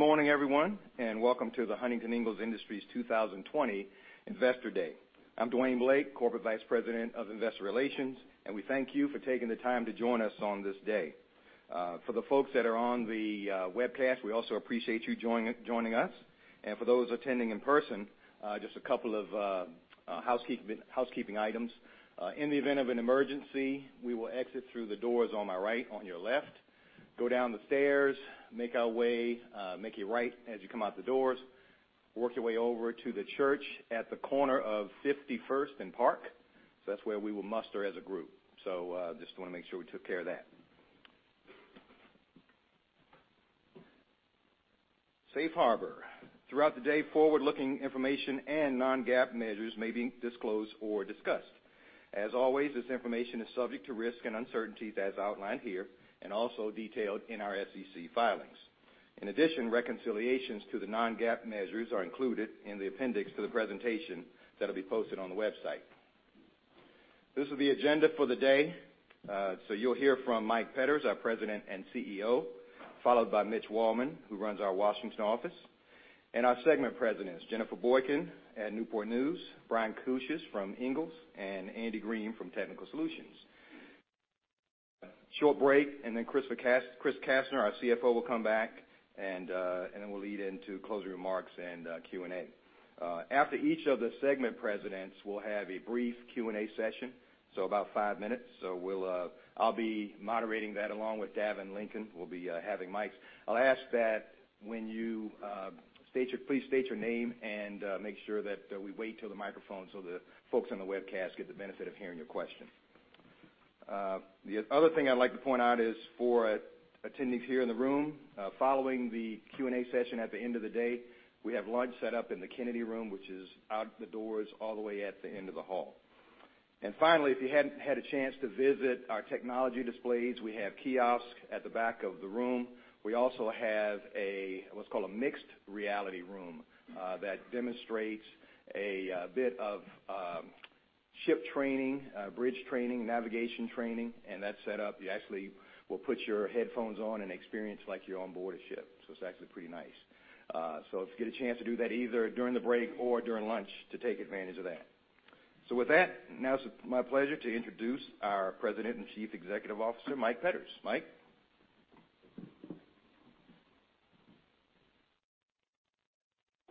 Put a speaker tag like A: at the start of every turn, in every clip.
A: Good morning, everyone, and welcome to the Huntington Ingalls Industries 2020 Investor Day. I'm Dwayne Blake, Corporate Vice President of Investor Relations, and we thank you for taking the time to join us on this day. For the folks that are on the webcast, we also appreciate you joining us. And for those attending in person, just a couple of housekeeping items. In the event of an emergency, we will exit through the doors on my right, on your left, go down the stairs, make our way, make a right as you come out the doors, work your way over to the church at the corner of 51st and Park. So that's where we will muster as a group. So just want to make sure we took care of that. Safe harbor. Throughout the day, forward-looking information and non-GAAP measures may be disclosed or discussed. As always, this information is subject to risk and uncertainties as outlined here and also detailed in our SEC filings. In addition, reconciliations to the non-GAAP measures are included in the appendix to the presentation that'll be posted on the website. This is the agenda for the day. So you'll hear from Mike Petters, our President and CEO, followed by Mitch Waldman, who runs our Washington office, and our segment presidents, Jennifer Boykin at Newport News, Brian Cuccias from Ingalls, and Andy Green from Technical Solutions. Short break, and then Chris Kastner, our CFO, will come back, and then we'll lead into closing remarks and Q&A. After each of the segment presidents, we'll have a brief Q&A session, so about five minutes. So I'll be moderating that along with Davin Lincoln. We'll be having mics. I'll ask that when you please state your name and make sure that we wait till the microphone so the folks on the webcast get the benefit of hearing your question. The other thing I'd like to point out is for attendees here in the room, following the Q&A session at the end of the day, we have lunch set up in the Kennedy Room, which is out the doors all the way at the end of the hall. And finally, if you hadn't had a chance to visit our technology displays, we have kiosks at the back of the room. We also have what's called a mixed reality room that demonstrates a bit of ship training, bridge training, navigation training, and that's set up. You actually will put your headphones on and experience like you're on board a ship. So it's actually pretty nice. So if you get a chance to do that either during the break or during lunch, to take advantage of that. So with that, now it's my pleasure to introduce our President and Chief Executive Officer, Mike Petters. Mike.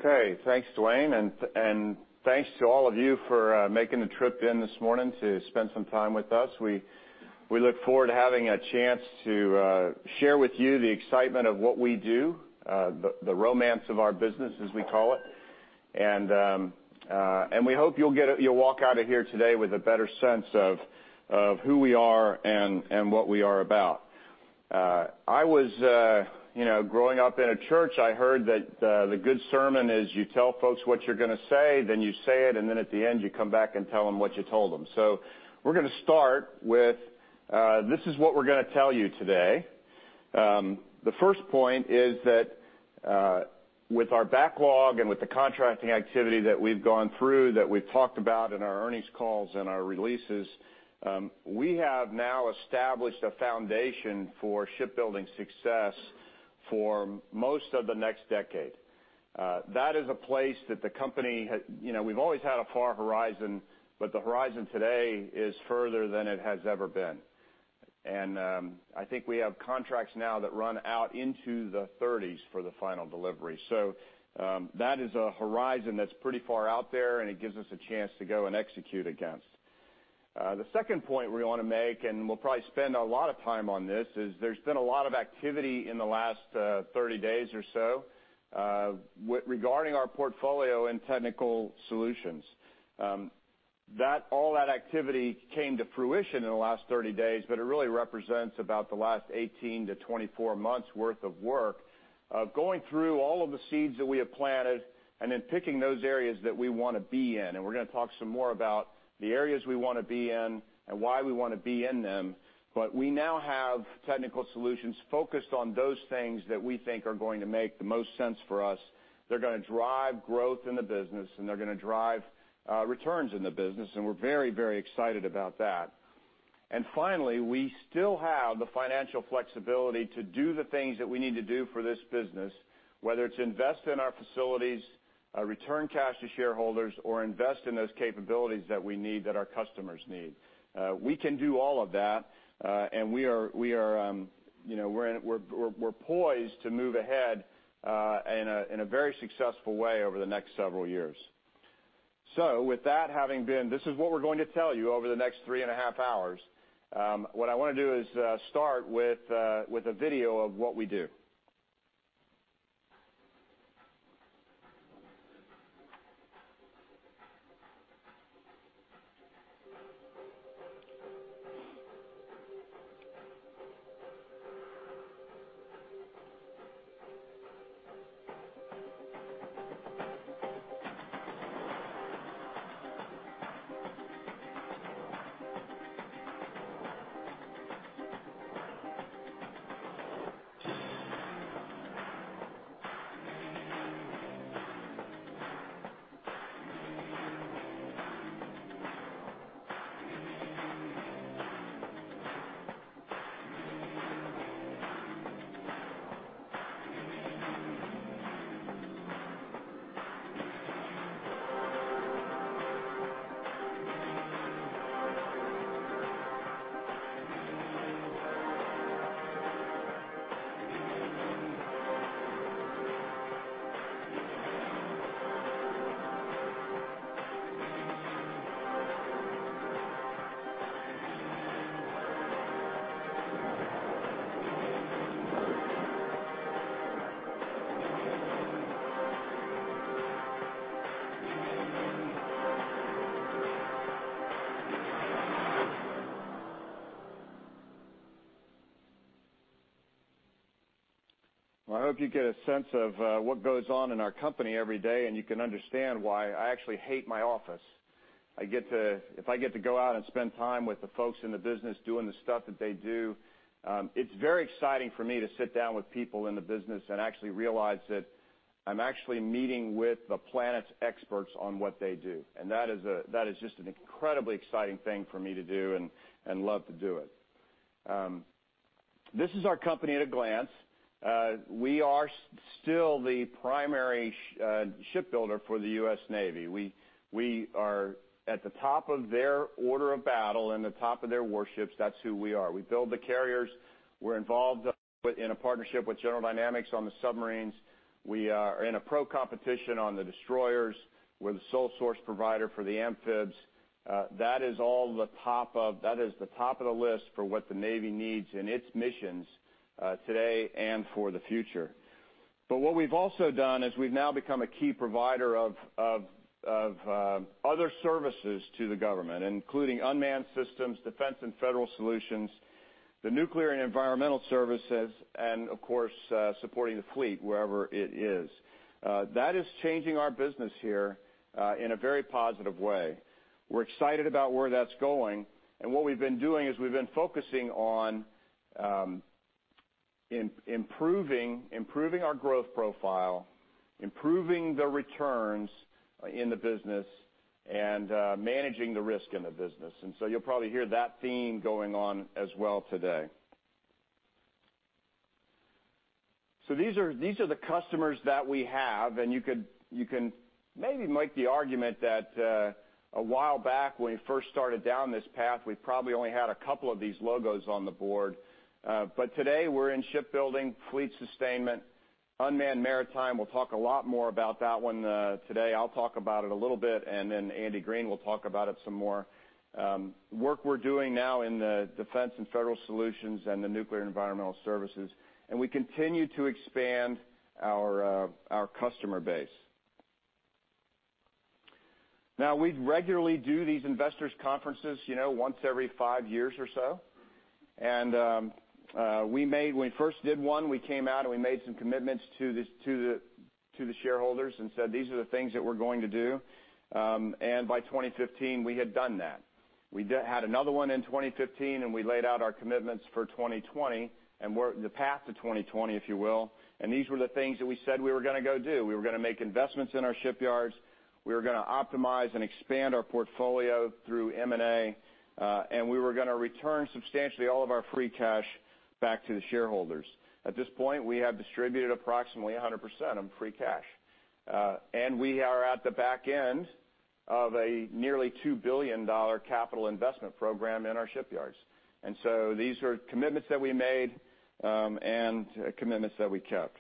B: Okay. Thanks, Dwayne, and thanks to all of you for making the trip in this morning to spend some time with us. We look forward to having a chance to share with you the excitement of what we do, the romance of our business, as we call it. And we hope you'll walk out of here today with a better sense of who we are and what we are about. I was growing up in a church. I heard that the good sermon is you tell folks what you're going to say, then you say it, and then at the end, you come back and tell them what you told them. So we're going to start with this is what we're going to tell you today. The first point is that with our backlog and with the contracting activity that we've gone through, that we've talked about in our earnings calls and our releases, we have now established a foundation for shipbuilding success for most of the next decade. That is a place that the company we've always had a far horizon, but the horizon today is further than it has ever been, and I think we have contracts now that run out into the 30s for the final delivery, so that is a horizon that's pretty far out there, and it gives us a chance to go and execute against. The second point we want to make, and we'll probably spend a lot of time on this, is there's been a lot of activity in the last 30 days or so regarding our portfolio in Technical Solutions. All that activity came to fruition in the last 30 days, but it really represents about the last 18 to 24 months' worth of work of going through all of the seeds that we have planted and then picking those areas that we want to be in. And we're going to talk some more about the areas we want to be in and why we want to be in them. But we now have Technical Solutions focused on those things that we think are going to make the most sense for us. They're going to drive growth in the business, and they're going to drive returns in the business, and we're very, very excited about that. Finally, we still have the financial flexibility to do the things that we need to do for this business, whether it's invest in our facilities, return cash to shareholders, or invest in those capabilities that we need that our customers need. We can do all of that, and we are poised to move ahead in a very successful way over the next several years. With that having been, this is what we're going to tell you over the next 3.5 hours. What I want to do is start with a video of what we do. I hope you get a sense of what goes on in our company every day, and you can understand why I actually hate my office. If I get to go out and spend time with the folks in the business doing the stuff that they do, it's very exciting for me to sit down with people in the business and actually realize that I'm actually meeting with the planet's experts on what they do, and that is just an incredibly exciting thing for me to do and love to do it. This is our company at a glance. We are still the primary shipbuilder for the U.S. Navy. We are at the top of their order of battle and the top of their warships. That's who we are. We build the carriers. We're involved in a partnership with General Dynamics on the submarines. We are in competition on the destroyers. We're the sole source provider for the amphibs. That is all. The top of that is the top of the list for what the Navy needs in its missions today and for the future. But what we've also done is we've now become a key provider of other services to the government, including unmanned systems, Defense and Federal Solutions, the Nuclear & Environmental Services, and of course, supporting the fleet wherever it is. That is changing our business here in a very positive way. We're excited about where that's going. And what we've been doing is we've been focusing on improving our growth profile, improving the returns in the business, and managing the risk in the business. And so you'll probably hear that theme going on as well today. So these are the customers that we have, and you can maybe make the argument that a while back when we first started down this path, we probably only had a couple of these logos on the board. But today, we're in shipbuilding, fleet sustainment, unmanned maritime. We'll talk a lot more about that one today. I'll talk about it a little bit, and then Andy Green will talk about it some more. Work we're doing now in the Defense and Federal Solutions and the Nuclear & Environmental Services, and we continue to expand our customer base. Now, we regularly do these investors' conferences once every five years or so. And when we first did one, we came out and we made some commitments to the shareholders and said, "These are the things that we're going to do." And by 2015, we had done that. We had another one in 2015, and we laid out our commitments for 2020 and the path to 2020, if you will. And these were the things that we said we were going to go do. We were going to make investments in our shipyards. We were going to optimize and expand our portfolio through M&A, and we were going to return substantially all of our free cash back to the shareholders. At this point, we have distributed approximately 100% of free cash. And we are at the back end of a nearly $2 billion capital investment program in our shipyards. And so these are commitments that we made and commitments that we kept.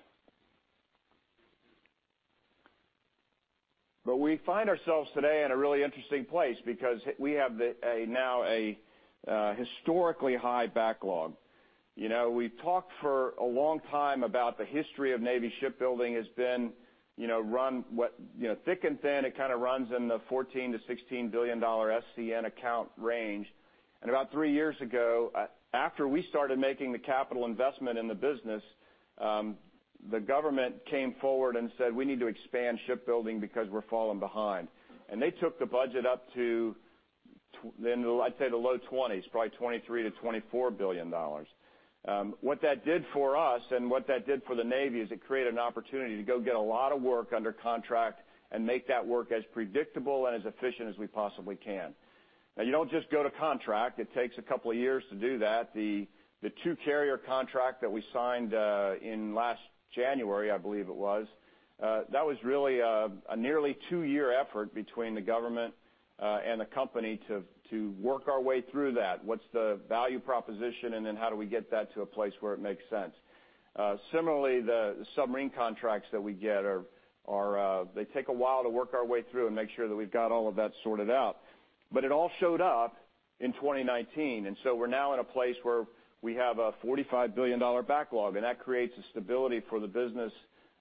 B: But we find ourselves today in a really interesting place because we have now a historically high backlog. We've talked for a long time about the history of Navy shipbuilding has been run thick and thin. It kind of runs in the $14 billion-$16 billion SCN account range. About three years ago, after we started making the capital investment in the business, the government came forward and said, "We need to expand shipbuilding because we're falling behind." They took the budget up to, I'd say, the low 20s, probably $23 billion-$24 billion. What that did for us and what that did for the Navy is it created an opportunity to go get a lot of work under contract and make that work as predictable and as efficient as we possibly can. Now, you don't just go to contract. It takes a couple of years to do that. The two-carrier contract that we signed in last January, I believe it was, that was really a nearly two-year effort between the government and the company to work our way through that. What's the value proposition, and then how do we get that to a place where it makes sense? Similarly, the submarine contracts that we get, they take a while to work our way through and make sure that we've got all of that sorted out. But it all showed up in 2019. And so we're now in a place where we have a $45 billion backlog, and that creates a stability for the business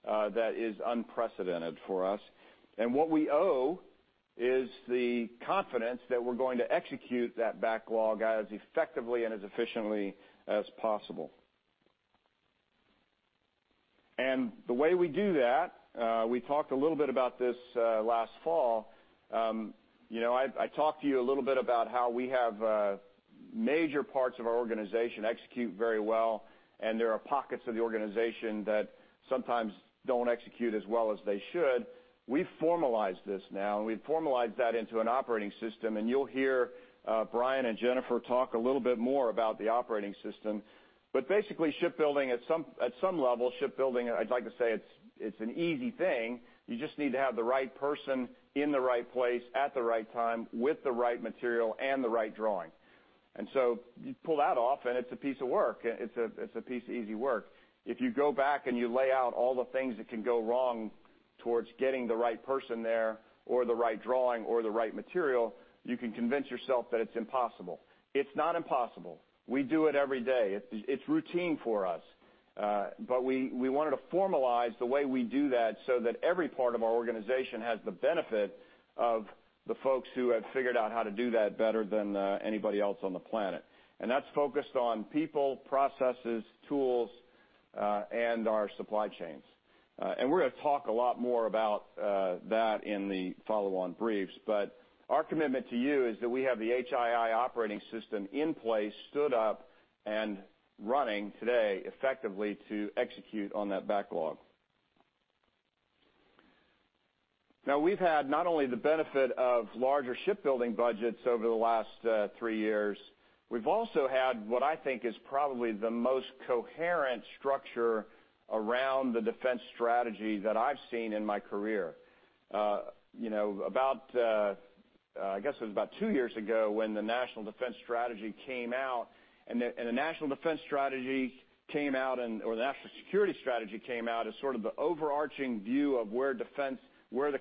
B: that is unprecedented for us. And what we owe is the confidence that we're going to execute that backlog as effectively and as efficiently as possible. And the way we do that, we talked a little bit about this last fall. I talked to you a little bit about how we have major parts of our organization execute very well, and there are pockets of the organization that sometimes don't execute as well as they should. We've formalized this now, and we've formalized that into an operating system. And you'll hear Brian and Jennifer talk a little bit more about the operating system. But basically, shipbuilding, at some level, shipbuilding, I'd like to say it's an easy thing. You just need to have the right person in the right place at the right time with the right material and the right drawing. And so you pull that off, and it's a piece of work. It's a piece of easy work. If you go back and you lay out all the things that can go wrong towards getting the right person there or the right drawing or the right material, you can convince yourself that it's impossible. It's not impossible. We do it every day. It's routine for us. But we wanted to formalize the way we do that so that every part of our organization has the benefit of the folks who have figured out how to do that better than anybody else on the planet. And that's focused on people, processes, tools, and our supply chains. And we're going to talk a lot more about that in the follow-on briefs. But our commitment to you is that we have the HII Operating System in place, stood up, and running today effectively to execute on that backlog. Now, we've had not only the benefit of larger shipbuilding budgets over the last three years. We've also had what I think is probably the most coherent structure around the defense strategy that I've seen in my career. I guess it was about two years ago when the National Defense Strategy came out. The National Defense Strategy came out, or the National Security Strategy came out as sort of the overarching view of where the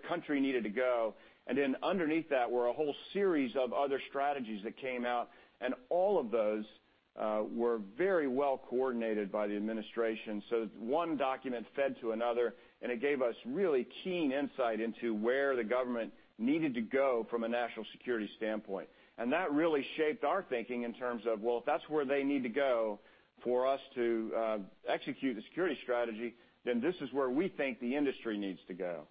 B: country needed to go. And then underneath that were a whole series of other strategies that came out. And all of those were very well coordinated by the administration. So one document fed to another, and it gave us really keen insight into where the government needed to go from a national security standpoint. And that really shaped our thinking in terms of, "Well, if that's where they need to go for us to execute the security strategy, then this is where we think the industry needs to go."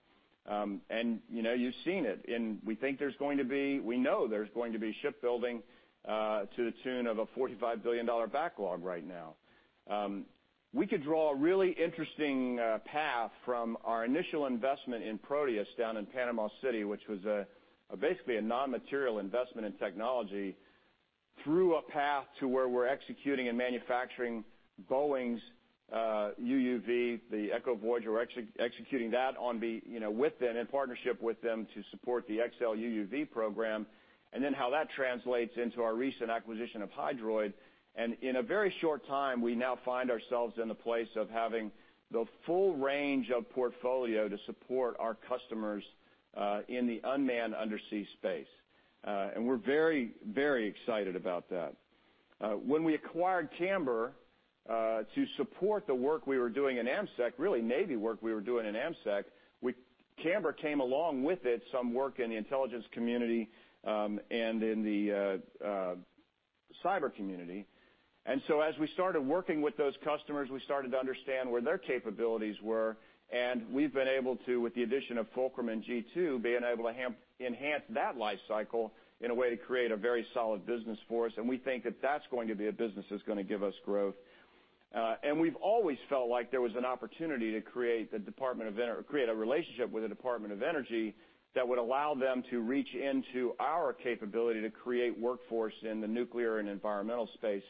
B: And you've seen it. And we know there's going to be shipbuilding to the tune of a $45 billion backlog right now. We could draw a really interesting path from our initial investment in Proteus down in Panama City, which was basically a non-material investment in technology, through a path to where we're executing and manufacturing Boeing's UUV, the Echo Voyager. We're executing that with them in partnership with them to support the XLUUV program, and then how that translates into our recent acquisition of Hydroid, and in a very short time, we now find ourselves in the place of having the full range of portfolio to support our customers in the unmanned undersea space, and we're very, very excited about that. When we acquired Camber to support the work we were doing in AMSEC, really Navy work we were doing in AMSEC, Camber came along with it, some work in the Intelligence Community and in the cyber community. And so as we started working with those customers, we started to understand where their capabilities were. And we've been able to, with the addition of Fulcrum and G2, being able to enhance that life cycle in a way to create a very solid business for us. And we think that that's going to be a business that's going to give us growth. And we've always felt like there was an opportunity to create a relationship with the Department of Energy that would allow them to reach into our capability to create workforce in the nuclear and environmental space,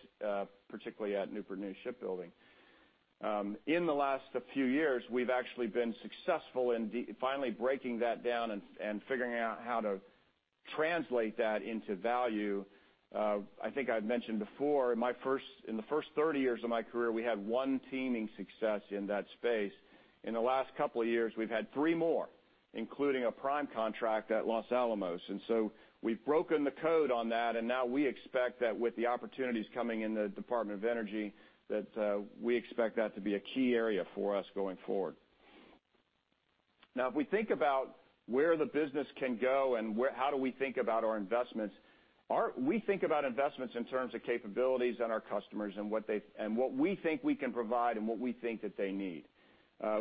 B: particularly at Newport News Shipbuilding. In the last few years, we've actually been successful in finally breaking that down and figuring out how to translate that into value. I think I've mentioned before, in the first 30 years of my career, we had one teaming success in that space. In the last couple of years, we've had three more, including a prime contract at Los Alamos. And so we've broken the code on that. And now we expect that with the opportunities coming in the Department of Energy, that we expect that to be a key area for us going forward. Now, if we think about where the business can go and how do we think about our investments, we think about investments in terms of capabilities and our customers and what we think we can provide and what we think that they need.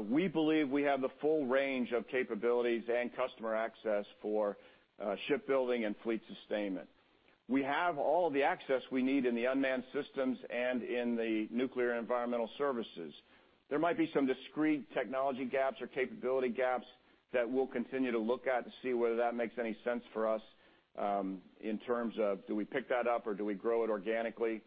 B: We believe we have the full range of capabilities and customer access for shipbuilding and fleet sustainment. We have all of the access we need in the unmanned systems and in the Nuclear & Environmental Services. There might be some discrete technology gaps or capability gaps that we'll continue to look at to see whether that makes any sense for us in terms of do we pick that up or do we grow it organically.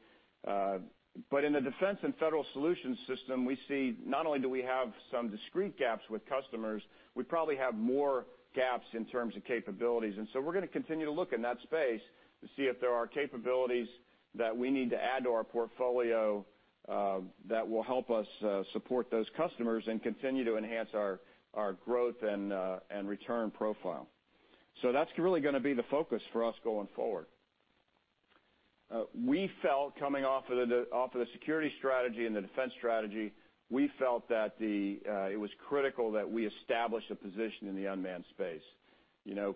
B: But in the Defense and Federal Solutions system, we see not only do we have some discrete gaps with customers, we probably have more gaps in terms of capabilities. And so we're going to continue to look in that space to see if there are capabilities that we need to add to our portfolio that will help us support those customers and continue to enhance our growth and return profile. So that's really going to be the focus for us going forward. We felt, coming off of the security strategy and the defense strategy, we felt that it was critical that we establish a position in the unmanned space.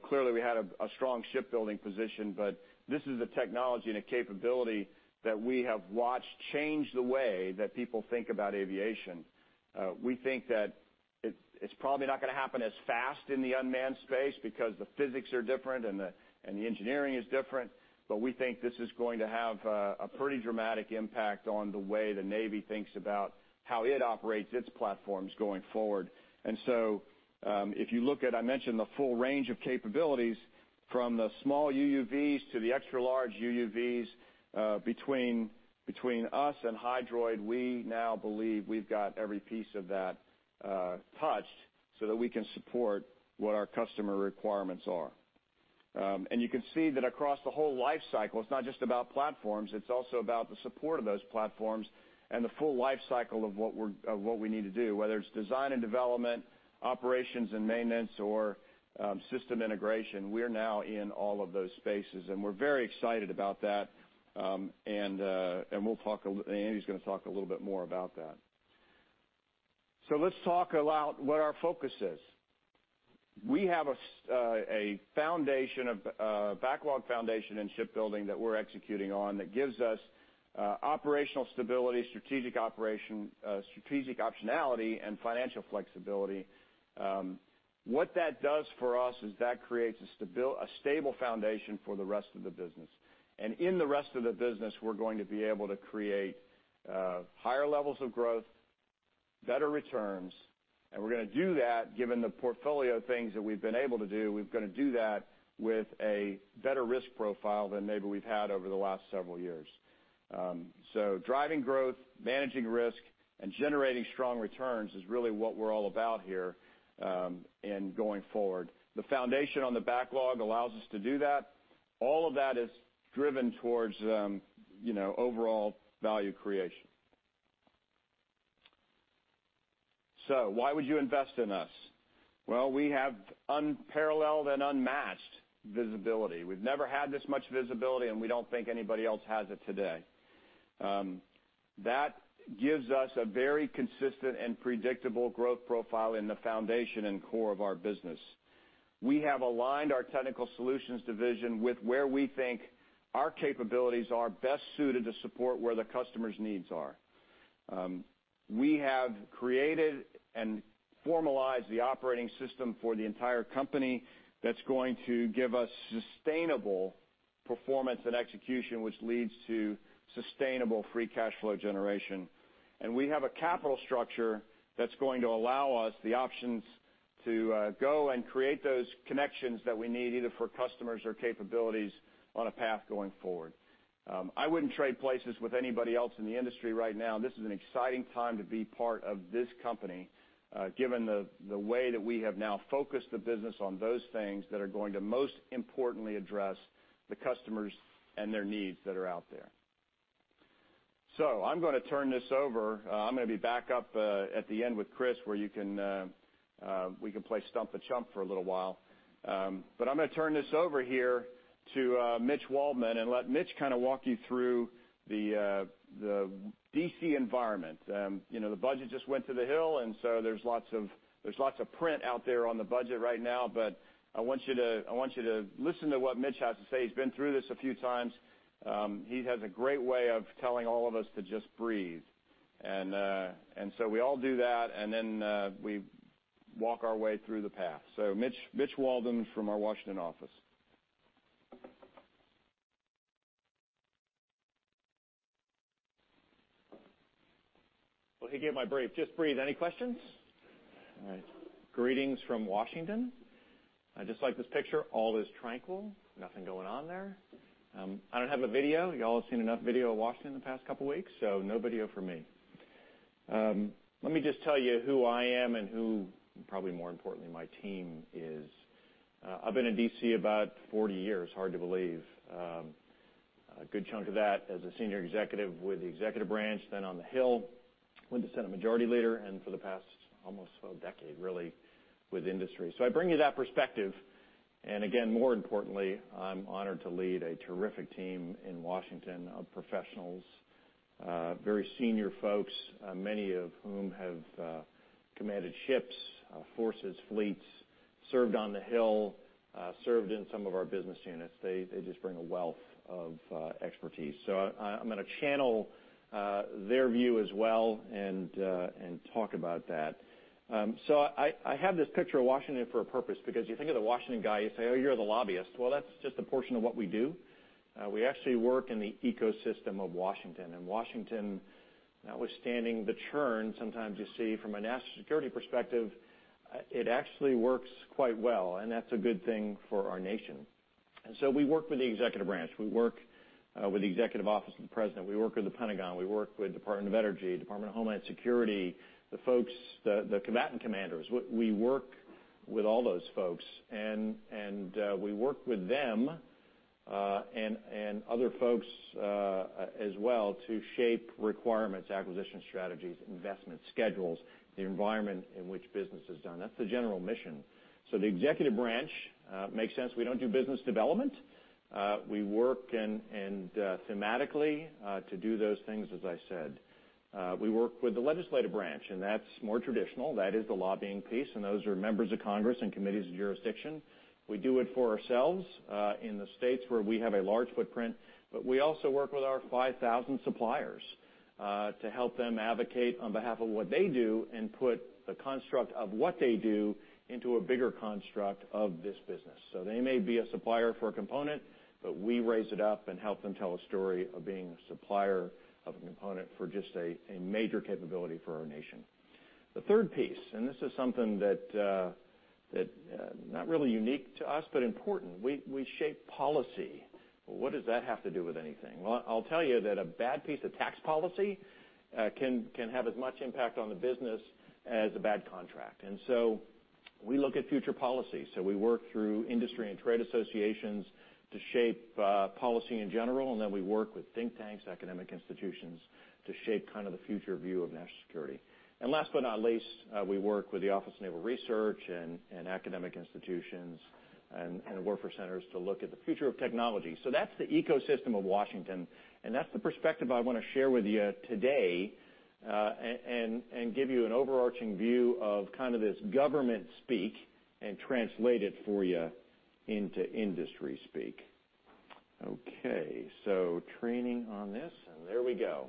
B: Clearly, we had a strong shipbuilding position, but this is the technology and the capability that we have watched change the way that people think about aviation. We think that it's probably not going to happen as fast in the unmanned space because the physics are different and the engineering is different. But we think this is going to have a pretty dramatic impact on the way the Navy thinks about how it operates its platforms going forward. And so if you look at, I mentioned the full range of capabilities from the small UUVs to the extra-large UUVs, between us and Hydroid, we now believe we've got every piece of that touched so that we can support what our customer requirements are. And you can see that across the whole life cycle, it's not just about platforms. It's also about the support of those platforms and the full life cycle of what we need to do, whether it's design and development, operations and maintenance, or system integration. We're now in all of those spaces, and we're very excited about that. And we'll talk a little bit, Andy's going to talk a little bit more about that. So let's talk about what our focus is. We have a backlog foundation in shipbuilding that we're executing on that gives us operational stability, strategic optionality, and financial flexibility. What that does for us is that creates a stable foundation for the rest of the business. And in the rest of the business, we're going to be able to create higher levels of growth, better returns. And we're going to do that given the portfolio things that we've been able to do. We've got to do that with a better risk profile than maybe we've had over the last several years. So driving growth, managing risk, and generating strong returns is really what we're all about here and going forward. The foundation on the backlog allows us to do that. All of that is driven towards overall value creation. So why would you invest in us? Well, we have unparalleled and unmatched visibility. We've never had this much visibility, and we don't think anybody else has it today. That gives us a very consistent and predictable growth profile in the foundation and core of our business. We have aligned our division with where we think our capabilities are best suited to support where the customer's needs are. We have created and formalized the operating system for the entire company that's going to give us sustainable performance and execution, which leads to sustainable free cash flow generation. And we have a capital structure that's going to allow us the options to go and create those connections that we need either for customers or capabilities on a path going forward. I wouldn't trade places with anybody else in the industry right now. This is an exciting time to be part of this company, given the way that we have now focused the business on those things that are going to most importantly address the customers and their needs that are out there. So I'm going to turn this over. I'm going to be back up at the end with Chris, where we can play Stump the Chump for a little while. But I'm going to turn this over here to Mitch Waldman and let Mitch kind of walk you through the DC environment. The budget just went to the Hill, and so there's lots of print out there on the budget right now. But I want you to listen to what Mitch has to say. He's been through this a few times. He has a great way of telling all of us to just breathe. And so we all do that, and then we walk our way through the path. So Mitch Waldman from our Washington office.
C: Well, he gave my brief. Just breathe. Any questions? All right. Greetings from Washington. I just like this picture. All is tranquil. Nothing going on there. I don't have a video. Y'all have seen enough video of Washington in the past couple of weeks, so no video from me. Let me just tell you who I am and who, probably more importantly, my team is. I've been in DC about 40 years. Hard to believe. A good chunk of that as a senior executive with the Executive Branch, then on the Hill with the Senate Majority Leader, and for the past almost a decade, really, with industry. So I bring you that perspective. And again, more importantly, I'm honored to lead a terrific team in Washington of professionals, very senior folks, many of whom have commanded ships, forces, fleets, served on the Hill, served in some of our business units. They just bring a wealth of expertise. So I'm going to channel their view as well and talk about that. So I have this picture of Washington for a purpose because you think of the Washington guy, you say, "Oh, you're the lobbyist." Well, that's just a portion of what we do. We actually work in the ecosystem of Washington, and Washington, notwithstanding the churn sometimes you see from a national security perspective, it actually works quite well, and that's a good thing for our nation, and so we work with the Executive Branch. We work with the Executive Office of the President. We work with the Pentagon. We work with the Department of Energy, Department of Homeland Security, the combatant commanders. We work with all those folks, and we work with them and other folks as well to shape requirements, acquisition strategies, investment schedules, the environment in which business is done. That's the general mission, so the Executive Branch makes sense. We don't do business development. We work thematically to do those things, as I said. We work with the Legislative Branch, and that's more traditional. That is the lobbying piece. And those are members of Congress and committees of jurisdiction. We do it for ourselves in the states where we have a large footprint. But we also work with our 5,000 suppliers to help them advocate on behalf of what they do and put the construct of what they do into a bigger construct of this business. So they may be a supplier for a component, but we raise it up and help them tell a story of being a supplier of a component for just a major capability for our nation. The third piece, and this is something that's not really unique to us, but important. We shape policy. What does that have to do with anything? Well, I'll tell you that a bad piece of tax policy can have as much impact on the business as a bad contract. And so we look at future policy. So we work through industry and trade associations to shape policy in general. And then we work with think tanks, academic institutions to shape kind of the future view of national security. And last but not least, we work with the Office of Naval Research and academic institutions and warfare centers to look at the future of technology. So that's the ecosystem of Washington. And that's the perspective I want to share with you today and give you an overarching view of kind of this government speak and translate it for you into industry speak. Okay. So training on this. And there we go.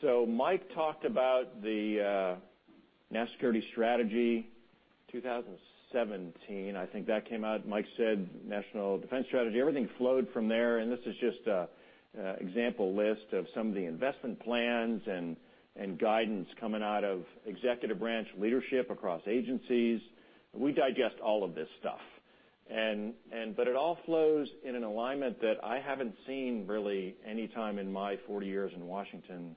C: So Mike talked about the National Security Strategy, 2017. I think that came out. Mike said National Defense Strategy. Everything flowed from there, and this is just an example list of some of the investment plans and guidance coming out of Executive Branch leadership across agencies. We digest all of this stuff, but it all flows in an alignment that I haven't seen really anytime in my 40 years in Washington,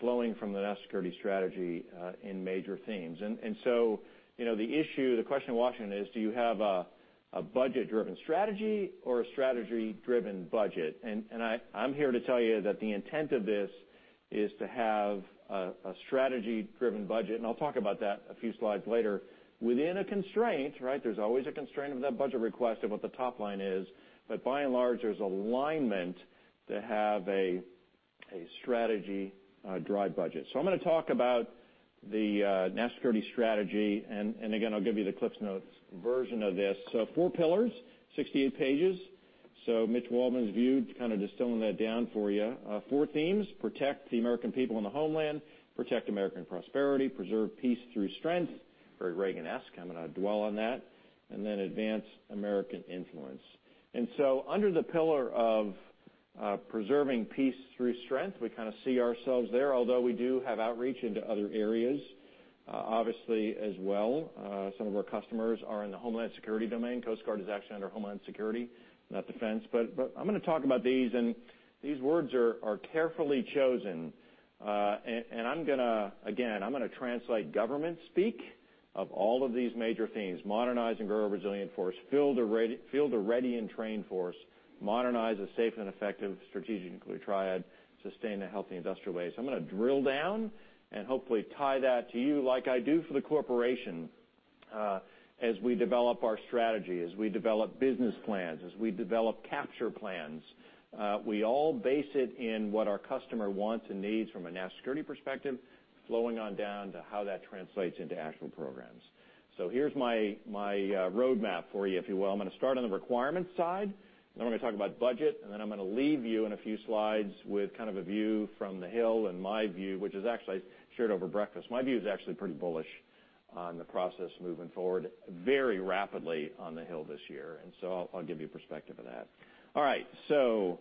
C: flowing from the National Security Strategy in major themes, and so the issue, the question in Washington is, do you have a budget-driven strategy or a strategy-driven budget, and I'm here to tell you that the intent of this is to have a strategy-driven budget, and I'll talk about that a few slides later. Within a constraint, right? There's always a constraint of that budget request and what the top line is, but by and large, there's alignment to have a strategy-driven budget, so I'm going to talk about the National Security Strategy. And again, I'll give you the CliffsNotes version of this. So four pillars, 68 pages. So Mitch Waldman's view, kind of distilling that down for you. Four themes: protect the American people and the homeland, protect American prosperity, preserve peace through strength, very Reaganesque. I'm going to dwell on that. And then advance American influence. And so under the pillar of preserving peace through strength, we kind of see ourselves there, although we do have outreach into other areas, obviously, as well. Some of our customers are in the Homeland Security domain. Coast Guard is actually under Homeland Security, not defense. But I'm going to talk about these. And these words are carefully chosen. And again, I'm going to translate government speak of all of these major themes: modernize and grow a resilient force, field a ready and trained force, modernize a safe and effective strategic nuclear triad, sustain a healthy industrial base. I'm going to drill down and hopefully tie that to you like I do for the corporation as we develop our strategy, as we develop business plans, as we develop capture plans. We all base it in what our customer wants and needs from a national security perspective, flowing on down to how that translates into actual programs. So here's my roadmap for you, if you will. I'm going to start on the requirement side. Then I'm going to talk about budget. And then I'm going to leave you in a few slides with kind of a view from the Hill and my view, which is actually shared over breakfast. My view is actually pretty bullish on the process moving forward very rapidly on the Hill this year, and so I'll give you a perspective of that. All right, so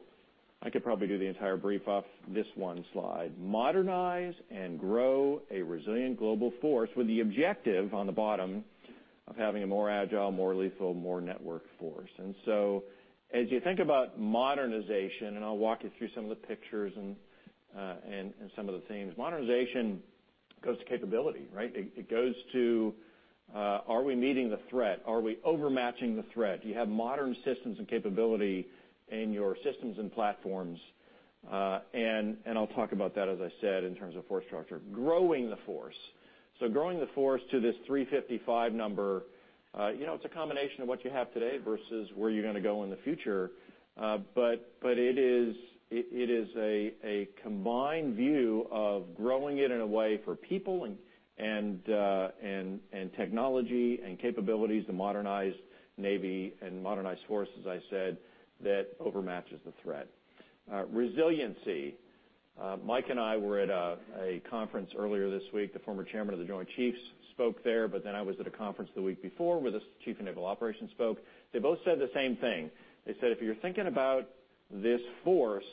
C: I could probably do the entire brief off this one slide. Modernize and grow a resilient global force with the objective on the bottom of having a more agile, more lethal, more networked force, and so as you think about modernization, and I'll walk you through some of the pictures and some of the themes, modernization goes to capability, right? It goes to, are we meeting the threat? Are we overmatching the threat? Do you have modern systems and capability in your systems and platforms? And I'll talk about that, as I said, in terms of force structure, growing the force. Growing the force to this 355 number, it's a combination of what you have today versus where you're going to go in the future. But it is a combined view of growing it in a way for people and technology and capabilities to modernize Navy and modernize forces, as I said, that overmatches the threat. Resiliency. Mike and I were at a conference earlier this week. The former Chairman of the Joint Chiefs spoke there. But then I was at a conference the week before where the Chief of Naval Operations spoke. They both said the same thing. They said, "If you're thinking about this force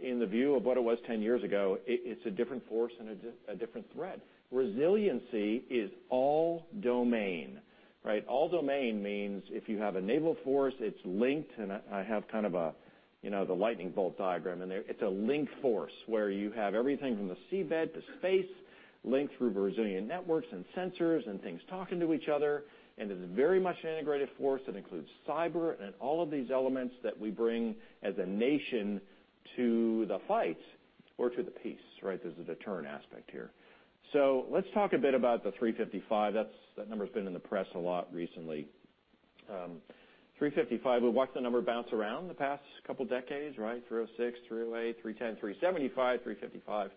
C: in the view of what it was 10 years ago, it's a different force and a different threat." Resiliency is all domain, right? All domain means if you have a naval force, it's linked. I have kind of the lightning bolt diagram in there. It's a linked force where you have everything from the seabed to space linked through resilient networks and sensors and things talking to each other. And it's very much an integrated force that includes cyber and all of these elements that we bring as a nation to the fight or to the peace, right? There's a deterrent aspect here. Let's talk a bit about the 355. That number has been in the press a lot recently. 355, we've watched the number bounce around the past couple of decades, right? 306, 308, 310, 375, 355.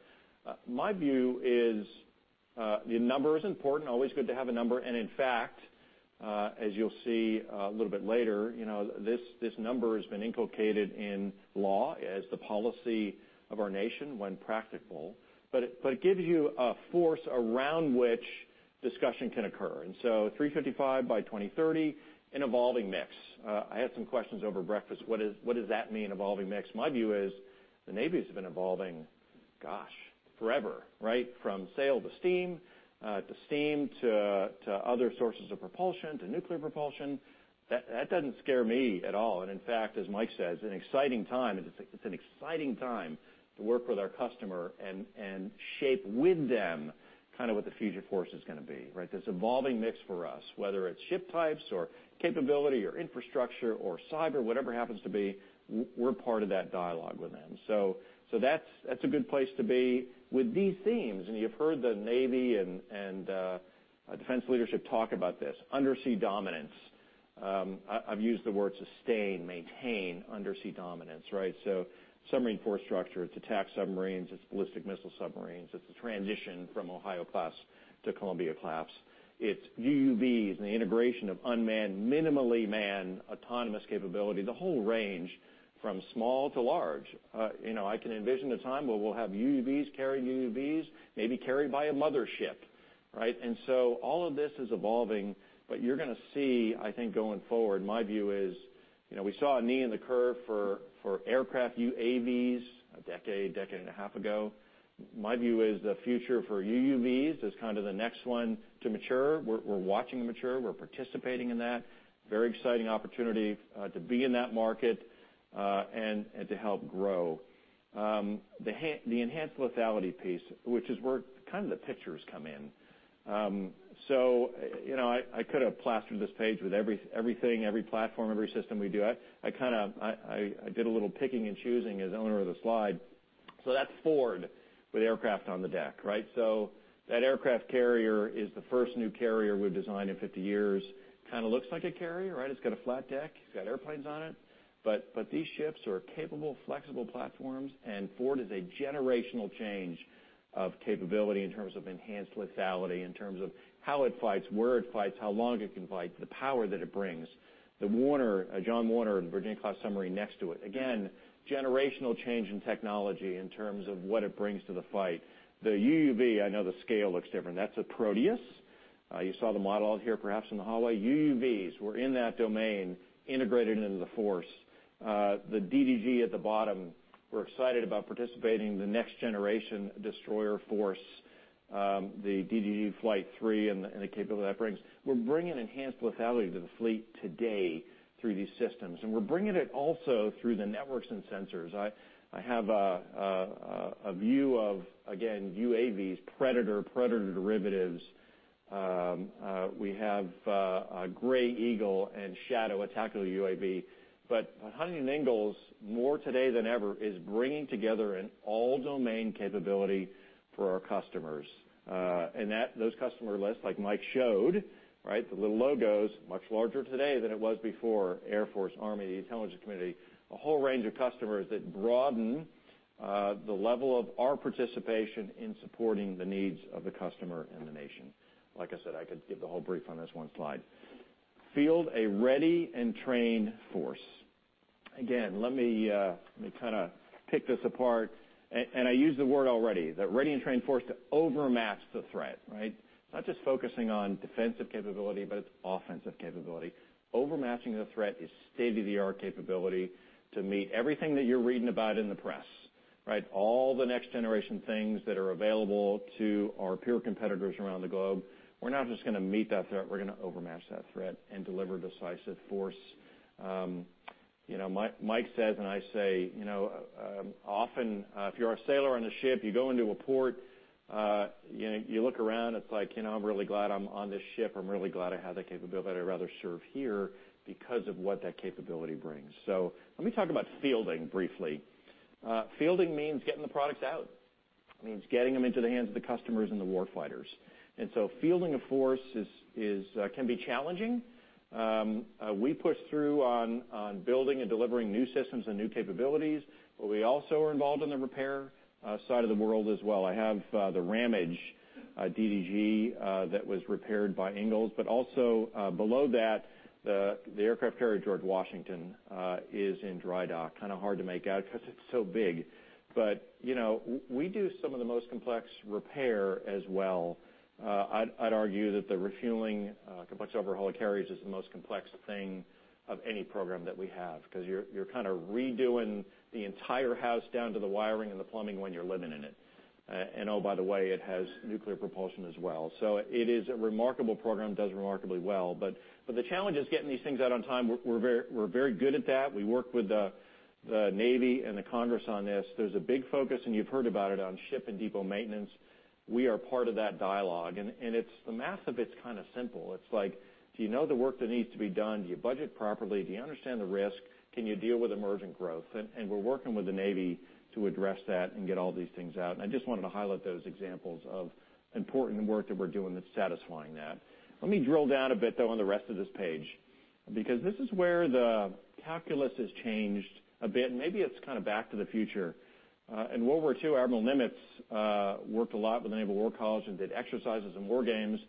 C: My view is the number is important. Always good to have a number. In fact, as you'll see a little bit later, this number has been inculcated in law as the policy of our nation when practicable. But it gives you a force around which discussion can occur. And so 355 by 2030, an evolving mix. I had some questions over breakfast. What does that mean, evolving mix? My view is the Navy has been evolving, gosh, forever, right? From sail to steam, to steam to other sources of propulsion, to nuclear propulsion. That doesn't scare me at all. And in fact, as Mike says, it's an exciting time. It's an exciting time to work with our customer and shape with them kind of what the future force is going to be, right? This evolving mix for us, whether it's ship types or capability or infrastructure or cyber, whatever it happens to be, we're part of that dialogue with them. So that's a good place to be with these themes. And you've heard the Navy and defense leadership talk about this. Undersea dominance. I've used the word sustain, maintain undersea dominance, right? So submarine force structure, it's attack submarines, it's ballistic missile submarines, it's the transition from Ohio-class to Columbia-class. It's UUVs and the integration of unmanned, minimally manned autonomous capability, the whole range from small to large. I can envision a time where we'll have UUVs carry UUVs, maybe carried by a mother ship, right, and so all of this is evolving, but you're going to see, I think, going forward, my view is we saw a knee in the curve for aircraft UAVs a decade, decade and a half ago. My view is the future for UUVs is kind of the next one to mature. We're watching them mature. We're participating in that. Very exciting opportunity to be in that market and to help grow. The enhanced lethality piece, which is where kind of the pictures come in. So I could have plastered this page with everything, every platform, every system we do. I kind of did a little picking and choosing as owner of the slide. So that's Ford with aircraft on the deck, right? So that aircraft carrier is the first new carrier we've designed in 50 years. Kind of looks like a carrier, right? It's got a flat deck. It's got airplanes on it. But these ships are capable, flexible platforms. And Ford is a generational change of capability in terms of enhanced lethality, in terms of how it fights, where it fights, how long it can fight, the power that it brings. The Warner, John Warner, Virginia-class submarine next to it. Again, generational change in technology in terms of what it brings to the fight. The UUV, I know the scale looks different. That's a Proteus. You saw the model out here, perhaps in the hallway. UUVs were in that domain, integrated into the force. The DDG at the bottom, we're excited about participating in the next generation destroyer force, the DDG Flight III and the capability that brings. We're bringing enhanced lethality to the fleet today through these systems. And we're bringing it also through the networks and sensors. I have a view of, again, UAVs, Predator, Predator derivatives. We have a Gray Eagle and Shadow, a tactical UAV. But Huntington Ingalls, more today than ever, is bringing together an all-domain capability for our customers. And those customer lists, like Mike showed, right? The little logos, much larger today than it was before, Air Force, Army, the intelligence community, a whole range of customers that broaden the level of our participation in supporting the needs of the customer and the nation. Like I said, I could give the whole brief on this one slide. Field a ready and trained force. Again, let me kind of pick this apart. And I used the word already, the ready and trained force to overmatch the threat, right? It's not just focusing on defensive capability, but it's offensive capability. Overmatching the threat is state-of-the-art capability to meet everything that you're reading about in the press, right? All the next generation things that are available to our peer competitors around the globe. We're not just going to meet that threat. We're going to overmatch that threat and deliver decisive force. Mike says and I say, often if you're a sailor on a ship, you go into a port, you look around, it's like, "I'm really glad I'm on this ship. I'm really glad I have that capability. I'd rather serve here because of what that capability brings." So let me talk about fielding briefly. Fielding means getting the products out. It means getting them into the hands of the customers and the war fighters. And so fielding a force can be challenging. We push through on building and delivering new systems and new capabilities. But we also are involved in the repair side of the world as well. I have the USS Ramage DDG that was repaired by Ingalls. But also below that, the aircraft carrier USS George Washington is in dry dock. Kind of hard to make out because it's so big. But we do some of the most complex repair as well. I'd argue that the refueling complex overhaul of carriers is the most complex thing of any program that we have because you're kind of redoing the entire house down to the wiring and the plumbing when you're living in it. And oh, by the way, it has nuclear propulsion as well. So it is a remarkable program, does remarkably well. But the challenge is getting these things out on time. We're very good at that. We work with the Navy and the Congress on this. There's a big focus, and you've heard about it, on ship and depot maintenance. We are part of that dialogue. And the math of it's kind of simple. It's like, do you know the work that needs to be done? Do you budget properly? Do you understand the risk? Can you deal with emergent growth? We're working with the Navy to address that and get all these things out. I just wanted to highlight those examples of important work that we're doing that's satisfying that. Let me drill down a bit though on the rest of this page because this is where the calculus has changed a bit. Maybe it's kind of back to the future. In World War II, Admiral Nimitz worked a lot with the Naval War College and did exercises and war games.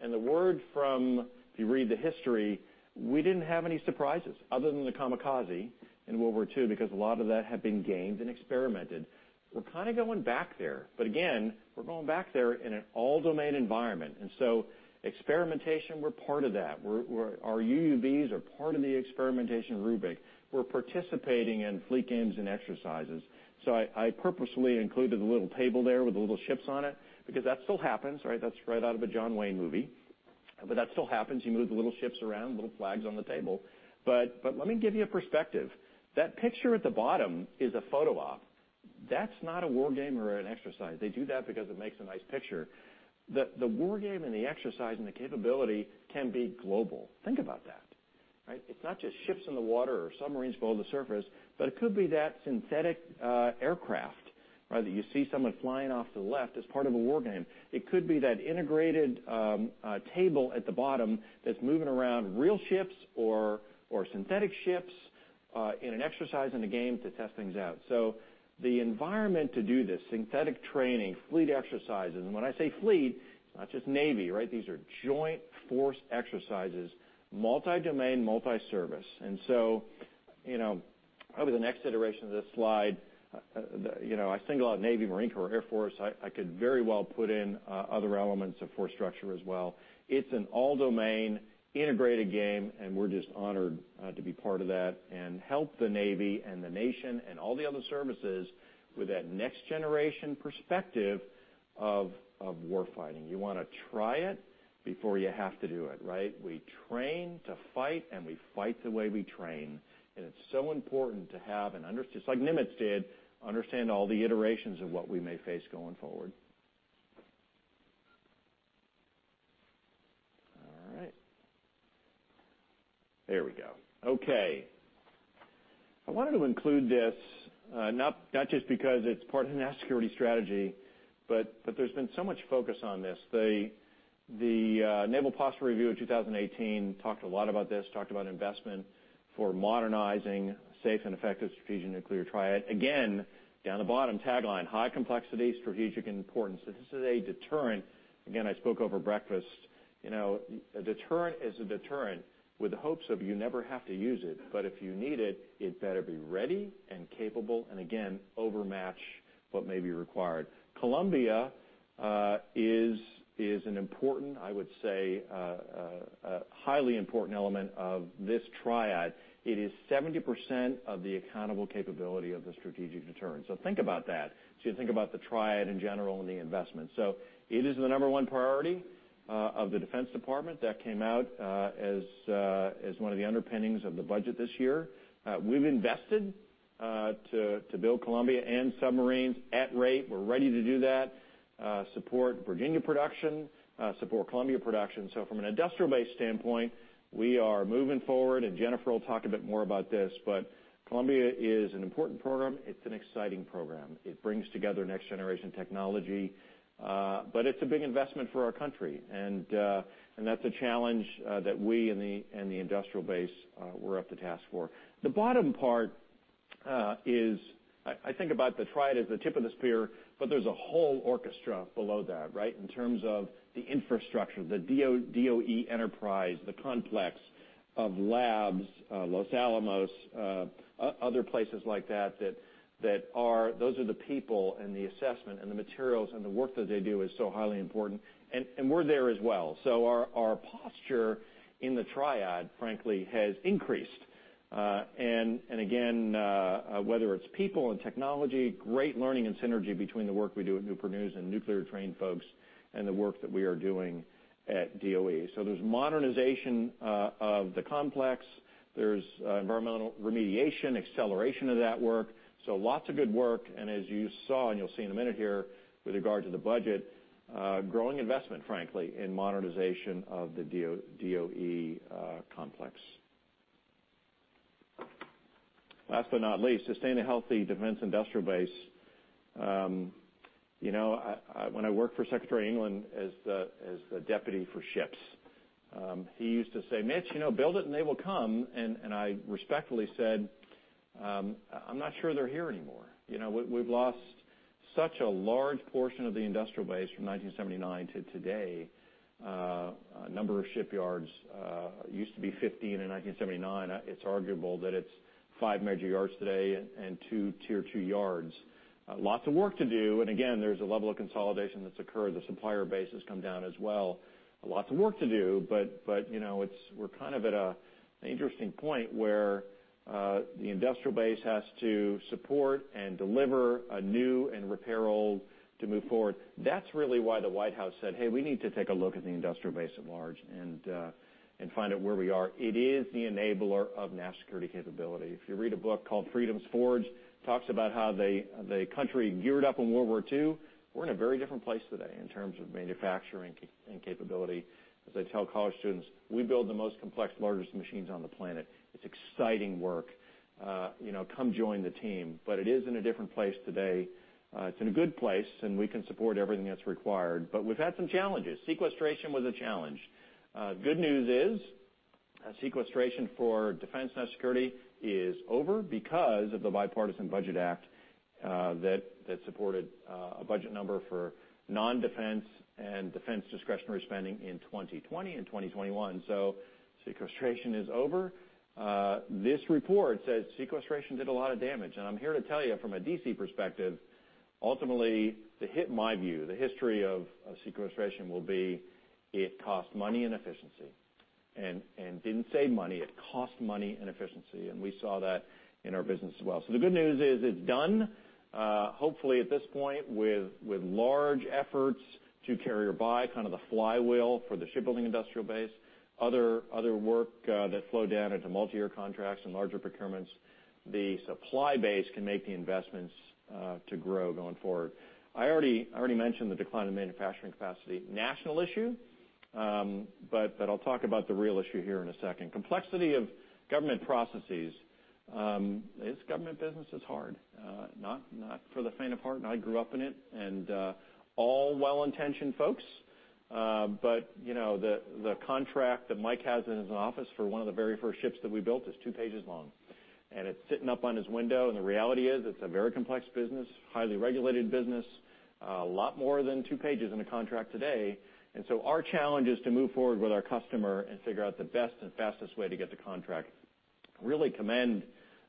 C: The word from, if you read the history, we didn't have any surprises other than the kamikaze in World War II because a lot of that had been gained and experimented. We're kind of going back there. Again, we're going back there in an all-domain environment. Experimentation, we're part of that. Our UUVs are part of the experimentation rubric. We're participating in fleet games and exercises. So I purposefully included a little table there with the little ships on it because that still happens, right? That's right out of a John Wayne movie. But that still happens. You move the little ships around, little flags on the table. But let me give you a perspective. That picture at the bottom is a photo op. That's not a war game or an exercise. They do that because it makes a nice picture. The war game and the exercise and the capability can be global. Think about that, right? It's not just ships in the water or submarines below the surface, but it could be that synthetic aircraft, right, that you see someone flying off to the left as part of a war game. It could be that integrated table at the bottom that's moving around real ships or synthetic ships in an exercise and a game to test things out. So the environment to do this, synthetic training, fleet exercises. And when I say fleet, it's not just Navy, right? These are joint force exercises, multi-domain, multi-service. And so probably the next iteration of this slide, I single out Navy, Marine Corps, Air Force. I could very well put in other elements of force structure as well. It's an all-domain integrated game, and we're just honored to be part of that and help the Navy and the nation and all the other services with that next generation perspective of war fighting. You want to try it before you have to do it, right? We train to fight, and we fight the way we train. And it's so important to have and understand, just like Nimitz did, understand all the iterations of what we may face going forward. All right. There we go. Okay. I wanted to include this, not just because it's part of national security strategy, but there's been so much focus on this. The 2018 National Defense Strategy talked a lot about this, talked about investment for modernizing safe and effective strategic nuclear triad. Again, down the bottom, tagline, high complexity, strategic importance. This is a deterrent. Again, I spoke over breakfast. A deterrent is a deterrent with the hopes of you never have to use it. But if you need it, it better be ready and capable and, again, overmatch what may be required. Columbia is an important, I would say, highly important element of this triad. It is 70% of the accountable capability of the strategic deterrent. So think about that. So you think about the triad in general and the investment. So it is the number one priority of the Defense Department. That came out as one of the underpinnings of the budget this year. We've invested to build Columbia and submarines at rate. We're ready to do that, support Virginia production, support Columbia production. So from an industrial base standpoint, we are moving forward. And Jennifer will talk a bit more about this. But Columbia is an important program. It's an exciting program. It brings together next generation technology. But it's a big investment for our country. And that's a challenge that we and the industrial base are up to the task for. The bottom part is, I think, about the triad as the tip of the spear, but there's a whole orchestra below that, right, in terms of the infrastructure, the DOE enterprise, the complex of labs, Los Alamos, other places like that. Those are the people and the assessment and the materials and the work that they do is so highly important. We're there as well. Our posture in the triad, frankly, has increased. Again, whether it's people and technology, great learning and synergy between the work we do at Newport News and nuclear-trained folks and the work that we are doing at DOE. There's modernization of the complex. There's environmental remediation, acceleration of that work. Lots of good work. And as you saw, and you'll see in a minute here with regard to the budget, growing investment, frankly, in modernization of the DOE complex. Last but not least, sustain a healthy defense industrial base. When I worked for Secretary England as the deputy for ships, he used to say, "Mitch, build it and they will come." And I respectfully said, "I'm not sure they're here anymore." We've lost such a large portion of the industrial base from 1979 to today. Number of shipyards used to be 15 in 1979. It's arguable that it's five major yards today and two tier two yards. Lots of work to do. And again, there's a level of consolidation that's occurred. The supplier base has come down as well. Lots of work to do. But we're kind of at an interesting point where the industrial base has to support and deliver a new and repair old to move forward. That's really why the White House said, "Hey, we need to take a look at the industrial base at large and find out where we are." It is the enabler of national security capability. If you read a book called Freedom's Forge, it talks about how the country geared up in World War II. We're in a very different place today in terms of manufacturing and capability. As I tell college students, we build the most complex, largest machines on the planet. It's exciting work. Come join the team. But it is in a different place today. It's in a good place, and we can support everything that's required. But we've had some challenges. Sequestration was a challenge. Good news is sequestration for defense national security is over because of the Bipartisan Budget Act that supported a budget number for non-defense and defense discretionary spending in 2020 and 2021, so sequestration is over. This report says sequestration did a lot of damage, and I'm here to tell you from a DC perspective, ultimately, the hit, in my view, the history of sequestration will be it cost money and efficiency and didn't save money. It cost money and efficiency, and we saw that in our business as well, so the good news is it's done, hopefully at this point, with large efforts to carry or buy kind of the flywheel for the shipbuilding industrial base, other work that flowed down into multi-year contracts and larger procurements. The supply base can make the investments to grow going forward. I already mentioned the decline in manufacturing capacity. National issue. But I'll talk about the real issue here in a second. Complexity of government processes. Government business is hard. Not for the faint of heart. And I grew up in it. And all well-intentioned folks. But the contract that Mike has in his office for one of the very first ships that we built is two pages long. And it's sitting up on his window. And the reality is it's a very complex business, highly regulated business, a lot more than two pages in a contract today. And so our challenge is to move forward with our customer and figure out the best and fastest way to get the contract, really commend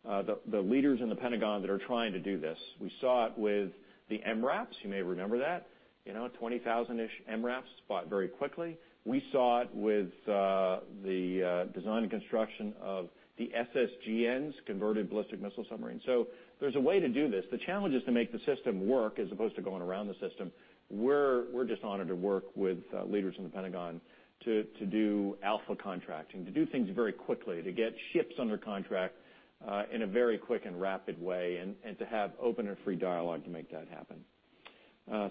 C: the leaders in the Pentagon that are trying to do this. We saw it with the MRAPs. You may remember that. 20,000-ish MRAPs bought very quickly. We saw it with the design and construction of the SSGNs, converted ballistic missile submarine. So there's a way to do this. The challenge is to make the system work as opposed to going around the system. We're just honored to work with leaders in the Pentagon to do alpha contracting, to do things very quickly, to get ships under contract in a very quick and rapid way, and to have open and free dialogue to make that happen.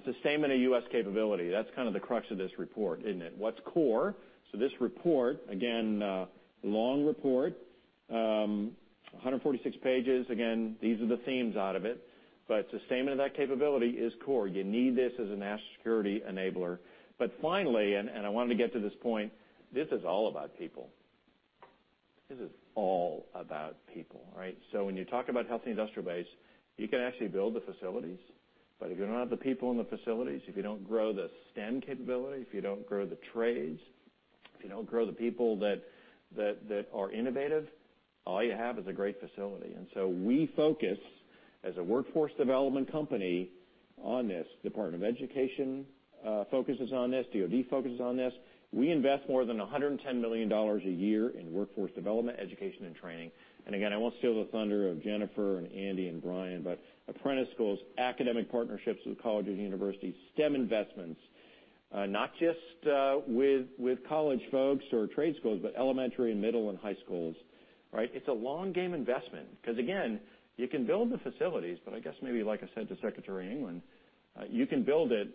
C: Sustainment of U.S. capability. That's kind of the crux of this report, isn't it? What's core? So this report, again, long report, 146 pages. Again, these are the themes out of it. But sustainment of that capability is core. You need this as a national security enabler. But finally, and I wanted to get to this point, this is all about people. This is all about people, right? So when you talk about healthy industrial base, you can actually build the facilities. But if you don't have the people in the facilities, if you don't grow the STEM capability, if you don't grow the trades, if you don't grow the people that are innovative, all you have is a great facility. And so we focus as a workforce development company on this. Department of Education focuses on this. DoD focuses on this. We invest more than $110 million a year in workforce development, education, and training. And again, I won't steal the thunder of Jennifer and Andy and Apprentice Schools, academic partnerships with colleges and universities, STEM investments, not just with college folks or trade schools, but elementary and middle and high schools, right? It's a long-game investment. Because again, you can build the facilities, but I guess maybe, like I said to Secretary England, you can build it,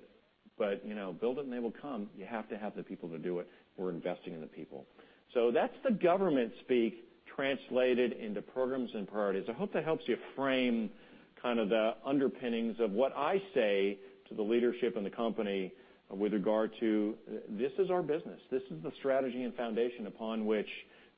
C: but build it and they will come. You have to have the people to do it. We're investing in the people. So that's the government speak translated into programs and priorities. I hope that helps you frame kind of the underpinnings of what I say to the leadership and the company with regard to this is our business. This is the strategy and foundation upon which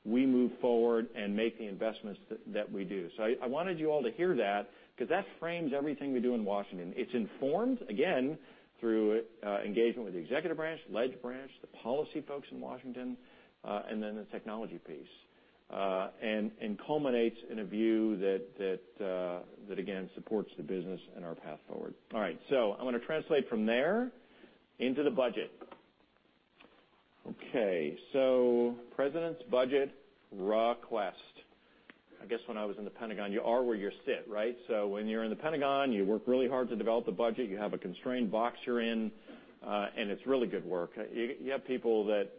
C: we move forward and make the investments that we do. So I wanted you all to hear that because that frames everything we do in Washington. It's informed, again, through engagement with the Executive Branch, the Legislative Branch, the policy folks in Washington, and then the technology piece, and culminates in a view that, again, supports the business and our path forward. All right. So I'm going to translate from there into the budget. Okay. So President's Budget Request. I guess when I was in the Pentagon, you are where you sit, right? So when you're in the Pentagon, you work really hard to develop the budget. You have a constrained box you're in, and it's really good work. You have people that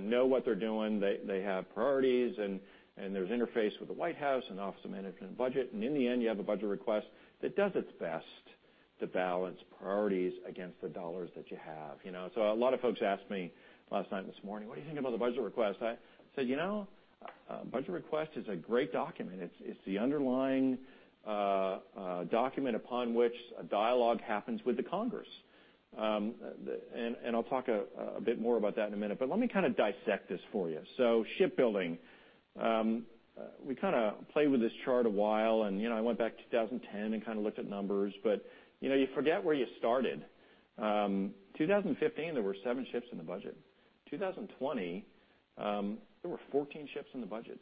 C: know what they're doing. They have priorities, and there's interface with the White House and Office of Management and Budget. And in the end, you have a budget request that does its best to balance priorities against the dollars that you have. So a lot of folks asked me last night and this morning, "What do you think about the budget request?" I said, "Budget request is a great document. It's the underlying document upon which a dialogue happens with the Congress. And I'll talk a bit more about that in a minute. But let me kind of dissect this for you. So shipbuilding. We kind of played with this chart a while, and I went back to 2010 and kind of looked at numbers. But you forget where you started. 2015, there were seven ships in the budget. 2020, there were 14 ships in the budget,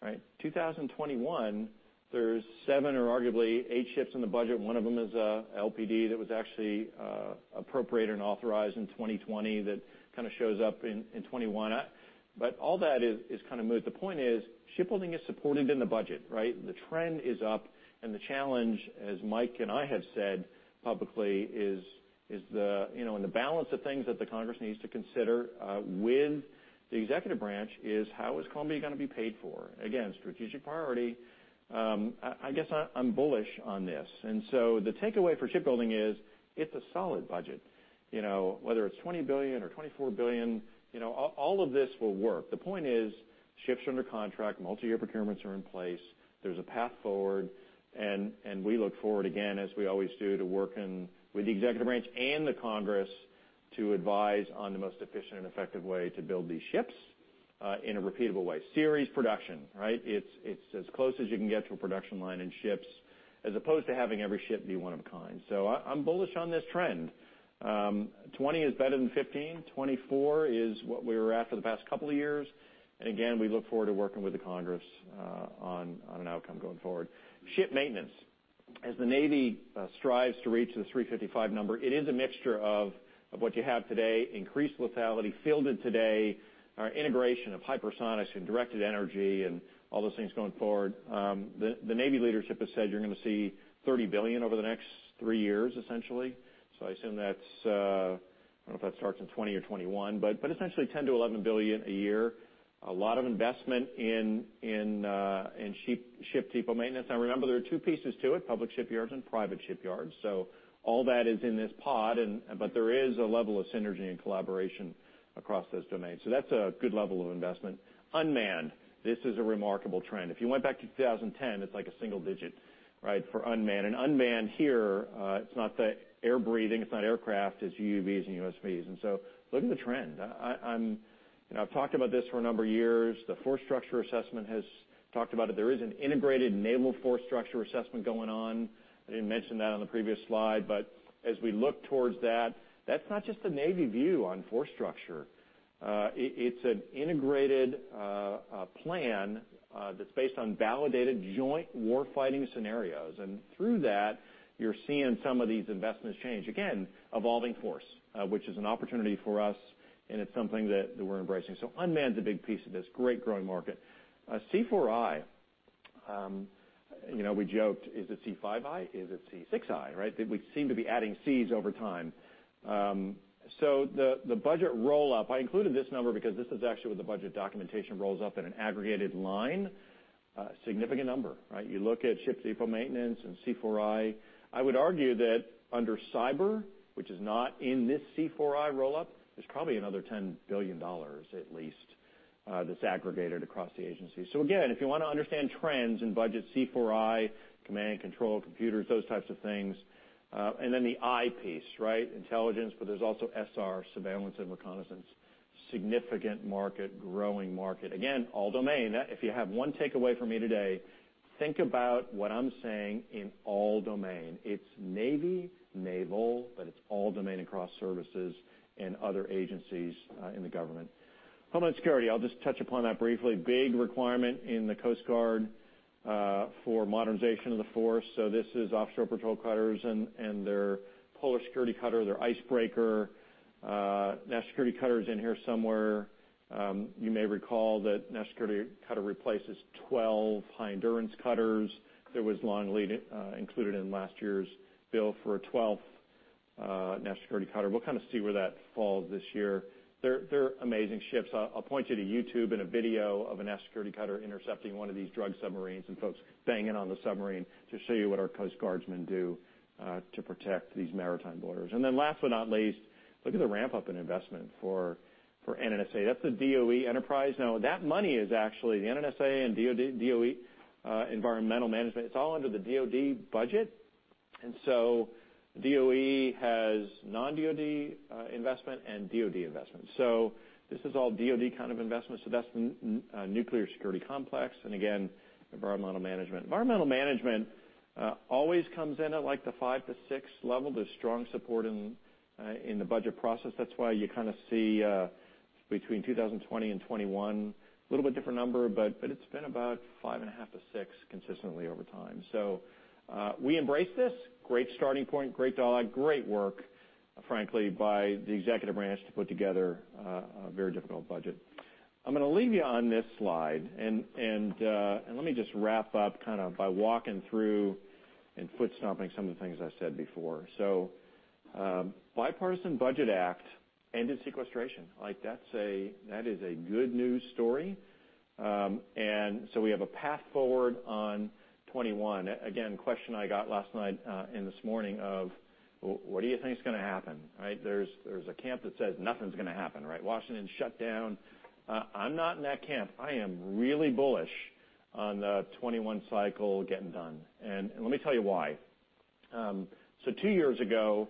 C: right? 2021, there's seven or arguably eight ships in the budget. One of them is an LPD that was actually appropriated and authorized in 2020 that kind of shows up in 2021. But all that is kind of moot. The point is shipbuilding is supported in the budget, right? The trend is up, and the challenge, as Mike and I have said publicly, is the balance of things that the Congress needs to consider with the Executive Branch is how is Columbia going to be paid for? Again, strategic priority. I guess I'm bullish on this. So the takeaway for shipbuilding is it's a solid budget. Whether it's $20 billion or $24 billion, all of this will work. The point is ships are under contract. Multi-year procurements are in place. There's a path forward. We look forward, again, as we always do, to working with the Executive Branch and the Congress to advise on the most efficient and effective way to build these ships in a repeatable way. Series production, right? It's as close as you can get to a production line in ships as opposed to having every ship be one of a kind. I'm bullish on this trend. 2020 is better than 2015. 2024 is what we were at for the past couple of years. And again, we look forward to working with the Congress on an outcome going forward. Ship maintenance. As the Navy strives to reach the 355 number, it is a mixture of what you have today, increased lethality, fielded today, integration of hypersonics and directed energy, and all those things going forward. The Navy leadership has said you're going to see $30 billion over the next three years, essentially. So I assume that's. I don't know if that starts in 2020 or 2021, but essentially $10 billion-$11 billion a year. A lot of investment in ship depot maintenance. I remember there are two pieces to it, public shipyards and private shipyards. So all that is in this pod, but there is a level of synergy and collaboration across those domains. So that's a good level of investment. Unmanned. This is a remarkable trend. If you went back to 2010, it's like a single digit, right, for unmanned. And unmanned here, it's not the air breathing. It's not aircraft. It's UUVs and USVs. And so look at the trend. I've talked about this for a number of years. The Force Structure Assessment has talked about it. There is an Integrated Naval Force Structure Assessment going on. I didn't mention that on the previous slide. But as we look towards that, that's not just the Navy view on force structure. It's an integrated plan that's based on validated joint warfighting scenarios. And through that, you're seeing some of these investments change. Again, evolving force, which is an opportunity for us, and it's something that we're embracing. So unmanned is a big piece of this. Great growing market. C4I, we joked, is it C5I? Is it C6I, right? We seem to be adding C's over time. So the budget roll-up, I included this number because this is actually what the budget documentation rolls up in an aggregated line. Significant number, right? You look at ship depot maintenance and C4I. I would argue that under cyber, which is not in this C4I roll-up, there's probably another $10 billion at least that's aggregated across the agency. So again, if you want to understand trends in budget, C4I, command and control, computers, those types of things. And then the I piece, right? Intelligence, but there's also SR, surveillance and reconnaissance. Significant market, growing market. Again, all domain. If you have one takeaway for me today, think about what I'm saying in all domain. It's Navy, naval, but it's all domain across services and other agencies in the government. Homeland Security, I'll just touch upon that briefly. Big requirement in the Coast Guard for modernization of the force. So this is Offshore Patrol Cutters and their Polar Security Cutter, their icebreaker. National Security Cutter is in here somewhere. You may recall that National Security Cutter replaces 12 High Endurance Cutters. There was long lead included in last year's bill for a 12th National Security Cutter. We'll kind of see where that falls this year. They're amazing ships. I'll point you to YouTube and a video of a National Security Cutter intercepting one of these drug submarines and folks banging on the submarine to show you what our Coast Guardsmen do to protect these maritime borders. And then last but not least, look at the ramp-up in investment for NNSA. That's the DOE enterprise. Now, that money is actually the NNSA and DOE Environmental Management. It's all under the DoD budget. And so DOE has non-DoD investment and DoD investment. So this is all DoD kind of investment. So that's the nuclear security complex. And again, Environmental Management. Environmental Management always comes in at like the five to six level. There's strong support in the budget process. That's why you kind of see between 2020 and 2021, a little bit different number, but it's been about five and a half to six consistently over time. So we embrace this. Great starting point, great dollar, great work, frankly, by the Executive Branch to put together a very difficult budget. I'm going to leave you on this slide. Let me just wrap up kind of by walking through and foot-stomping some of the things I said before. The Bipartisan Budget Act ended sequestration. That is a good news story. We have a path forward on 2021. Again, question I got last night and this morning of, "What do you think's going to happen?" Right? There's a camp that says nothing's going to happen, right? Washington shut down. I'm not in that camp. I am really bullish on the 2021 cycle getting done. Let me tell you why. Two years ago,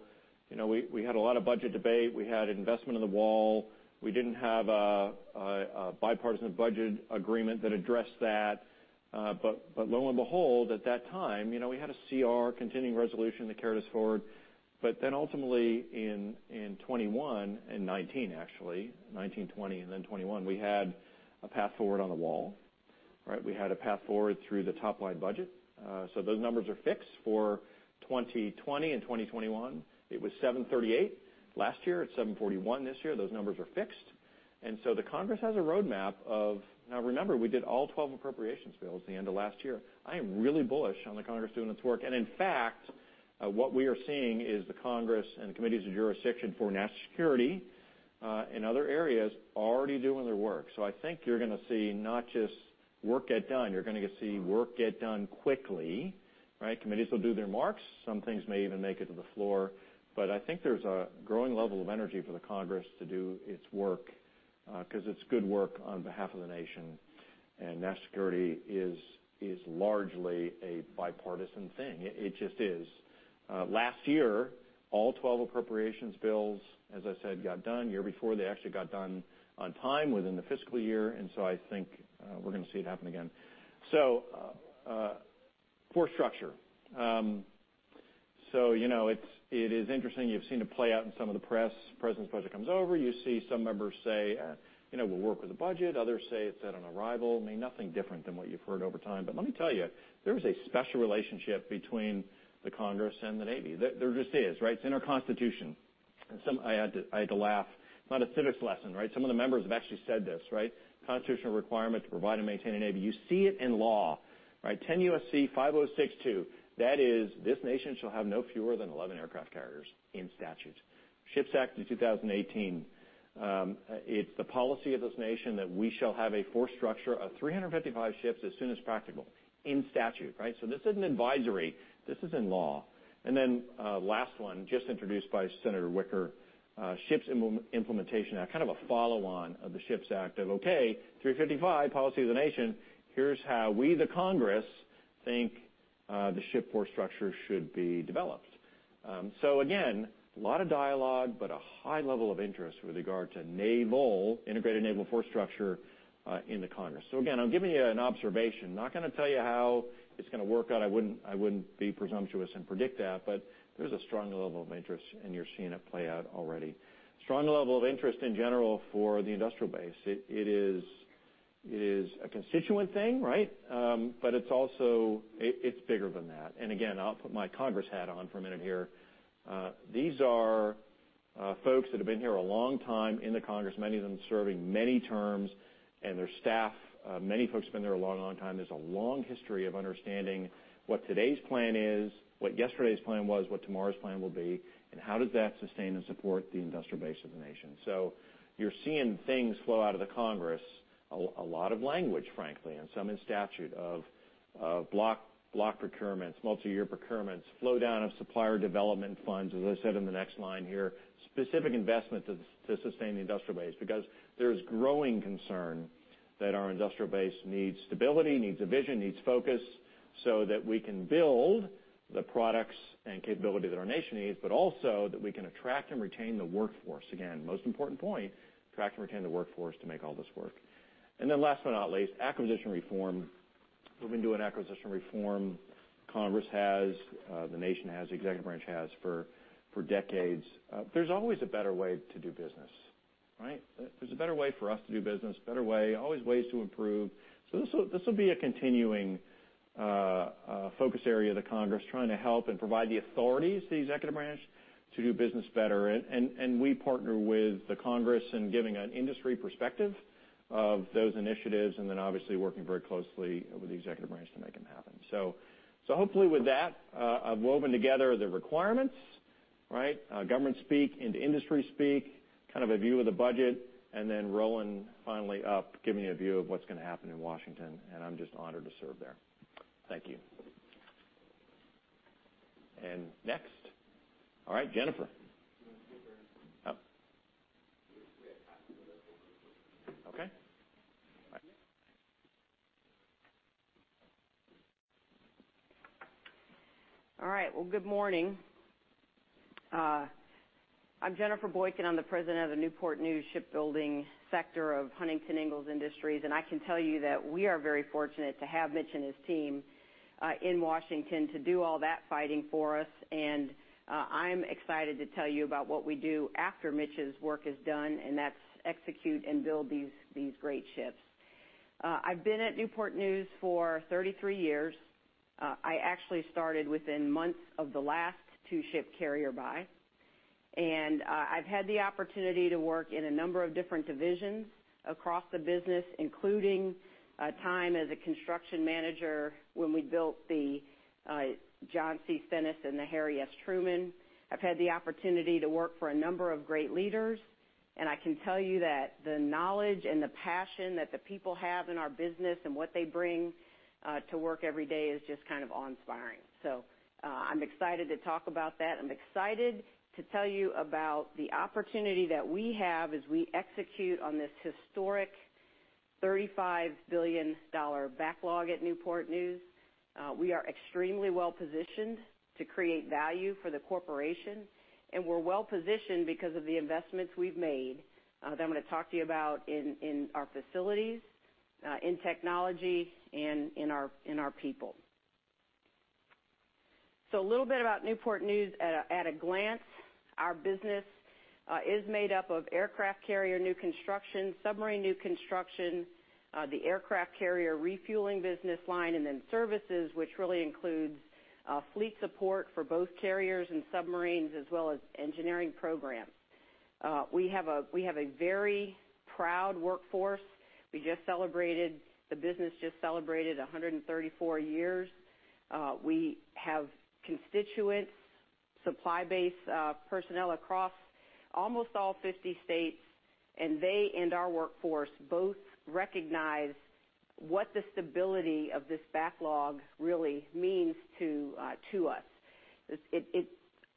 C: we had a lot of budget debate. We had investment in the wall. We didn't have a bipartisan budget agreement that addressed that. But lo and behold, at that time, we had a CR, continuing resolution that carried us forward. But then ultimately in 2021, and 2019 actually, 2019, 2020, and then 2021, we had a path forward on the wall, right? We had a path forward through the top-line budget. So those numbers are fixed for 2020 and 2021. It was 738 last year. It's 741 this year. Those numbers are fixed. And so the Congress has a roadmap of now, remember, we did all 12 appropriations bills at the end of last year. I am really bullish on the Congress doing its work. And in fact, what we are seeing is the Congress and the committees of jurisdiction for national security in other areas already doing their work. So I think you're going to see not just work get done. You're going to see work get done quickly, right? Committees will do their marks. Some things may even make it to the floor. But I think there's a growing level of energy for the Congress to do its work because it's good work on behalf of the nation. And national security is largely a bipartisan thing. It just is. Last year, all 12 appropriations bills, as I said, got done. Year before, they actually got done on time within the fiscal year. And so I think we're going to see it happen again. So force structure. So it is interesting. You've seen it play out in some of the press. President's Budget comes over. You see some members say, "We'll work with the budget." Others say it's inadequate. I mean, nothing different than what you've heard over time. But let me tell you, there is a special relationship between the Congress and the Navy. There just is, right? It's in our Constitution. I had to laugh. It's not a civics lesson, right? Some of the members have actually said this, right? Constitutional requirement to provide and maintain a Navy. You see it in law, right? 10 U.S.C. 5062. That is, this nation shall have no fewer than 11 aircraft carriers in statute. SHIPS Act in 2018. It's the policy of this nation that we shall have a force structure of 355 ships as soon as practicable in statute, right? So this isn't advisory. This is in law. And then last one, just introduced by Senator Wicker, SHIPS implementation. Kind of a follow-on of the SHIPS Act of, "Okay, 355, policy of the nation. Here's how we, the Congress, think the ship force structure should be developed." So again, a lot of dialogue, but a high level of interest with regard to integrated naval force structure in the Congress. So again, I'm giving you an observation. Not going to tell you how it's going to work out. I wouldn't be presumptuous and predict that. But there's a strong level of interest, and you're seeing it play out already. Strong level of interest in general for the industrial base. It is a constituent thing, right? But it's bigger than that. And again, I'll put my Congress hat on for a minute here. These are folks that have been here a long time in the Congress, many of them serving many terms, and their staff, many folks have been there a long, long time. There's a long history of understanding what today's plan is, what yesterday's plan was, what tomorrow's plan will be, and how does that sustain and support the industrial base of the nation. So you're seeing things flow out of the Congress, a lot of language, frankly, and some in statute of block procurements, multi-year procurements, flow down of supplier development funds, as I said in the next line here, specific investment to sustain the industrial base because there's growing concern that our industrial base needs stability, needs a vision, needs focus so that we can build the products and capability that our nation needs, but also that we can attract and retain the workforce. Again, most important point, attract and retain the workforce to make all this work. And then last but not least, Acquisition Reform. We've been doing Acquisition Reform. Congress has, the nation has, the Executive Branch has for decades. There's always a better way to do business, right? There's a better way for us to do business, better way, always ways to improve. So this will be a continuing focus area of the Congress trying to help and provide the authorities to the Executive Branch to do business better. And we partner with the Congress in giving an industry perspective of those initiatives and then obviously working very closely with the Executive Branch to make them happen. So hopefully with that, I've woven together the requirements, right? Government speak and industry speak, kind of a view of the budget, and then rolling finally up giving you a view of what's going to happen in Washington. And I'm just honored to serve there. Thank you. And next. All right, Jennifer. Okay.
D: All right. Well, good morning. I'm Jennifer Boykin. I'm the President of the Newport News Shipbuilding sector of Huntington Ingalls Industries. I can tell you that we are very fortunate to have Mitch and his team in Washington to do all that fighting for us. I'm excited to tell you about what we do after Mitch's work is done, and that's execute and build these great ships. I've been at Newport News for 33 years. I actually started within months of the last two-ship carrier buy. I've had the opportunity to work in a number of different divisions across the business, including time as a construction manager when we built the John C. Stennis and the Harry S. Truman. I've had the opportunity to work for a number of great leaders. I can tell you that the knowledge and the passion that the people have in our business and what they bring to work every day is just kind of awe-inspiring. So I'm excited to talk about that. I'm excited to tell you about the opportunity that we have as we execute on this historic $35 billion backlog at Newport News. We are extremely well-positioned to create value for the corporation. And we're well-positioned because of the investments we've made that I'm going to talk to you about in our facilities, in technology, and in our people. So a little bit about Newport News at a glance. Our business is made up of aircraft carrier new construction, submarine new construction, the aircraft carrier refueling business line, and then services, which really includes fleet support for both carriers and submarines, as well as engineering programs. We have a very proud workforce. We just celebrated. The business just celebrated 134 years. We have constituents, supply-based personnel across almost all 50 states. They and our workforce both recognize what the stability of this backlog really means to us.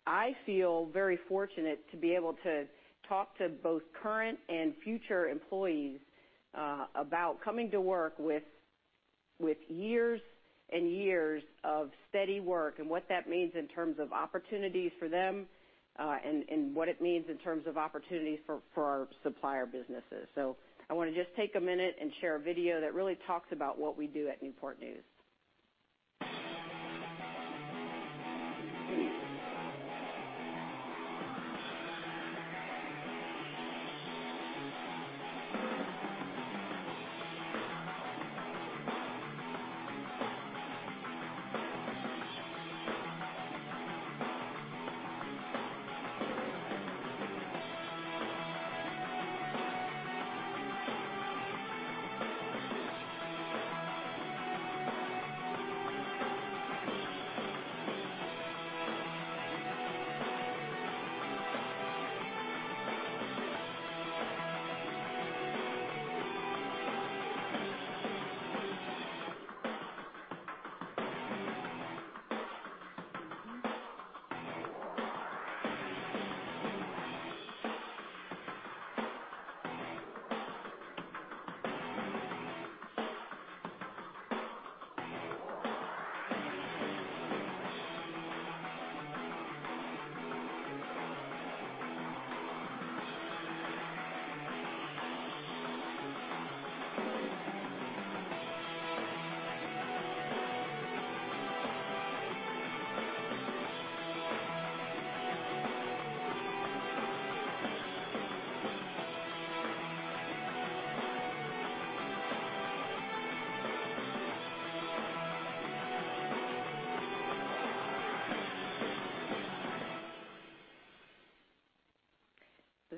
D: I feel very fortunate to be able to talk to both current and future employees about coming to work with years and years of steady work and what that means in terms of opportunities for them and what it means in terms of opportunities for our supplier businesses. I want to just take a minute and share a video that really talks about what we do at Newport News.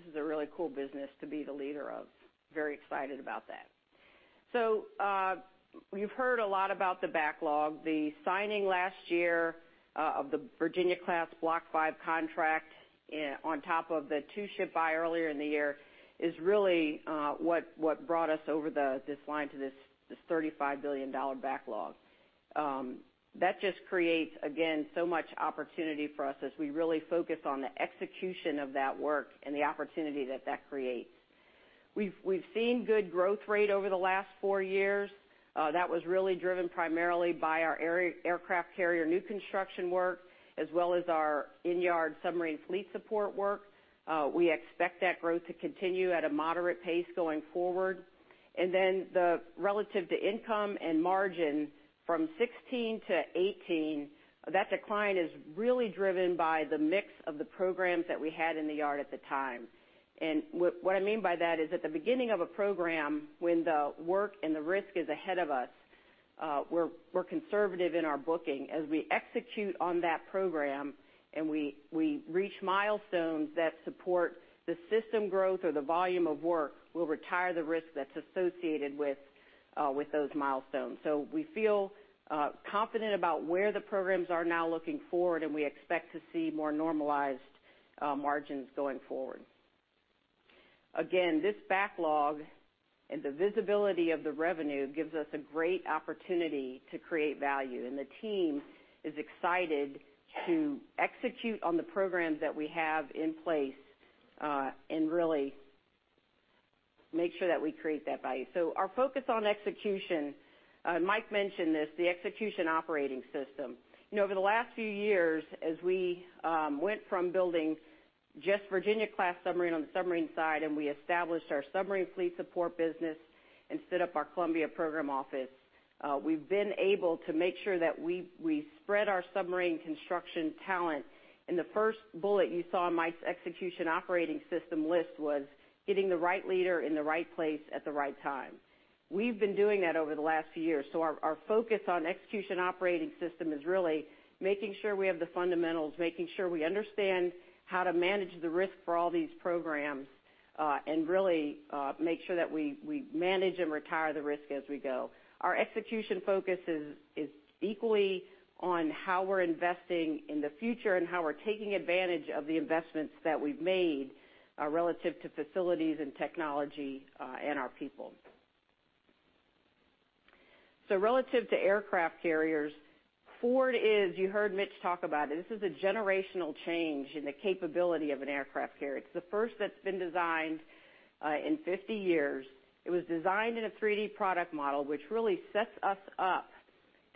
D: This is a really cool business to be the leader of. Very excited about that. You've heard a lot about the backlog. The signing last year of Virginia-class Block V contract on top of the two-ship buy earlier in the year is really what brought us over this line to this $35 billion backlog. That just creates, again, so much opportunity for us as we really focus on the execution of that work and the opportunity that that creates. We've seen good growth rate over the last four years. That was really driven primarily by our aircraft carrier new construction work, as well as our in-yard submarine fleet support work. We expect that growth to continue at a moderate pace going forward. And then, relative to income and margin from 2016 to 2018, that decline is really driven by the mix of the programs that we had in the yard at the time. And what I mean by that is at the beginning of a program, when the work and the risk is ahead of us, we're conservative in our booking. As we execute on that program and we reach milestones that support the system growth or the volume of work, we'll retire the risk that's associated with those milestones, so we feel confident about where the programs are now looking forward, and we expect to see more normalized margins going forward. Again, this backlog and the visibility of the revenue gives us a great opportunity to create value, and the team is excited to execute on the programs that we have in place and really make sure that we create that value, so our focus on execution, Mike mentioned this, the execution operating system. Over the last few years, as we went from building just Virginia-class submarine on the submarine side and we established our submarine fleet support business and set up our Columbia program office, we've been able to make sure that we spread our submarine construction talent. The first bullet you saw in Mike's execution operating system list was getting the right leader in the right place at the right time. We've been doing that over the last few years. Our focus on execution operating system is really making sure we have the fundamentals, making sure we understand how to manage the risk for all these programs, and really make sure that we manage and retire the risk as we go. Our execution focus is equally on how we're investing in the future and how we're taking advantage of the investments that we've made relative to facilities and technology and our people. Relative to aircraft carriers, Ford is, you heard Mitch talk about it, this is a generational change in the capability of an aircraft carrier. It's the first that's been designed in 50 years. It was designed in a 3D Product Model, which really sets us up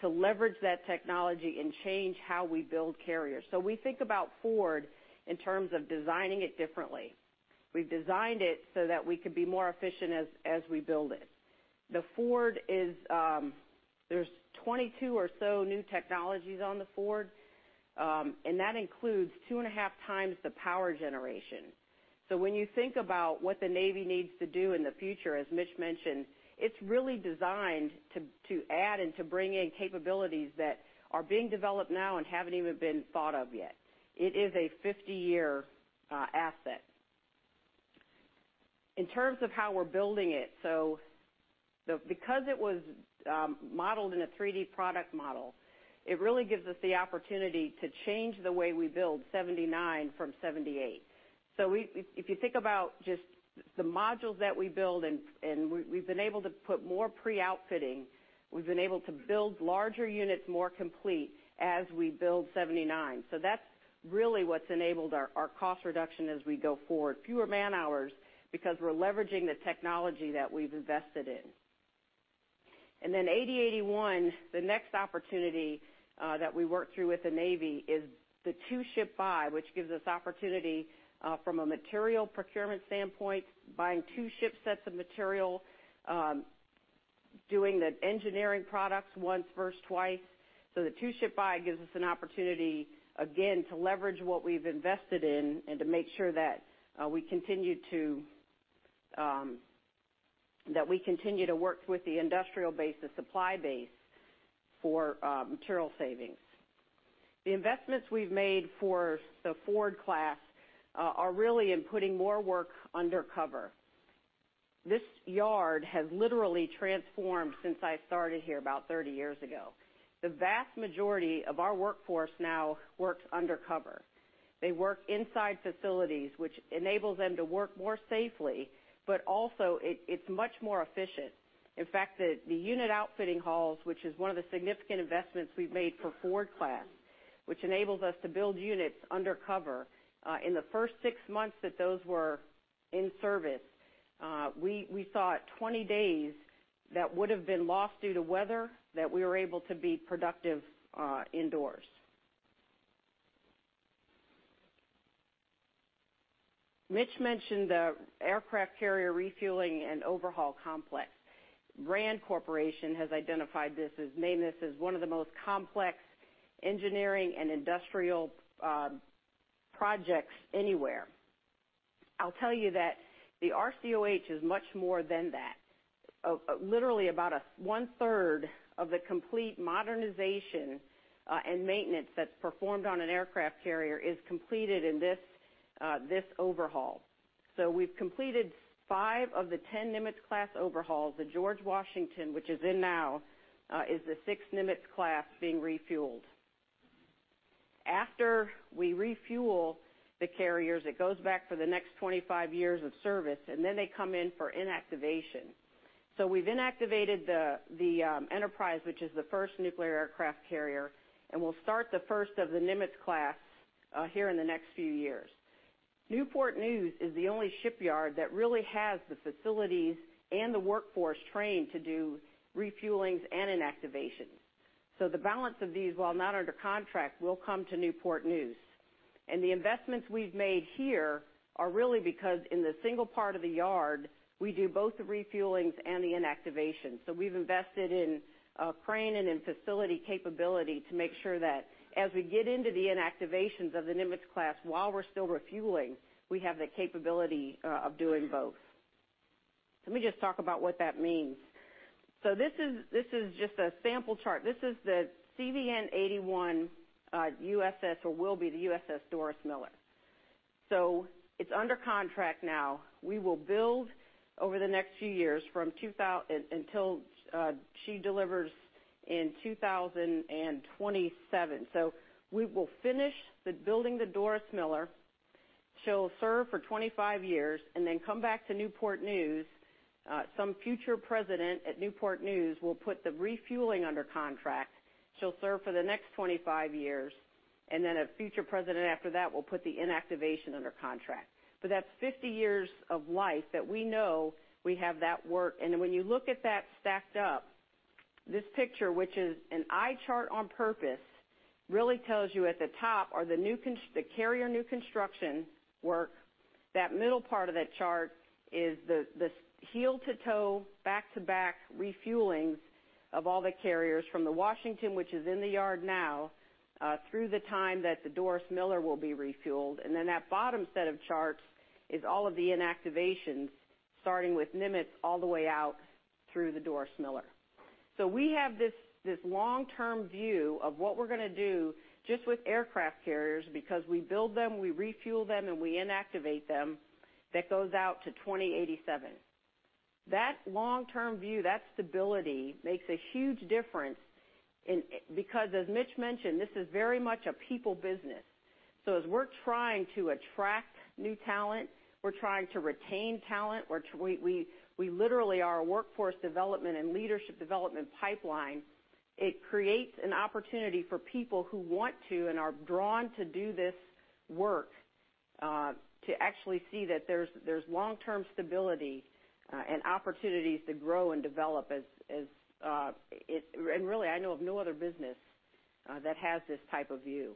D: to leverage that technology and change how we build carriers. So we think about Ford in terms of designing it differently. We've designed it so that we can be more efficient as we build it. There's 22 or so new technologies on the Ford, and that includes 2.5x the power generation. So when you think about what the Navy needs to do in the future, as Mitch mentioned, it's really designed to add and to bring in capabilities that are being developed now and haven't even been thought of yet. It is a 50-year asset. In terms of how we're building it, so because it was modeled in a 3D Product Model, it really gives us the opportunity to change the way we build CVN 79 from CVN 78. So if you think about just the modules that we build, and we've been able to put more pre-outfitting. We've been able to build larger units, more complete as we build CVN 79. So that's really what's enabled our cost reduction as we go forward, fewer man-hours because we're leveraging the technology that we've invested in. And then CVN 80, CVN 81, the next opportunity that we worked through with the Navy is the two-ship buy, which gives us opportunity from a material procurement standpoint, buying two ship sets of material, doing the engineering products once, first, twice. So the two-ship buy gives us an opportunity, again, to leverage what we've invested in and to make sure that we continue to work with the industrial base, the supply base for material savings. The investments we've made for the Ford-class are really in putting more work under cover. This yard has literally transformed since I started here about 30 years ago. The vast majority of our workforce now works under cover. They work inside facilities, which enables them to work more safely, but also it's much more efficient. In fact, the unit outfitting halls, which is one of the significant investments we've made for Ford-class, which enables us to build units under cover. In the first six months that those were in service, we saw 20 days that would have been lost due to weather that we were able to be productive indoors. Mitch mentioned the aircraft carrier refueling and overhaul complex. RAND Corporation has identified this as one of the most complex engineering and industrial projects anywhere. I'll tell you that the RCOH is much more than that. Literally about 1/3 of the complete modernization and maintenance that's performed on an aircraft carrier is completed in this overhaul. So we've completed five of the 10 Nimitz-class overhauls. The George Washington, which is in now, is the sixth Nimitz-class being refueled. After we refuel the carriers, it goes back for the next 25 years of service, and then they come in for inactivation. So we've inactivated the Enterprise, which is the first nuclear aircraft carrier, and we'll start the first of the Nimitz-class here in the next few years. Newport News is the only shipyard that really has the facilities and the workforce trained to do refuelings and inactivations. So the balance of these, while not under contract, will come to Newport News. And the investments we've made here are really because in the single part of the yard, we do both the refuelings and the inactivation. So we've invested in crane and in facility capability to make sure that as we get into the inactivations of the Nimitz-class, while we're still refueling, we have the capability of doing both. Let me just talk about what that means. So this is just a sample chart. This is the CVN 81 USS, or will be the USS Doris Miller. So it's under contract now. We will build over the next few years until she delivers in 2027. So we will finish building the Doris Miller. She'll serve for 25 years and then come back to Newport News. Some future president at Newport News will put the refueling under contract. She'll serve for the next 25 years. And then a future president after that will put the inactivation under contract. But that's 50 years of life that we know we have that work. And when you look at that stacked up, this picture, which is an eye chart on purpose, really tells you at the top are the carrier new construction work. That middle part of that chart is the heel to toe, back to back refuelings of all the carriers from the Washington, which is in the yard now, through the time that the Doris Miller will be refueled. And then that bottom set of charts is all of the inactivations, starting with Nimitz all the way out through the Doris Miller. So we have this long-term view of what we're going to do just with aircraft carriers because we build them, we refuel them, and we inactivate them. That goes out to 2087. That long-term view, that stability makes a huge difference because, as Mitch mentioned, this is very much a people business. So as we're trying to attract new talent, we're trying to retain talent. We literally are a workforce development and leadership development pipeline. It creates an opportunity for people who want to and are drawn to do this work to actually see that there's long-term stability and opportunities to grow and develop. And really, I know of no other business that has this type of view.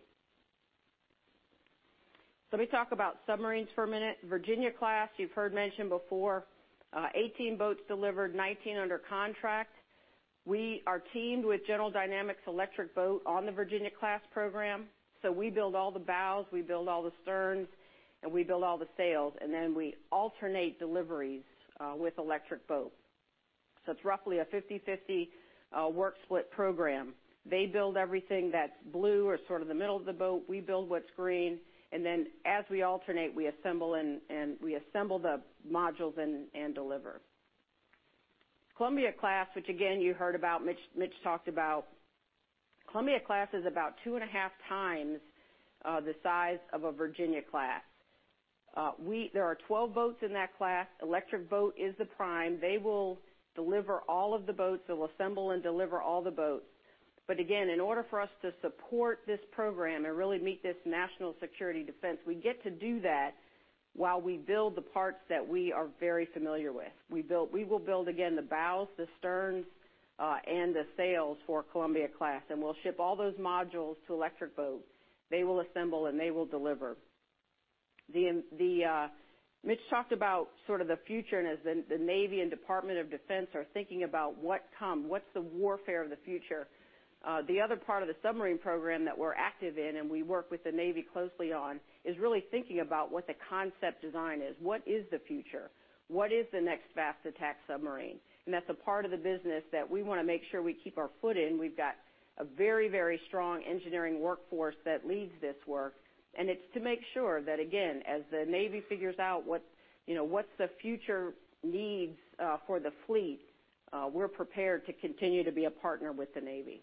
D: Let me talk about submarines for a minute. Virginia-class, you've heard mentioned before, 18 boats delivered, 19 under contract. We are teamed with General Dynamics Electric Boat on the Virginia-class program. So we build all the bows, we build all the sterns, and we build all the sails. And then we alternate deliveries with Electric Boat. It's roughly a 50/50 work split program. They build everything that's blue or sort of the middle of the boat. We build what's green. And then as we alternate, we assemble the modules and deliver. Columbia-class, which again, you heard about, Mitch talked about, Columbia-class is about 2.5x the size of a Virginia-class. There are 12 boats in that class. Electric Boat is the prime. They will deliver all of the boats. They'll assemble and deliver all the boats. But again, in order for us to support this program and really meet this national security defense, we get to do that while we build the parts that we are very familiar with. We will build, again, the bows, the sterns, and the sails for Columbia-class. And we'll ship all those modules to Electric Boat. They will assemble and they will deliver. Mitch talked about sort of the future and as the Navy and Department of Defense are thinking about what's the warfare of the future. The other part of the submarine program that we're active in and we work with the Navy closely on is really thinking about what the concept design is. What is the future? What is the next fast attack submarine? And that's a part of the business that we want to make sure we keep our foot in. We've got a very, very strong engineering workforce that leads this work. And it's to make sure that, again, as the Navy figures out what's the future needs for the fleet, we're prepared to continue to be a partner with the Navy.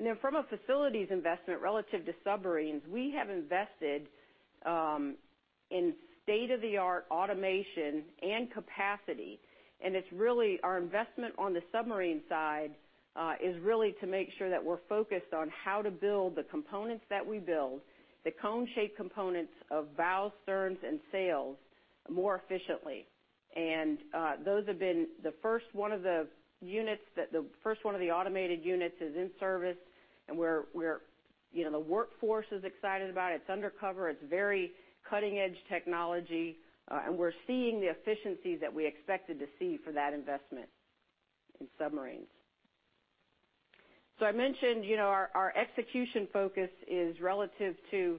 D: And then from a facilities investment relative to submarines, we have invested in state-of-the-art automation and capacity. And our investment on the submarine side is really to make sure that we're focused on how to build the components that we build, the cone-shaped components of bows, sterns, and sails more efficiently. And those have been the first one of the units, the first one of the automated units is in service. And the workforce is excited about it. It's undercover. It's very cutting-edge technology. And we're seeing the efficiencies that we expected to see for that investment in submarines. So I mentioned our execution focus is relative to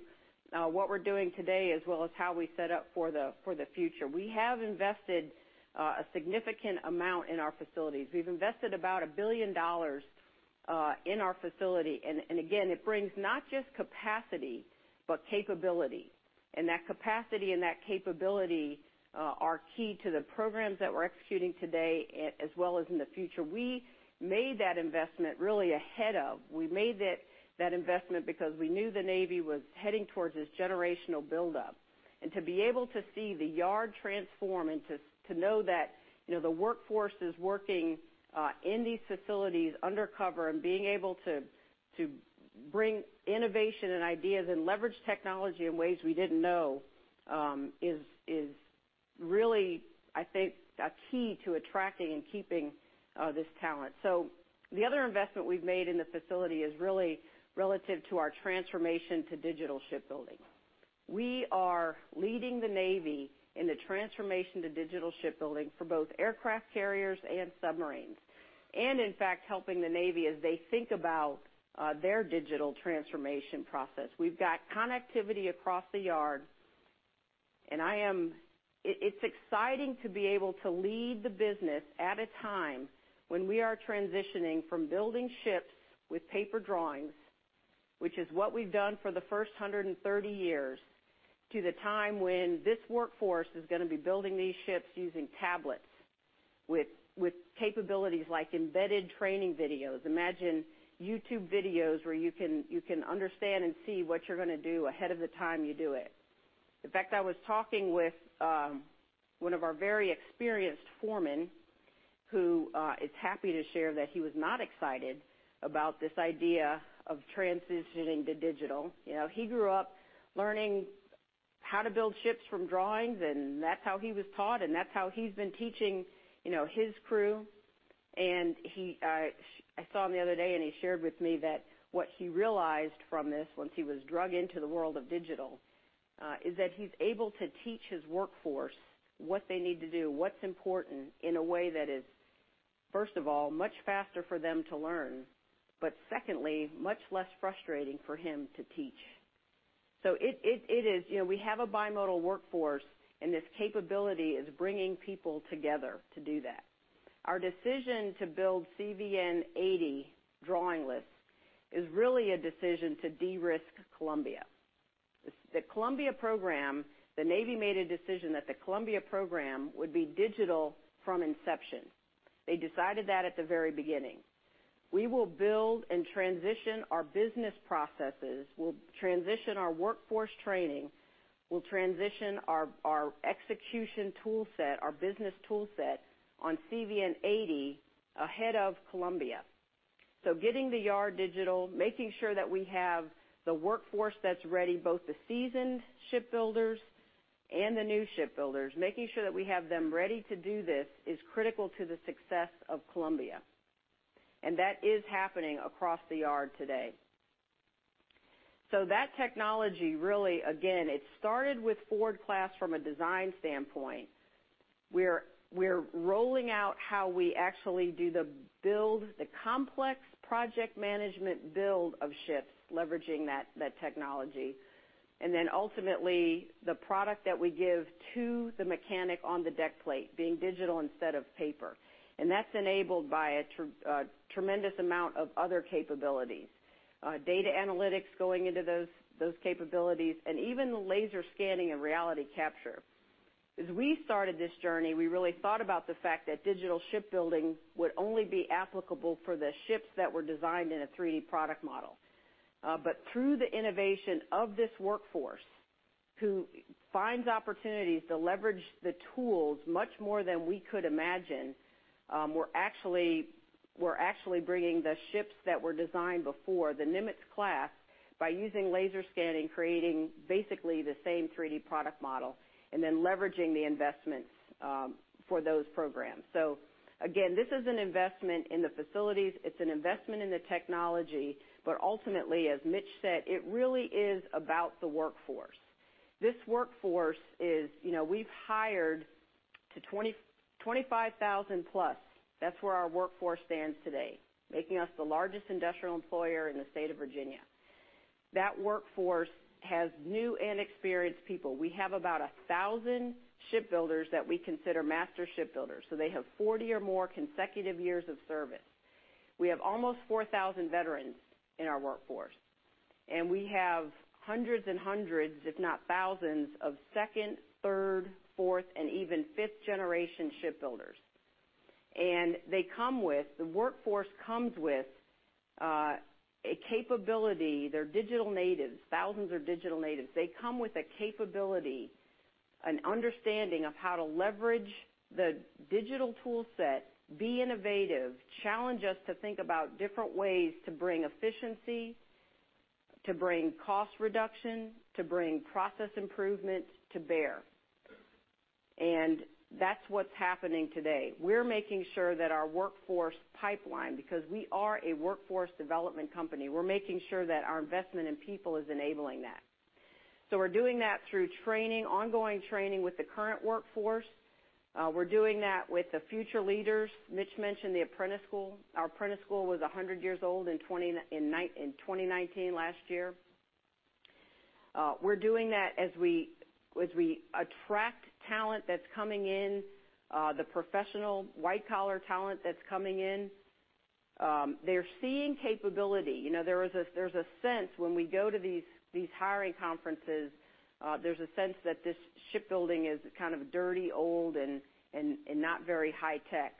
D: what we're doing today as well as how we set up for the future. We have invested a significant amount in our facilities. We've invested about $1 billion in our facility. And again, it brings not just capacity, but capability. That capacity and that capability are key to the programs that we're executing today as well as in the future. We made that investment because we knew the Navy was heading towards this generational buildup. To be able to see the yard transform, to know that the workforce is working in these facilities under cover and being able to bring innovation and ideas and leverage technology in ways we didn't know is really, I think, a key to attracting and keeping this talent. The other investment we've made in the facility is really relative to our transformation to digital shipbuilding. We are leading the Navy in the transformation to digital shipbuilding for both aircraft carriers and submarines, and in fact, helping the Navy as they think about their digital transformation process. We've got connectivity across the yard. It's exciting to be able to lead the business at a time when we are transitioning from building ships with paper drawings, which is what we've done for the first 130 years, to the time when this workforce is going to be building these ships using tablets with capabilities like embedded training videos. Imagine YouTube videos where you can understand and see what you're going to do ahead of the time you do it. In fact, I was talking with one of our very experienced foremen who is happy to share that he was not excited about this idea of transitioning to digital. He grew up learning how to build ships from drawings, and that's how he was taught, and that's how he's been teaching his crew. And I saw him the other day, and he shared with me that what he realized from this once he was dragged into the world of digital is that he's able to teach his workforce what they need to do, what's important in a way that is, first of all, much faster for them to learn, but secondly, much less frustrating for him to teach. So it is we have a bimodal workforce, and this capability is bringing people together to do that. Our decision to build CVN 80 drawingless is really a decision to de-risk Columbia. The Columbia program, the Navy made a decision that the Columbia program would be digital from inception. They decided that at the very beginning. We will build and transition our business processes. We'll transition our workforce training. We'll transition our execution toolset, our business toolset on CVN 80 ahead of Columbia. So getting the yard digital, making sure that we have the workforce that's ready, both the seasoned shipbuilders and the new shipbuilders, making sure that we have them ready to do this is critical to the success of Columbia. And that is happening across the yard today. So that technology really, again, it started with Ford-class from a design standpoint. We're rolling out how we actually do the build, the complex project management build of ships, leveraging that technology. And then ultimately, the product that we give to the mechanic on the deck plate being digital instead of paper. And that's enabled by a tremendous amount of other capabilities, data analytics going into those capabilities, and even the laser scanning and reality capture. As we started this journey, we really thought about the fact that digital shipbuilding would only be applicable for the ships that were designed in a 3D Product Model. But through the innovation of this workforce who finds opportunities to leverage the tools much more than we could imagine, we're actually bringing the ships that were designed before, the Nimitz-class, by using laser scanning, creating basically the same 3D Product Model, and then leveraging the investments for those programs. So again, this is an investment in the facilities. It's an investment in the technology. But ultimately, as Mitch said, it really is about the workforce. This workforce, we've hired to 25,000+. That's where our workforce stands today, making us the largest industrial employer in the state of Virginia. That workforce has new and experienced people. We have about 1,000 shipbuilders that we consider master shipbuilders. They have 40 or more consecutive years of service. We have almost 4,000 veterans in our workforce. We have hundreds and hundreds, if not thousands, of second, third, fourth, and even fifth generation shipbuilders. The workforce comes with a capability. They're digital natives. Thousands are digital natives. They come with a capability, an understanding of how to leverage the digital toolset, be innovative, challenge us to think about different ways to bring efficiency, to bring cost reduction, to bring process improvement to bear. That's what's happening today. We're making sure that our workforce pipeline, because we are a workforce development company, we're making sure that our investment in people is enabling that. We're doing that through training, ongoing training with the current workforce. We're doing that with the future leaders. Mitch mentioned the Apprentice School. Apprentice School was 100 years old in 2019 last year. We're doing that as we attract talent that's coming in, the professional white-collar talent that's coming in. They're seeing capability. There's a sense when we go to these hiring conferences, there's a sense that this shipbuilding is kind of dirty, old, and not very high tech.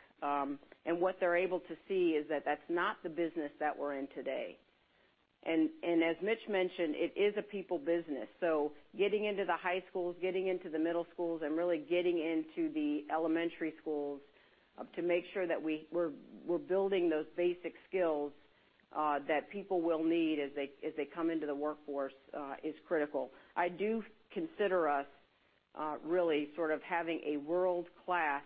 D: And what they're able to see is that that's not the business that we're in today. And as Mitch mentioned, it is a people business. So getting into the high schools, getting into the middle schools, and really getting into the elementary schools to make sure that we're building those basic skills that people will need as they come into the workforce is critical. I do consider us really sort of having a world-class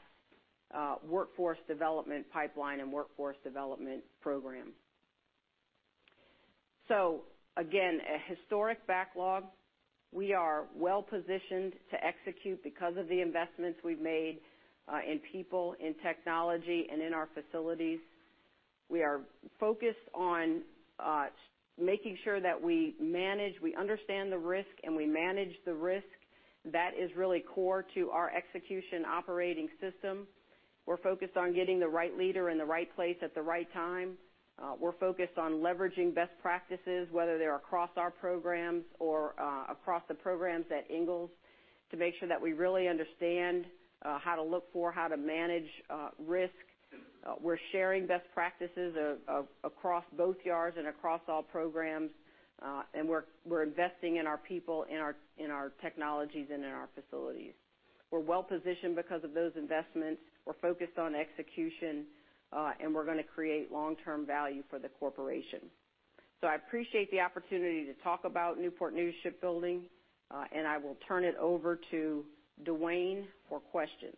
D: workforce development pipeline and workforce development program. So again, a historic backlog. We are well positioned to execute because of the investments we've made in people, in technology, and in our facilities. We are focused on making sure that we manage, we understand the risk, and we manage the risk. That is really core to our execution operating system. We're focused on getting the right leader in the right place at the right time. We're focused on leveraging best practices, whether they're across our programs or across the programs at Ingalls, to make sure that we really understand how to look for, how to manage risk. We're sharing best practices across both yards and across all programs, and we're investing in our people, in our technologies, and in our facilities. We're well positioned because of those investments. We're focused on execution, and we're going to create long-term value for the corporation. So I appreciate the opportunity to talk about Newport News Shipbuilding, and I will turn it over to Dwayne for questions.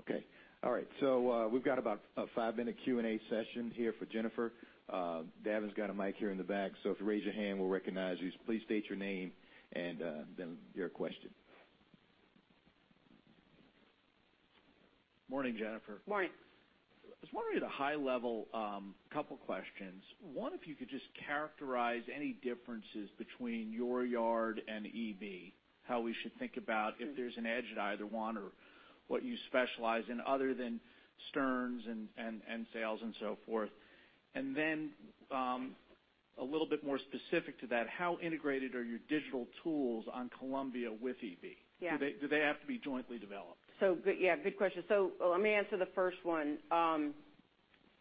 A: Okay. All right, so we've got about a five-minute Q&A session here for Jennifer. Davin's got a mic here in the back, so if you raise your hand, we'll recognize you. Please state your name and then your question.
E: Morning, Jennifer.
D: Morning.
E: I was wondering at a high level, a couple of questions. One, if you could just characterize any differences between your yard and EB, how we should think about if there's an edge at either one or what you specialize in other than sterns and sails and so forth. And then a little bit more specific to that, how integrated are your digital tools on Columbia with EB? Do they have to be jointly developed?
D: Yeah, good question. Let me answer the first one.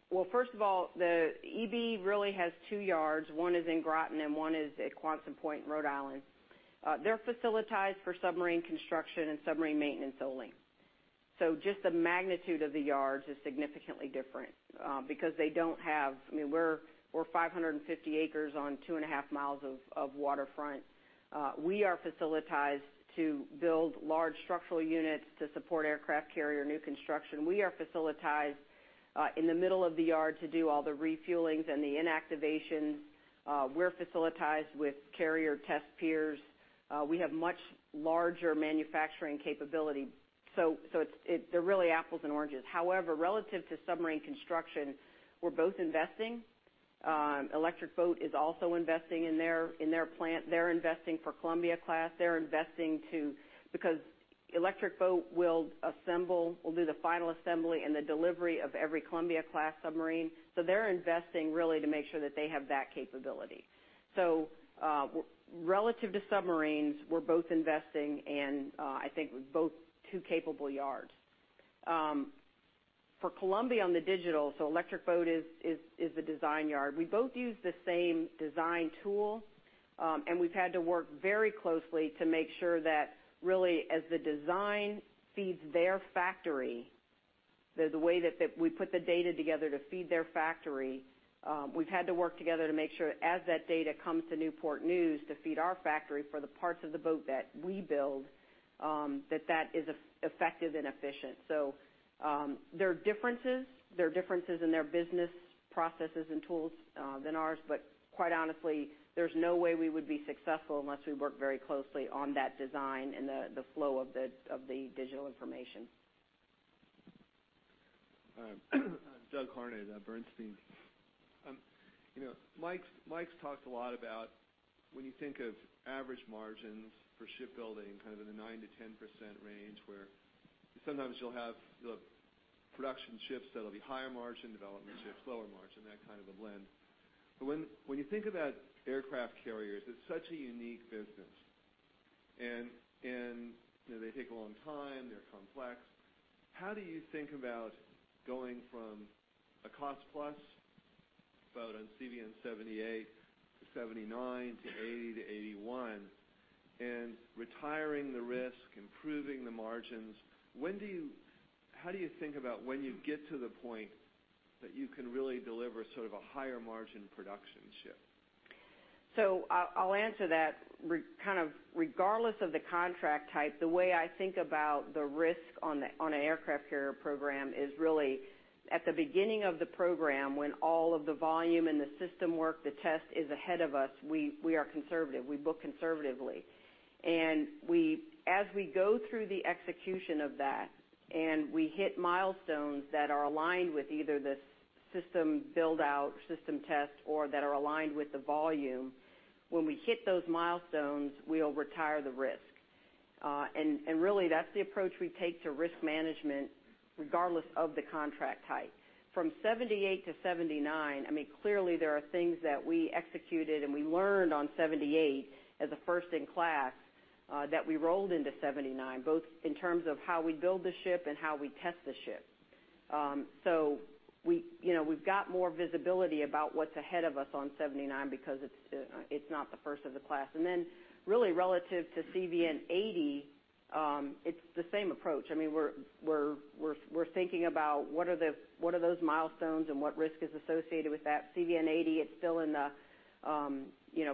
D: Well, first of all, the EB really has two yards. One is in Groton and one is at Quonset Point, Rhode Island. They're facilitized for submarine construction and submarine maintenance only. So just the magnitude of the yards is significantly different because they don't have. I mean, we're 550 acres on 2.5 mi of waterfront. We are facilitized to build large structural units to support aircraft carrier new construction. We are facilitized in the middle of the yard to do all the refuelings and the inactivations. We're facilitized with carrier test piers. We have much larger manufacturing capability. So they're really apples and oranges. However, relative to submarine construction, we're both investing. Electric Boat is also investing in their plant. They're investing for Columbia-class. They're investing too because Electric Boat will assemble, will do the final assembly and the delivery of every Columbia-class submarine. So they're investing really to make sure that they have that capability. So relative to submarines, we're both investing and I think we're both too capable yards. For Columbia on the digital, so Electric Boat is the design yard. We both use the same design tool, and we've had to work very closely to make sure that really as the design feeds their factory, the way that we put the data together to feed their factory, we've had to work together to make sure as that data comes to Newport News to feed our factory for the parts of the boat that we build, that that is effective and efficient. So there are differences. There are differences in their business processes and tools than ours, but quite honestly, there's no way we would be successful unless we work very closely on that design and the flow of the digital information.
F: Doug Harned, Bernstein. Mike's talked a lot about when you think of average margins for shipbuilding, kind of in the 9%-10% range where sometimes you'll have production ships that'll be higher margin development ships, lower margin, that kind of a blend. But when you think about aircraft carriers, it's such a unique business. And they take a long time. They're complex. How do you think about going from a cost-plus boat on CVN 78 to CVN 79 to CVN 80 to CVN 81 and retiring the risk, improving the margins? How do you think about when you get to the point that you can really deliver sort of a higher margin production ship?
D: I'll answer that. Kind of regardless of the contract type, the way I think about the risk on an aircraft carrier program is really at the beginning of the program when all of the volume and the system work, the test is ahead of us. We are conservative. We book conservatively. And as we go through the execution of that and we hit milestones that are aligned with either the system build-out, system test, or that are aligned with the volume, when we hit those milestones, we'll retire the risk. And really, that's the approach we take to risk management regardless of the contract type. From CVN 78 to CVN 79, I mean, clearly there are things that we executed and we learned on CVN 78 as a first-in-class that we rolled into CVN 79, both in terms of how we build the ship and how we test the ship. So we've got more visibility about what's ahead us on CVN 79 because it's not the first of the class. And then really relative to CVN 80, it's the same approach. I mean, we're thinking about what are those milestones and what risk is associated with that. CVN 80, it's still in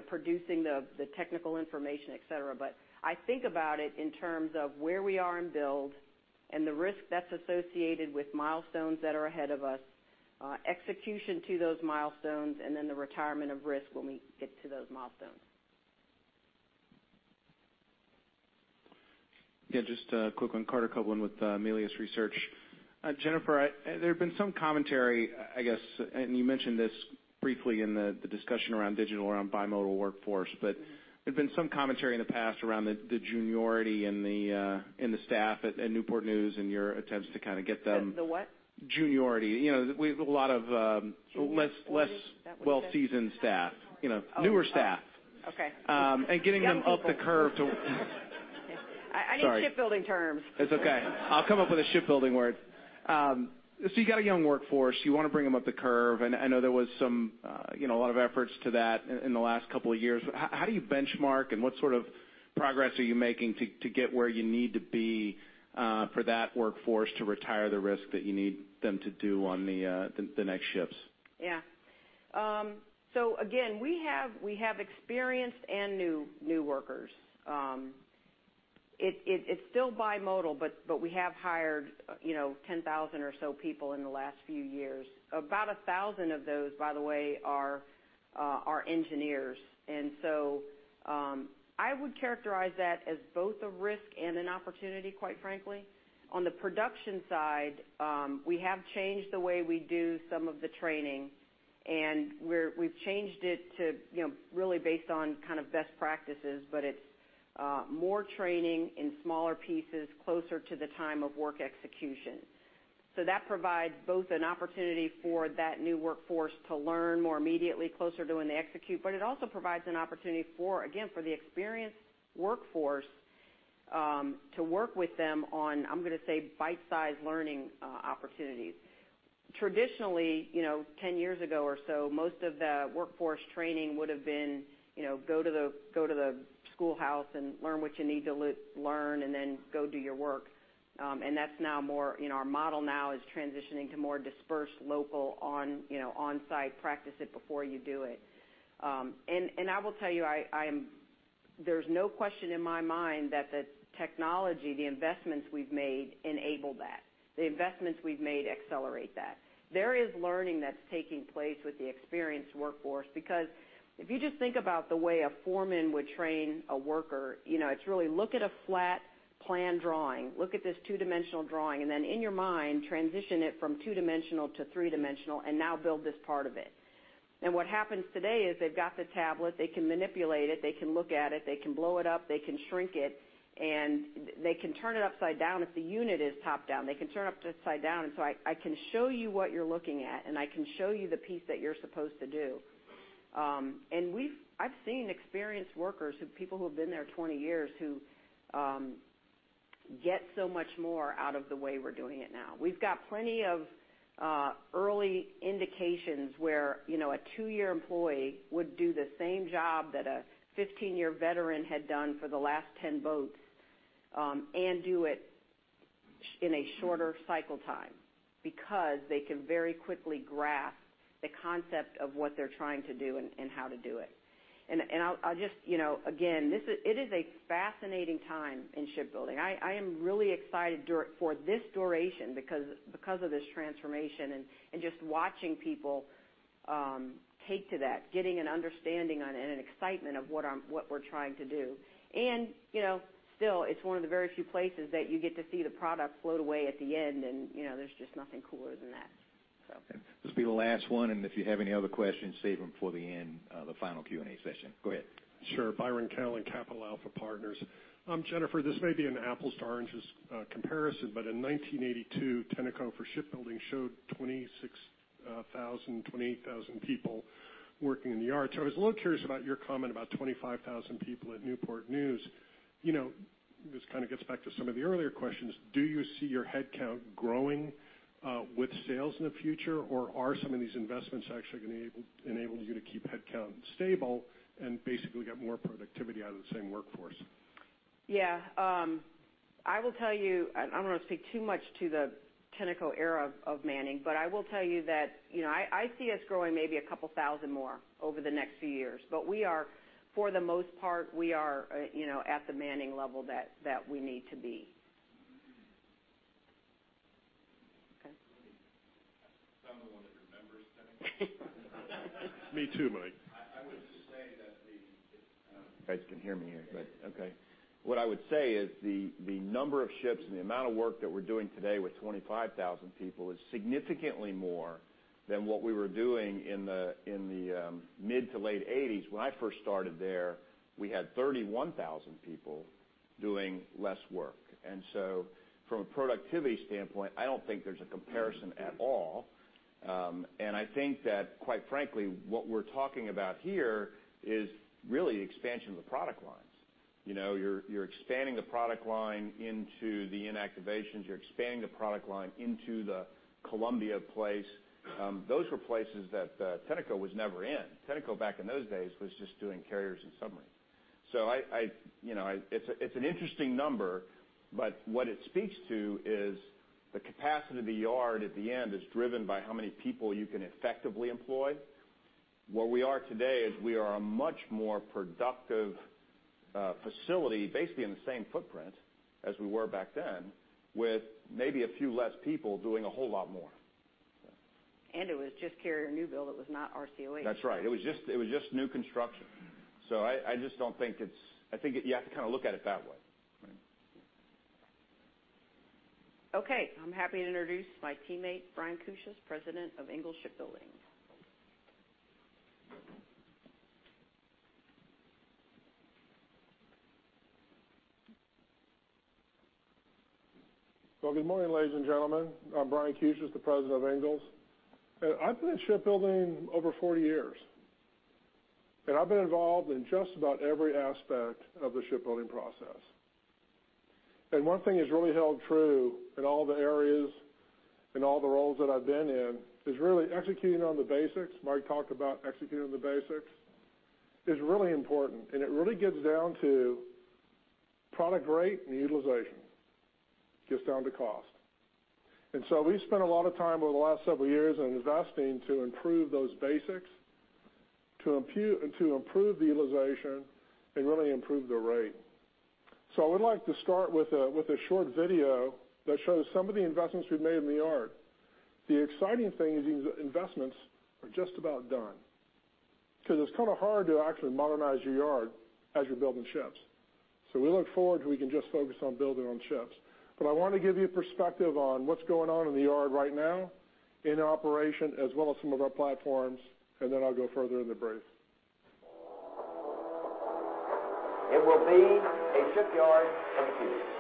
D: producing the technical information, etc. But I think about it in terms of where we are in build and the risk that's associated with milestones that are ahead of us, execution to those milestones, and then the retirement of risk when we get to those milestones.
G: Yeah, just a quick one, Carter Copeland with Melius Research. Jennifer, there have been some commentary, I guess, and you mentioned this briefly in the discussion around digital, around bimodal workforce, but there's been some commentary in the past around the juniority and the staff at Newport News and your attempts to kind of get them.
D: The what?
G: Juniority. We have a lot of less well-seasoned staff, newer staff.
D: Okay.
G: And getting them up the curve to.
D: I need shipbuilding terms.
G: It's okay. I'll come up with a shipbuilding word. So you got a young workforce. You want to bring them up the curve. And I know there was a lot of efforts to that in the last couple of years. How do you benchmark and what sort of progress are you making to get where you need to be for that workforce to retire the risk that you need them to do on the next ships?
D: Yeah. So again, we have experienced and new workers. It's still bimodal, but we have hired 10,000 or so people in the last few years. About 1,000 of those, by the way, are engineers. And so I would characterize that as both a risk and an opportunity, quite frankly. On the production side, we have changed the way we do some of the training, and we've changed it to really based on kind of best practices, but it's more training in smaller pieces, closer to the time of work execution. So that provides both an opportunity for that new workforce to learn more immediately, closer to when they execute, but it also provides an opportunity for, again, for the experienced workforce to work with them on, I'm going to say, bite-sized learning opportunities. Traditionally, 10 years ago or so, most of the workforce training would have been go to the schoolhouse and learn what you need to learn and then go do your work, and that's now more our model now is transitioning to more dispersed, local, on-site practice it before you do it, and I will tell you, there's no question in my mind that the technology, the investments we've made enabled that. The investments we've made accelerate that. There is learning that's taking place with the experienced workforce because if you just think about the way a foreman would train a worker, it's really look at a flat plan drawing. Look at this two-dimensional drawing and then in your mind, transition it from two-dimensional to three-dimensional and now build this part of it, and what happens today is they've got the tablet. They can manipulate it. They can look at it. They can blow it up. They can shrink it. And they can turn it upside down if the unit is top-down. They can turn it upside down. And so I can show you what you're looking at, and I can show you the piece that you're supposed to do. And I've seen experienced workers, people who have been there 20 years, who get so much more out of the way we're doing it now. We've got plenty of early indications where a two-year employee would do the same job that a 15-year veteran had done for the last 10 boats and do it in a shorter cycle time because they can very quickly grasp the concept of what they're trying to do and how to do it. And I'll just, again, it is a fascinating time in shipbuilding. I am really excited for this duration because of this transformation and just watching people take to that, getting an understanding on it and an excitement of what we're trying to do, and still, it's one of the very few places that you get to see the product float away at the end, and there's just nothing cooler than that, so.
A: This will be the last one, and if you have any other questions, save them for the end, the final Q&A session. Go ahead.
H: Sure. Byron Callan, Capital Alpha Partners. Jennifer, this may be an apples-to-oranges comparison, but in 1982, Tenneco for shipbuilding showed 28,000 people working in the yard. So I was a little curious about your comment about 25,000 people at Newport News. This kind of gets back to some of the earlier questions. Do you see your headcount growing with sales in the future, or are some of these investments actually going to enable you to keep headcount stable and basically get more productivity out of the same workforce?
D: Yeah. I will tell you, I don't want to speak too much to the Tenneco era of manning, but I will tell you that I see us growing maybe a couple thousand more over the next few years. But for the most part, we are at the manning level that we need to be. Okay.
B: Sound the one that your members didn't?
C: Me too, Mike.
B: I would say that the. You guys can hear me here, but okay. What I would say is the number of ships and the amount of work that we're doing today with 25,000 people is significantly more than what we were doing in the mid to late 1980s. When I first started there, we had 31,000 people doing less work, and so from a productivity standpoint, I don't think there's a comparison at all, and I think that, quite frankly, what we're talking about here is really expansion of the product lines. You're expanding the product line into the inactivations. You're expanding the product line into the Columbia-class. Those were places that Tenneco was never in. Tenneco back in those days was just doing carriers and submarines. So it's an interesting number, but what it speaks to is the capacity of the yard at the end is driven by how many people you can effectively employ. Where we are today is we are a much more productive facility, basically in the same footprint as we were back then, with maybe a few less people doing a whole lot more.
D: It was just carrier new build. It was not RCOH.
B: That's right. It was just new construction. So I just don't think it's. I think you have to kind of look at it that way.
D: Okay. I'm happy to introduce my teammate, Brian Cuccias, President of Ingalls Shipbuilding.
I: Well, good morning, ladies and gentlemen. I'm Brian Cuccias, the president of Ingalls, and I've been in shipbuilding over 40 years, and I've been involved in just about every aspect of the shipbuilding process, and one thing has really held true in all the areas and all the roles that I've been in is really executing on the basics. Mike talked about executing on the basics. It's really important, and it really gets down to product rate and utilization. It gets down to cost, and so we've spent a lot of time over the last several years investing to improve those basics, to improve the utilization, and really improve the rate, so I would like to start with a short video that shows some of the investments we've made in the yard. The exciting thing is these investments are just about done because it's kind of hard to actually modernize your yard as you're building ships. So we look forward to, we can just focus on building ships. But I want to give you a perspective on what's going on in the yard right now in operation, as well as some of our platforms. And then I'll go further in the brief. It will be a Shipyard of the Future.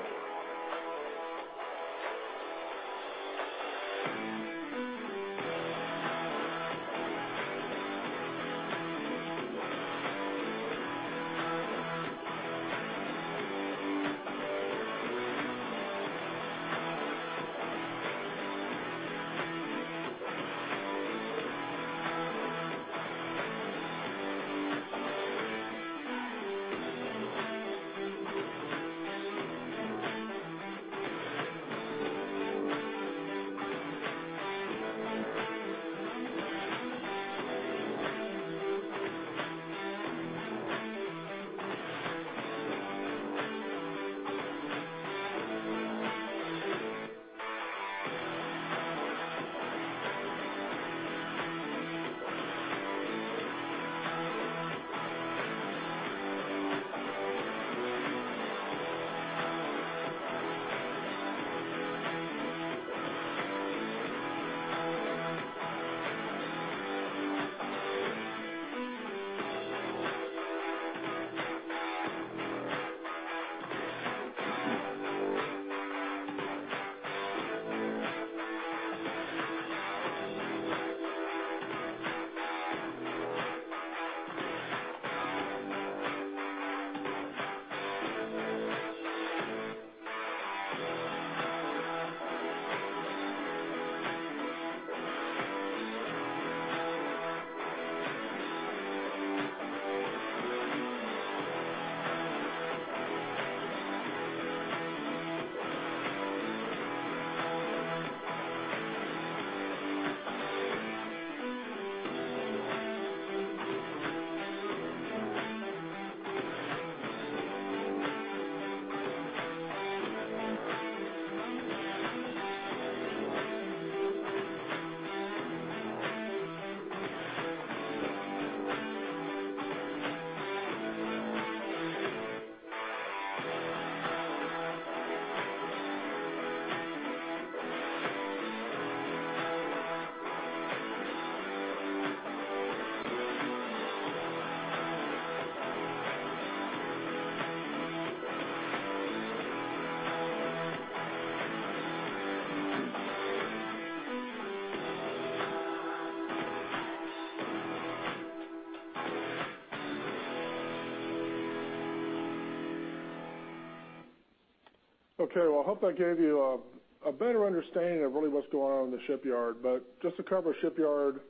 I: Okay, well, I hope that gave you a better understanding of really what's going on in the shipyard, but just to cover shipyard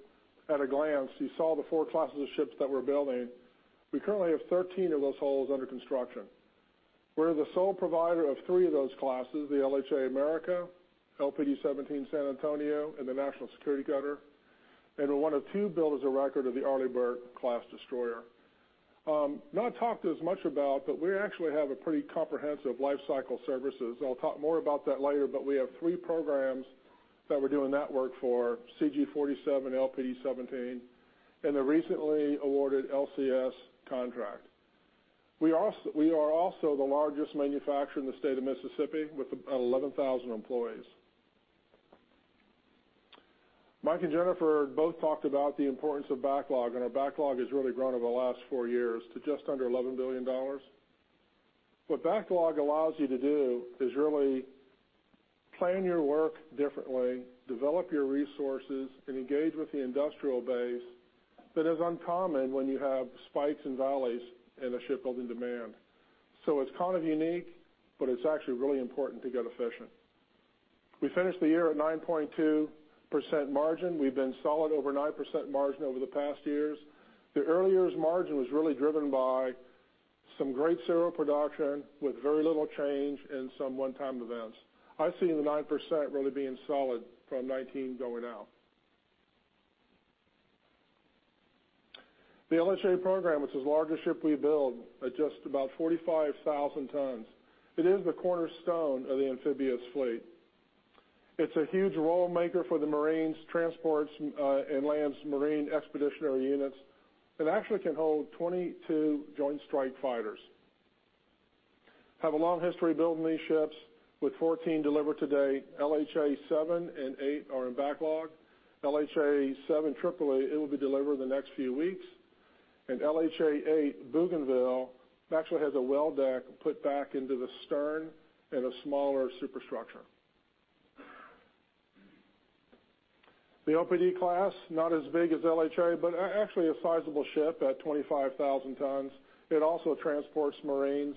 I: at a glance, you saw the four classes of ships that we're building. We currently have 13 of those hulls under construction. We're the sole provider of three of those classes: the LHA America, LPD 17 San Antonio, and the National Security Cutter, and we're one of two builders of record of the Arleigh Burke-class destroyer. Not talked as much about, but we actually have a pretty comprehensive life cycle services. I'll talk more about that later, but we have three programs that we're doing that work for: CG 47, LPD 17, and the recently awarded LCS contract. We are also the largest manufacturer in the state of Mississippi with 11,000 employees. Mike and Jennifer both talked about the importance of backlog, and our backlog has really grown over the last four years to just under $11 billion. What backlog allows you to do is really plan your work differently, develop your resources, and engage with the industrial base that is uncommon when you have spikes and valleys in a shipbuilding demand. So it's kind of unique, but it's actually really important to get efficient. We finished the year at 9.2% margin. We've been solid over 9% margin over the past years. The earlier margin was really driven by some great serial production with very little change and some one-time events. I've seen the 9% really being solid from 2019 going out. The LHA program, it's as large a ship we build at just about 45,000 tons. It is the cornerstone of the amphibious fleet. It's a huge role maker for the Marines' transports and lands, Marine expeditionary units. It actually can hold 22 Joint Strike Fighters. Have a long history building these ships with 14 delivered to LHA 7 and LHA 8 are in backlog. LHA 7, Tripoli, it will be delivered in the next few weeks, and LHA 8, Bougainville, actually has a well deck put back into the stern and a smaller superstructure. The LPD-class, not as big as LHA, but actually a sizable ship at 25,000 tons. It also transports Marines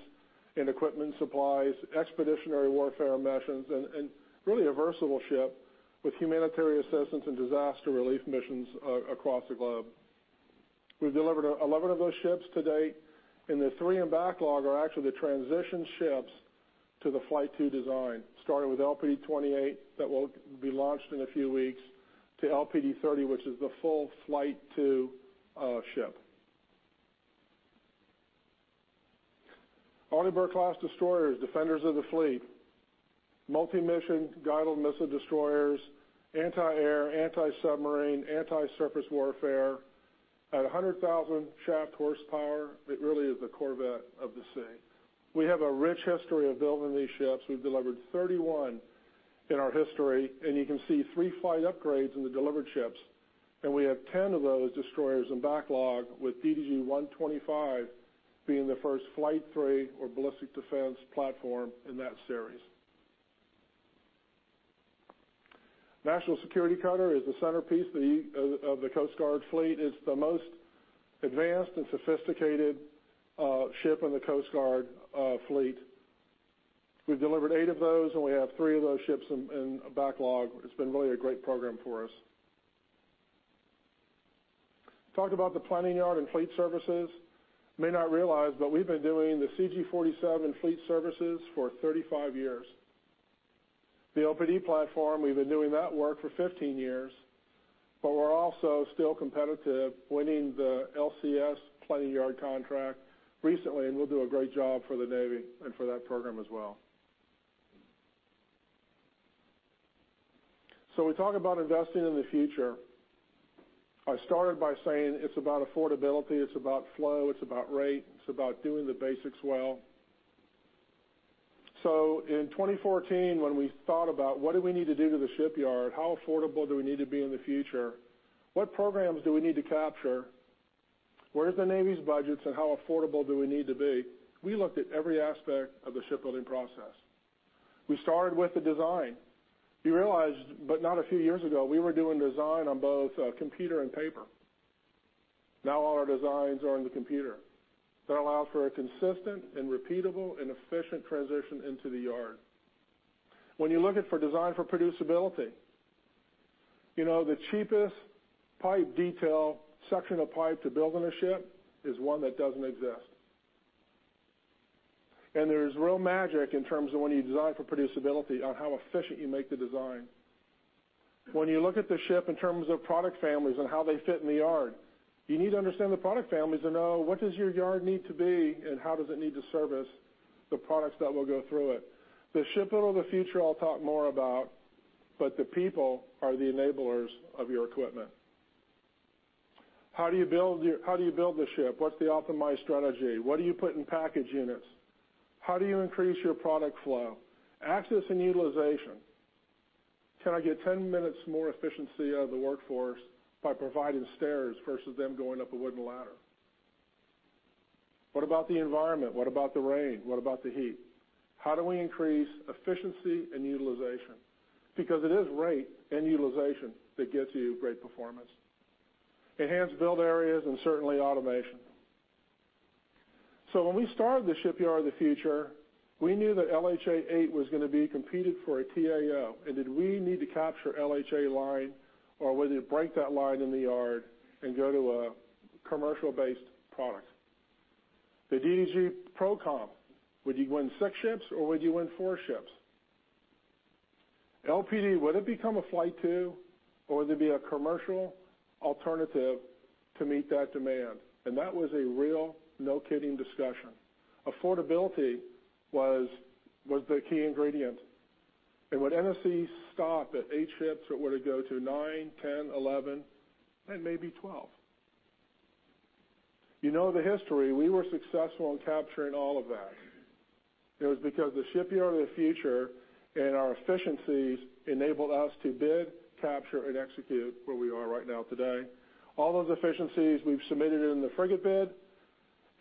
I: and equipment, supplies, expeditionary warfare missions, and really a versatile ship with humanitarian assistance and disaster relief missions across the globe. We've delivered 11 of those ships to date. The three in backlog are actually the transition ships to the Flight II design, starting with LPD 28 that will be launched in a few weeks to LPD 30, which is the full Flight II ship. Arleigh Burke-class destroyers, defenders of the fleet, multi-mission guided missile destroyers, anti-air, anti-submarine, anti-surface warfare at 100,000 shaft horsepower. It really is the corvette of the sea. We have a rich history of building these ships. We've delivered 31 in our history. You can see three flight upgrades in the delivered ships. We have 10 of those destroyers in backlog, with DDG 125 being the first Flight III or ballistic defense platform in that series. National Security Cutters is the centerpiece of the Coast Guard fleet. It's the most advanced and sophisticated ship in the Coast Guard fleet. We've delivered eight of those, and we have three of those ships in backlog. It's been really a great program for us. We talked about the planning yard and fleet services. You may not realize, but we've been doing the CG 47 fleet services for 35 years. The LPD platform, we've been doing that work for 15 years. But we're also still competitive, winning the LCS planning yard contract recently, and we'll do a great job for the Navy and for that program as well. So we talk about investing in the future. I started by saying it's about affordability. It's about flow. It's about rate. It's about doing the basics well. So in 2014, when we thought about what do we need to do to the shipyard, how affordable do we need to be in the future, what programs do we need to capture, where's the Navy's budgets, and how affordable do we need to be, we looked at every aspect of the shipbuilding process. We started with the design. You realize, but not a few years ago, we were doing design on both computer and paper. Now all our designs are on the computer. That allows for a consistent and repeatable and efficient transition into the yard. When you look at for design for producibility, the cheapest pipe detail section of pipe to build on a ship is one that doesn't exist, and there is real magic in terms of when you design for producibility on how efficient you make the design. When you look at the ship in terms of product families and how they fit in the yard, you need to understand the product families and know what does your yard need to be and how does it need to service the products that will go through it. The Shipbuilding of the Future I'll talk more about, but the people are the enablers of your equipment. How do you build the ship? What's the optimized strategy? What do you put in package units? How do you increase your product flow? Access and utilization. Can I get 10 minutes more efficiency out of the workforce by providing stairs versus them going up a wooden ladder? What about the environment? What about the rain? What about the heat? How do we increase efficiency and utilization? Because it is rate and utilization that gets you great performance. Enhanced build areas and certainly automation. So when we started the Shipyard of the Future, we knew that LHA 8 was going to be competed for a T-AO. And did we need to capture LHA line or whether you break that line in the yard and go to a commercial-based product? The DDG program, would you win six ships or would you win four ships? LPD, would it become a Flight II or would it be a commercial alternative to meet that demand? And that was a real no-kidding discussion. Affordability was the key ingredient. And would NSC stop at eight ships or would it go to nine, ten, eleven, and maybe twelve? You know the history. We were successful in capturing all of that. It was because the Shipyard of the Future and our efficiencies enabled us to bid, capture, and execute where we are right now today. All those efficiencies we've submitted in the frigate bid,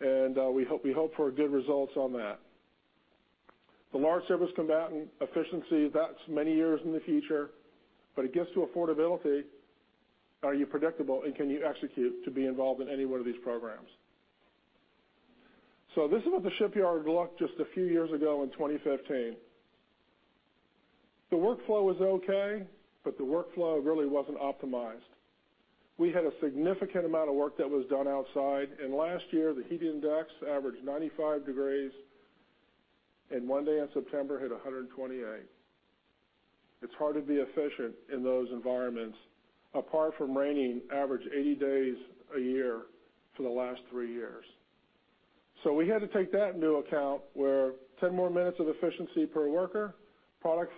I: and we hope for good results on that. The large surface combatant efficiency, that's many years in the future. But it gets to affordability. Are you predictable and can you execute to be involved in any one of these programs? This is what the shipyard looked like just a few years ago in 2015. The workflow was okay, but the workflow really wasn't optimized. We had a significant amount of work that was done outside. And last year, the heat index averaged 95 degrees Fahrenheit, and one day in September hit 128 degrees Fahrenheit. It's hard to be efficient in those environments. And it rains an average of 80 days a year for the last three years. So we had to take that into account where 10 more minutes of efficiency per worker, product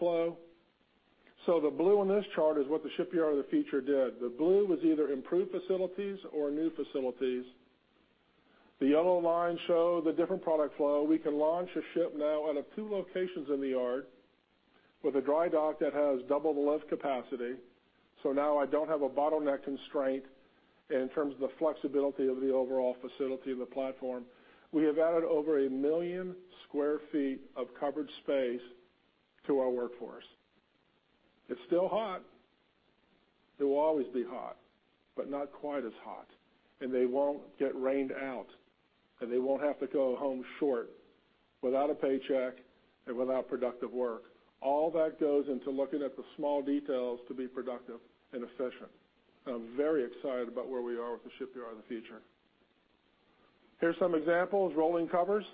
I: flow. So the blue on this chart is what the Shipyard of the Future did. The blue was either improved facilities or new facilities. The yellow line shows the different product flow. We can launch a ship now out of two locations in the yard with a dry dock that has double the lift capacity. So now I don't have a bottleneck constraint in terms of the flexibility of the overall facility of the platform. We have added over 1 million sq ft of covered space to our workforce. It's still hot. It will always be hot, but not quite as hot. And they won't get rained out, and they won't have to go home short without a paycheck and without productive work. All that goes into looking at the small details to be productive and efficient. And I'm very excited about where we are with the Shipyard of the Future. Here's some examples. Rolling covers.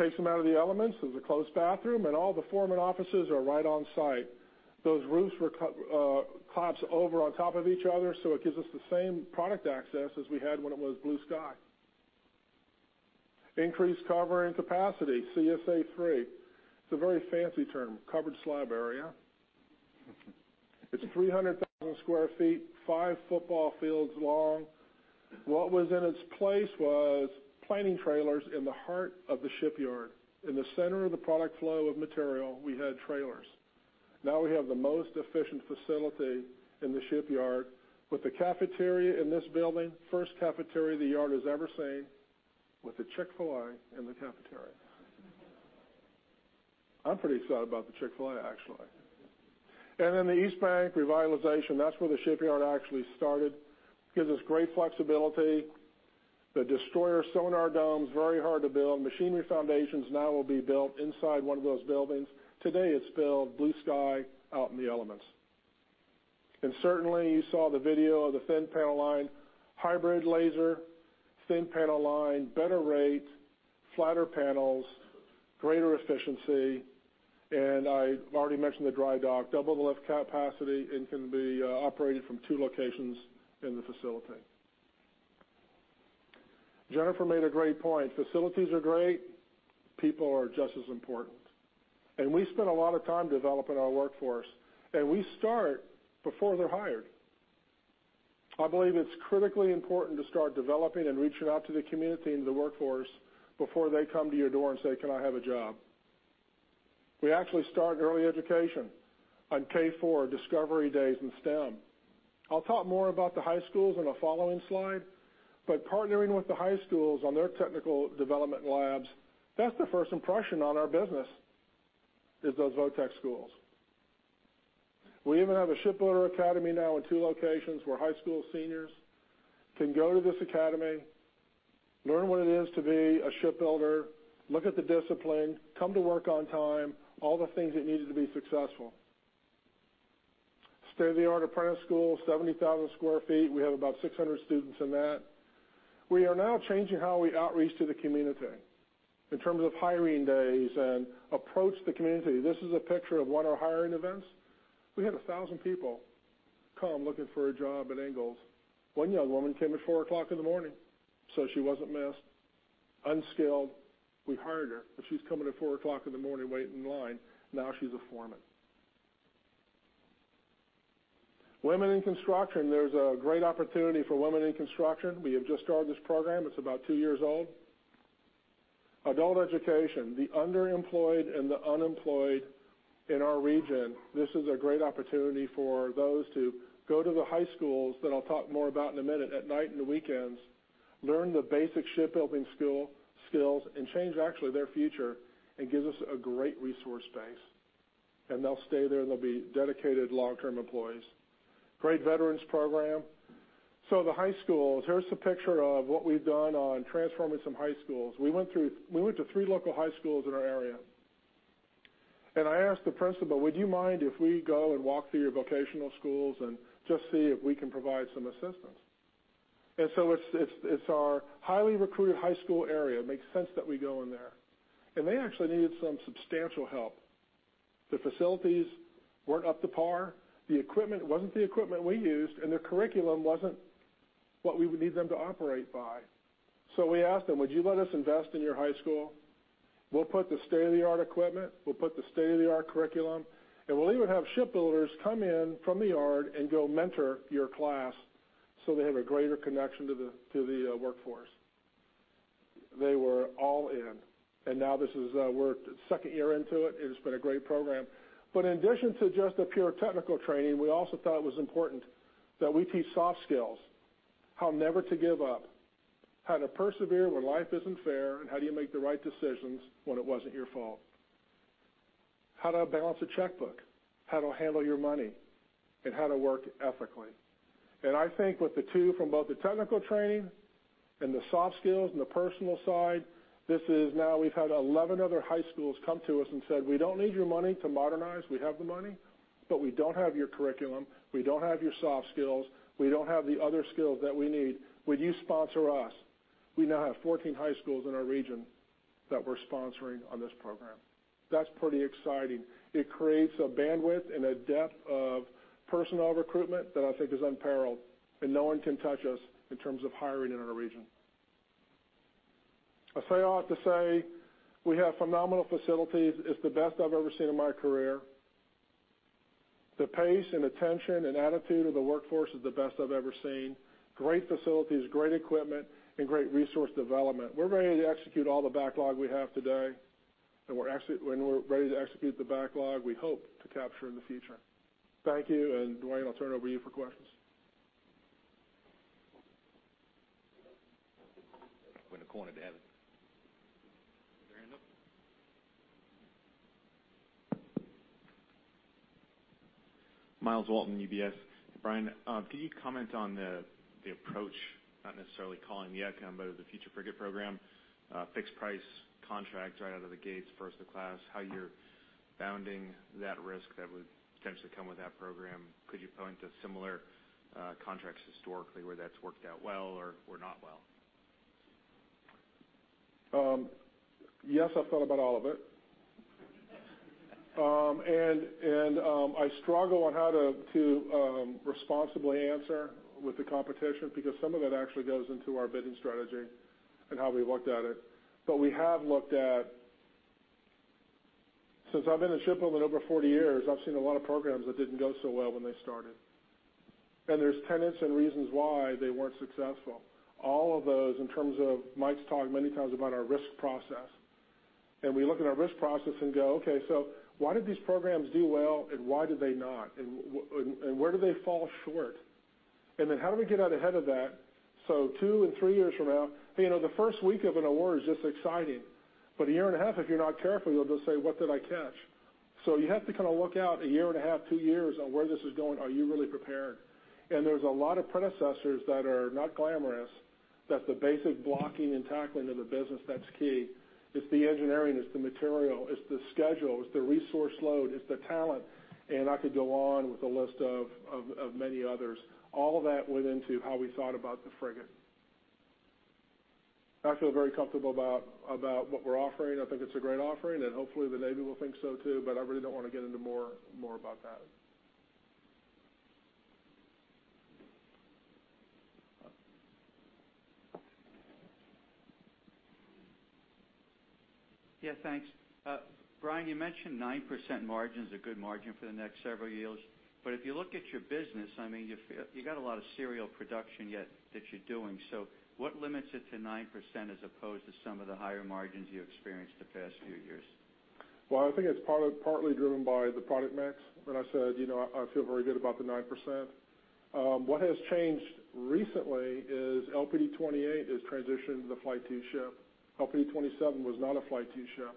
I: Takes them out of the elements. There's a closed bathroom, and all the foreman offices are right on site. Those roofs were clapped over on top of each other, so it gives us the same product access as we had when it was blue sky. Increased covering capacity, CSA III. It's a very fancy term, covered slab area. It's 300,000 sq ft, five football fields long. What was in its place was planning trailers in the heart of the shipyard. In the center of the product flow of material, we had trailers. Now we have the most efficient facility in the shipyard with the cafeteria in this building, first cafeteria the yard has ever seen with a Chick-fil-A in the cafeteria. I'm pretty excited about the Chick-fil-A, actually. And then the East Bank revitalization, that's where the shipyard actually started. Gives us great flexibility. The destroyer sonar domes, very hard to build. Machinery foundations now will be built inside one of those buildings. Today it's built blue sky out in the elements. And certainly, you saw the video of the thin panel line, hybrid laser, thin panel line, better rate, flatter panels, greater efficiency. And I've already mentioned the dry dock, double the lift capacity, and can be operated from two locations in the facility. Jennifer made a great point. Facilities are great. People are just as important. And we spend a lot of time developing our workforce. And we start before they're hired. I believe it's critically important to start developing and reaching out to the community and the workforce before they come to your door and say, "Can I have a job?" We actually start early education on K-4 Discovery Days in STEM. I'll talk more about the high schools on a following slide. But partnering with the high schools on their technical development labs, that's the first impression on our business is those vo-tech schools. We even have a Shipbuilder Academy now in two locations where high school seniors can go to this academy, learn what it is to be a shipbuilder, look at the discipline, come to work on time, all the things that needed to be Apprentice School, 70,000 sq ft. We have about 600 students in that. We are now changing how we outreach to the community in terms of hiring days and approach the community. This is a picture of one of our hiring events. We had 1,000 people come looking for a job at Ingalls. One young woman came at 4:00 A.M., so she wasn't missed. Unskilled. We hired her. If she's coming at 4:00 A.M. waiting in line, now she's a foreman. Women in construction, there's a great opportunity for women in construction. We have just started this program. It's about two years old. Adult education, the underemployed and the unemployed in our region, this is a great opportunity for those to go to the high schools that I'll talk more about in a minute at night and the weekends, learn the basic shipbuilding skills and change actually their future and gives us a great resource base, and they'll stay there and they'll be dedicated long-term employees. Great veterans program. So the high schools, here's the picture of what we've done on transforming some high schools. We went to three local high schools in our area, and I asked the principal, "Would you mind if we go and walk through your vocational schools and just see if we can provide some assistance?" And so it's our highly recruited high school area. It makes sense that we go in there, and they actually needed some substantial help. The facilities weren't up to par. The equipment wasn't the equipment we used, and the curriculum wasn't what we would need them to operate by. So we asked them, "Would you let us invest in your high school? We'll put the state-of-the-art equipment. We'll put the state-of-the-art curriculum. And we'll even have shipbuilders come in from the yard and go mentor your class so they have a greater connection to the workforce." They were all in. And now this is our second year into it. It has been a great program. But in addition to just the pure technical training, we also thought it was important that we teach soft skills, how never to give up, how to persevere when life isn't fair, and how do you make the right decisions when it wasn't your fault. How to balance a checkbook, how to handle your money, and how to work ethically, and I think with the two from both the technical training and the soft skills and the personal side, this is now we've had 11 other high schools come to us and said, "We don't need your money to modernize. We have the money, but we don't have your curriculum. We don't have your soft skills. We don't have the other skills that we need. Would you sponsor us?" We now have 14 high schools in our region that we're sponsoring on this program. That's pretty exciting. It creates a bandwidth and a depth of personnel recruitment that I think is unparalleled. And no one can touch us in terms of hiring in our region. I say all I have to say, we have phenomenal facilities. It's the best I've ever seen in my career. The pace and attention and attitude of the workforce is the best I've ever seen. Great facilities, great equipment, and great resource development. We're ready to execute all the backlog we have today. And when we're ready to execute the backlog, we hope to capture in the future. Thank you. And Dwayne, I'll turn it over to you for questions.
A: Going to corner to have it.
J: Myles Walton, UBS. Brian, could you comment on the approach, not necessarily calling the outcome, but the future frigate program, fixed price contract right out of the gates, first of class, how you're bounding that risk that would potentially come with that program? Could you point to similar contracts historically where that's worked out well or not well?
I: Yes, I've thought about all of it, and I struggle on how to responsibly answer with the competition because some of that actually goes into our bidding strategy and how we've looked at it, but we have looked at since I've been in shipbuilding over 40 years. I've seen a lot of programs that didn't go so well when they started, and there's tenets and reasons why they weren't successful. All of those in terms of Mike's talked many times about our risk process, and we look at our risk process and go, "Okay, so why did these programs do well and why did they not? And where did they fall short?" and then how do we get out ahead of that so two and three years from now, hey, you know the first week of an award is just exciting. But a year and a half, if you're not careful, you'll just say, "What did I catch?" so you have to kind of look out a year and a half, two years on where this is going. Are you really prepared? and there's a lot of predecessors that are not glamorous. That's the basic blocking and tackling of the business that's key. It's the engineering. It's the material. It's the schedule. It's the resource load. It's the talent. and I could go on with a list of many others. All of that went into how we thought about the frigate. I feel very comfortable about what we're offering. I think it's a great offering. and hopefully the Navy will think so too. but I really don't want to get into more about that.
J: Yeah, thanks. Brian, you mentioned 9% margin is a good margin for the next several years. But if you look at your business, I mean, you got a lot of serial production yet that you're doing. So what limits it to 9% as opposed to some of the higher margins you experienced the past few years?
I: I think it's partly driven by the product mix. When I said, "I feel very good about the 9%." What has changed recently is LPD 28 is transitioned to the Flight II ship. LPD 27 was not a Flight II ship.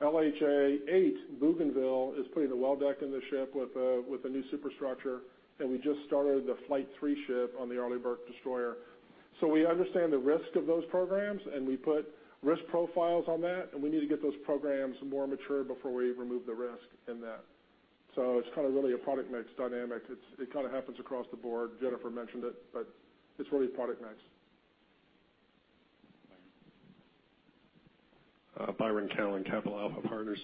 I: LHA 8, Bougainville, is putting a well deck in the ship with a new superstructure. And we just started the Flight III ship on the Arleigh Burke destroyer. So we understand the risk of those programs, and we put risk profiles on that. And we need to get those programs more mature before we remove the risk in that. So it's kind of really a product mix dynamic. It kind of happens across the board. Jennifer mentioned it, but it's really a product mix.
H: Byron Callan, Capital Alpha Partners.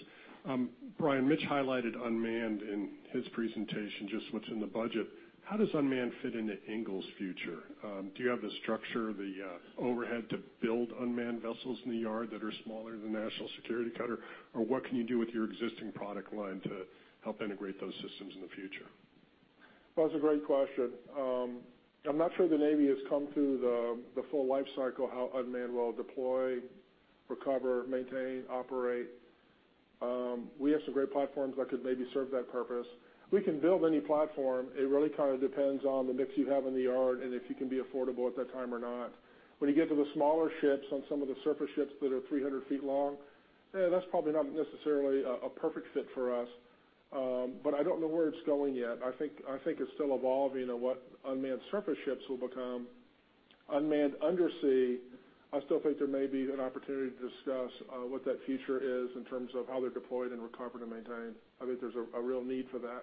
H: Brian, Mitch highlighted unmanned in his presentation just what's in the budget. How does unmanned fit into Ingalls' future? Do you have the structure, the overhead to build unmanned vessels in the yard that are smaller than the National Security Cutter? Or what can you do with your existing product line to help integrate those systems in the future?
I: That's a great question. I'm not sure the Navy has come through the full life cycle, how unmanned will deploy, recover, maintain, operate. We have some great platforms that could maybe serve that purpose. We can build any platform. It really kind of depends on the mix you have in the yard and if you can be affordable at that time or not. When you get to the smaller ships on some of the surface ships that are 300 ft long, that's probably not necessarily a perfect fit for us. But I don't know where it's going yet. I think it's still evolving on what unmanned surface ships will become. Unmanned undersea, I still think there may be an opportunity to discuss what that future is in terms of how they're deployed and recovered and maintained. I think there's a real need for that.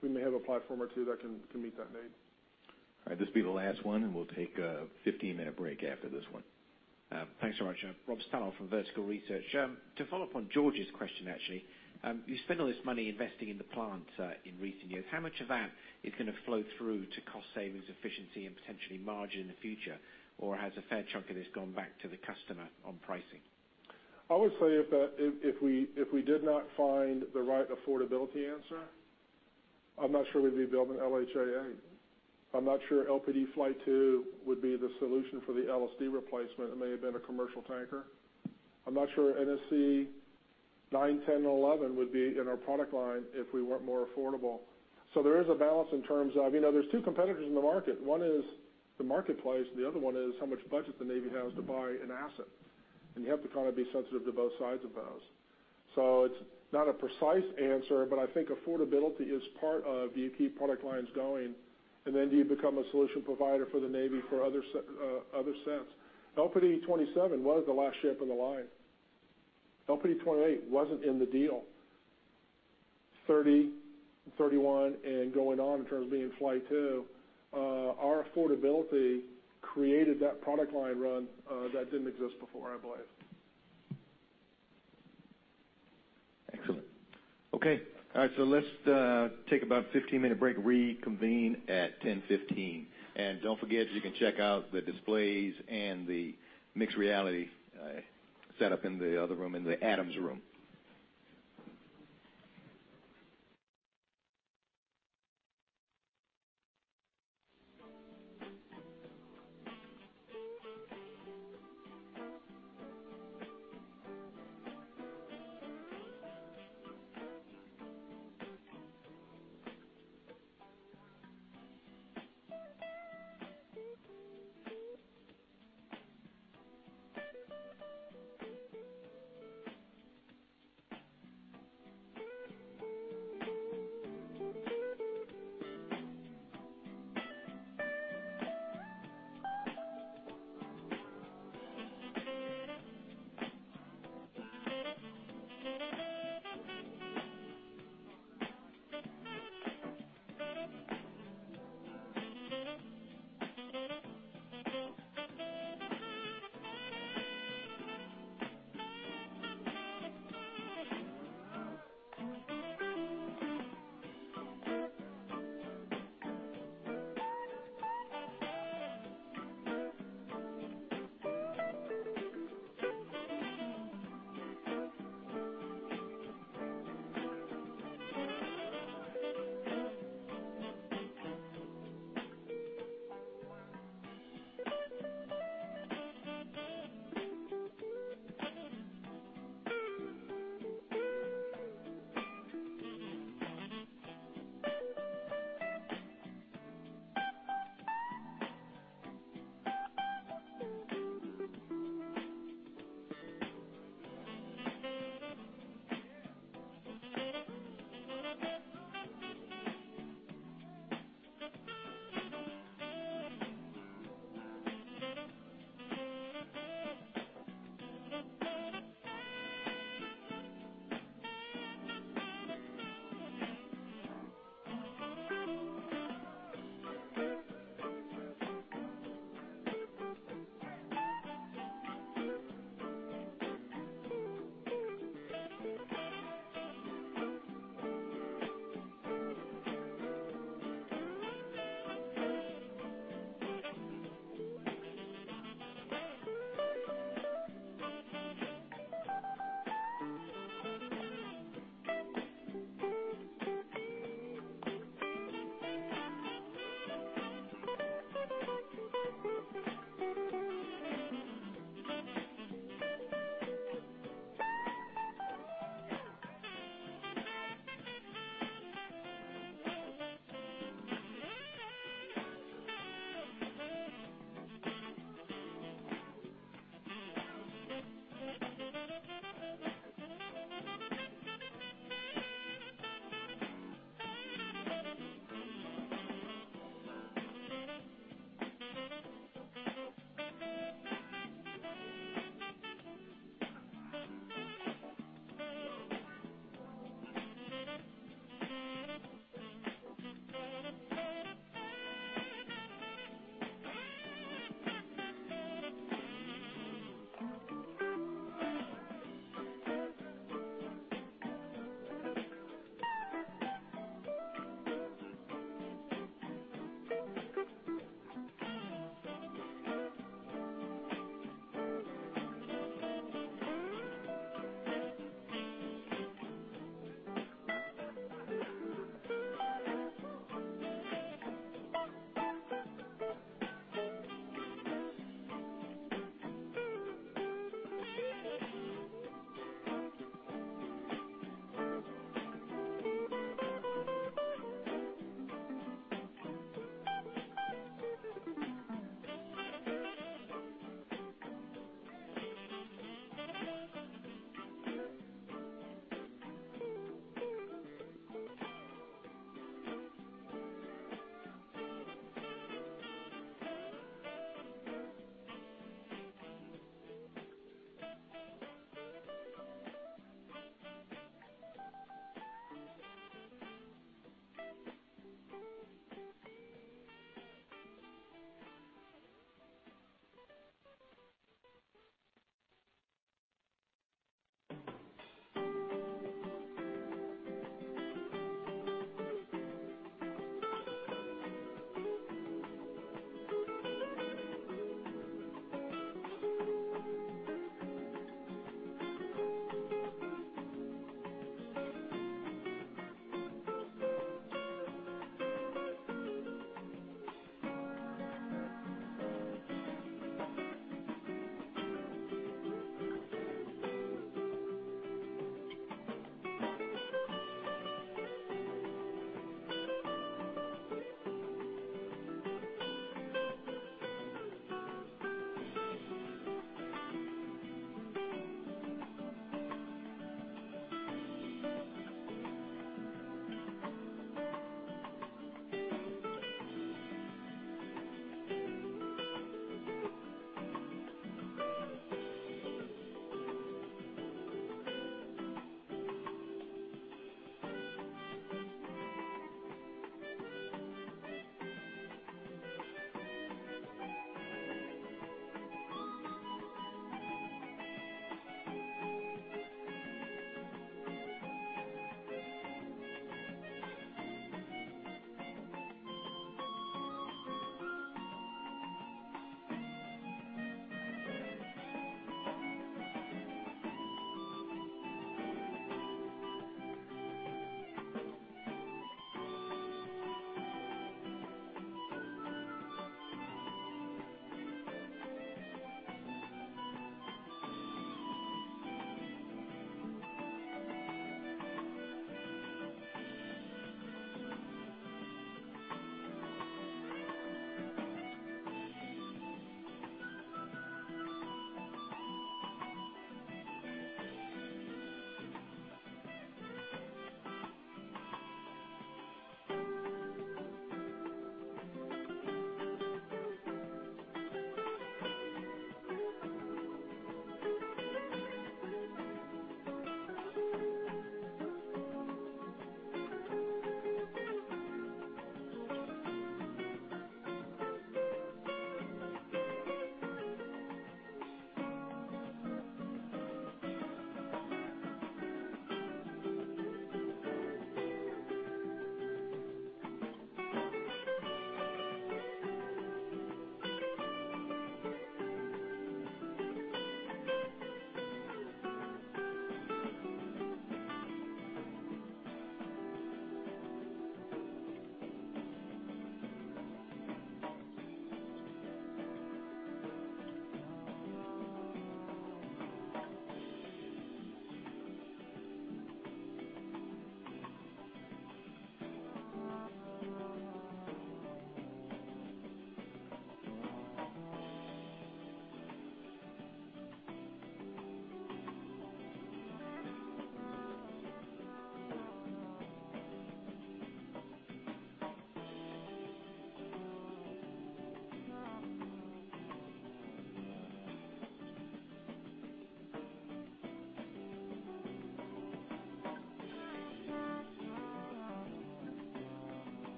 I: We may have a platform or two that can meet that need.
A: All right. This will be the last one, and we'll take a 15-minute break after this one.
K: Thanks so much. Rob Stallard from Vertical Research. To follow up on George's question, actually, you spent all this money investing in the plant in recent years. How much of that is going to flow through to cost savings, efficiency, and potentially margin in the future? Or has a fair chunk of this gone back to the customer on pricing?
I: I would say if we did not find the right affordability answer, I'm not sure we'd be building LHA 8. I'm not sure LPD Flight II would be the solution for the LSD replacement. It may have been a commercial tanker. I'm not sure NSC 9, NSC 10, and NSC 11 would be in our product line if we weren't more affordable. So there is a balance in terms of there's two competitors in the market. One is the marketplace. The other one is how much budget the Navy has to buy an asset. And you have to kind of be sensitive to both sides of those. So it's not a precise answer, but I think affordability is part of do you keep product lines going? And then do you become a solution provider for the Navy for other sets? LPD 27 was the last ship in the line. LPD 28 wasn't in the deal. LPD 30, LPD 31, and going on in terms of being Flight II, our affordability created that product line run that didn't exist before, I believe.
A: Excellent. Okay. All right. So let's take about a 15-minute break. Reconvene at 10:15 A.M. And don't forget, you can check out the displays and the mixed reality setup in the other room, in the Adams Room.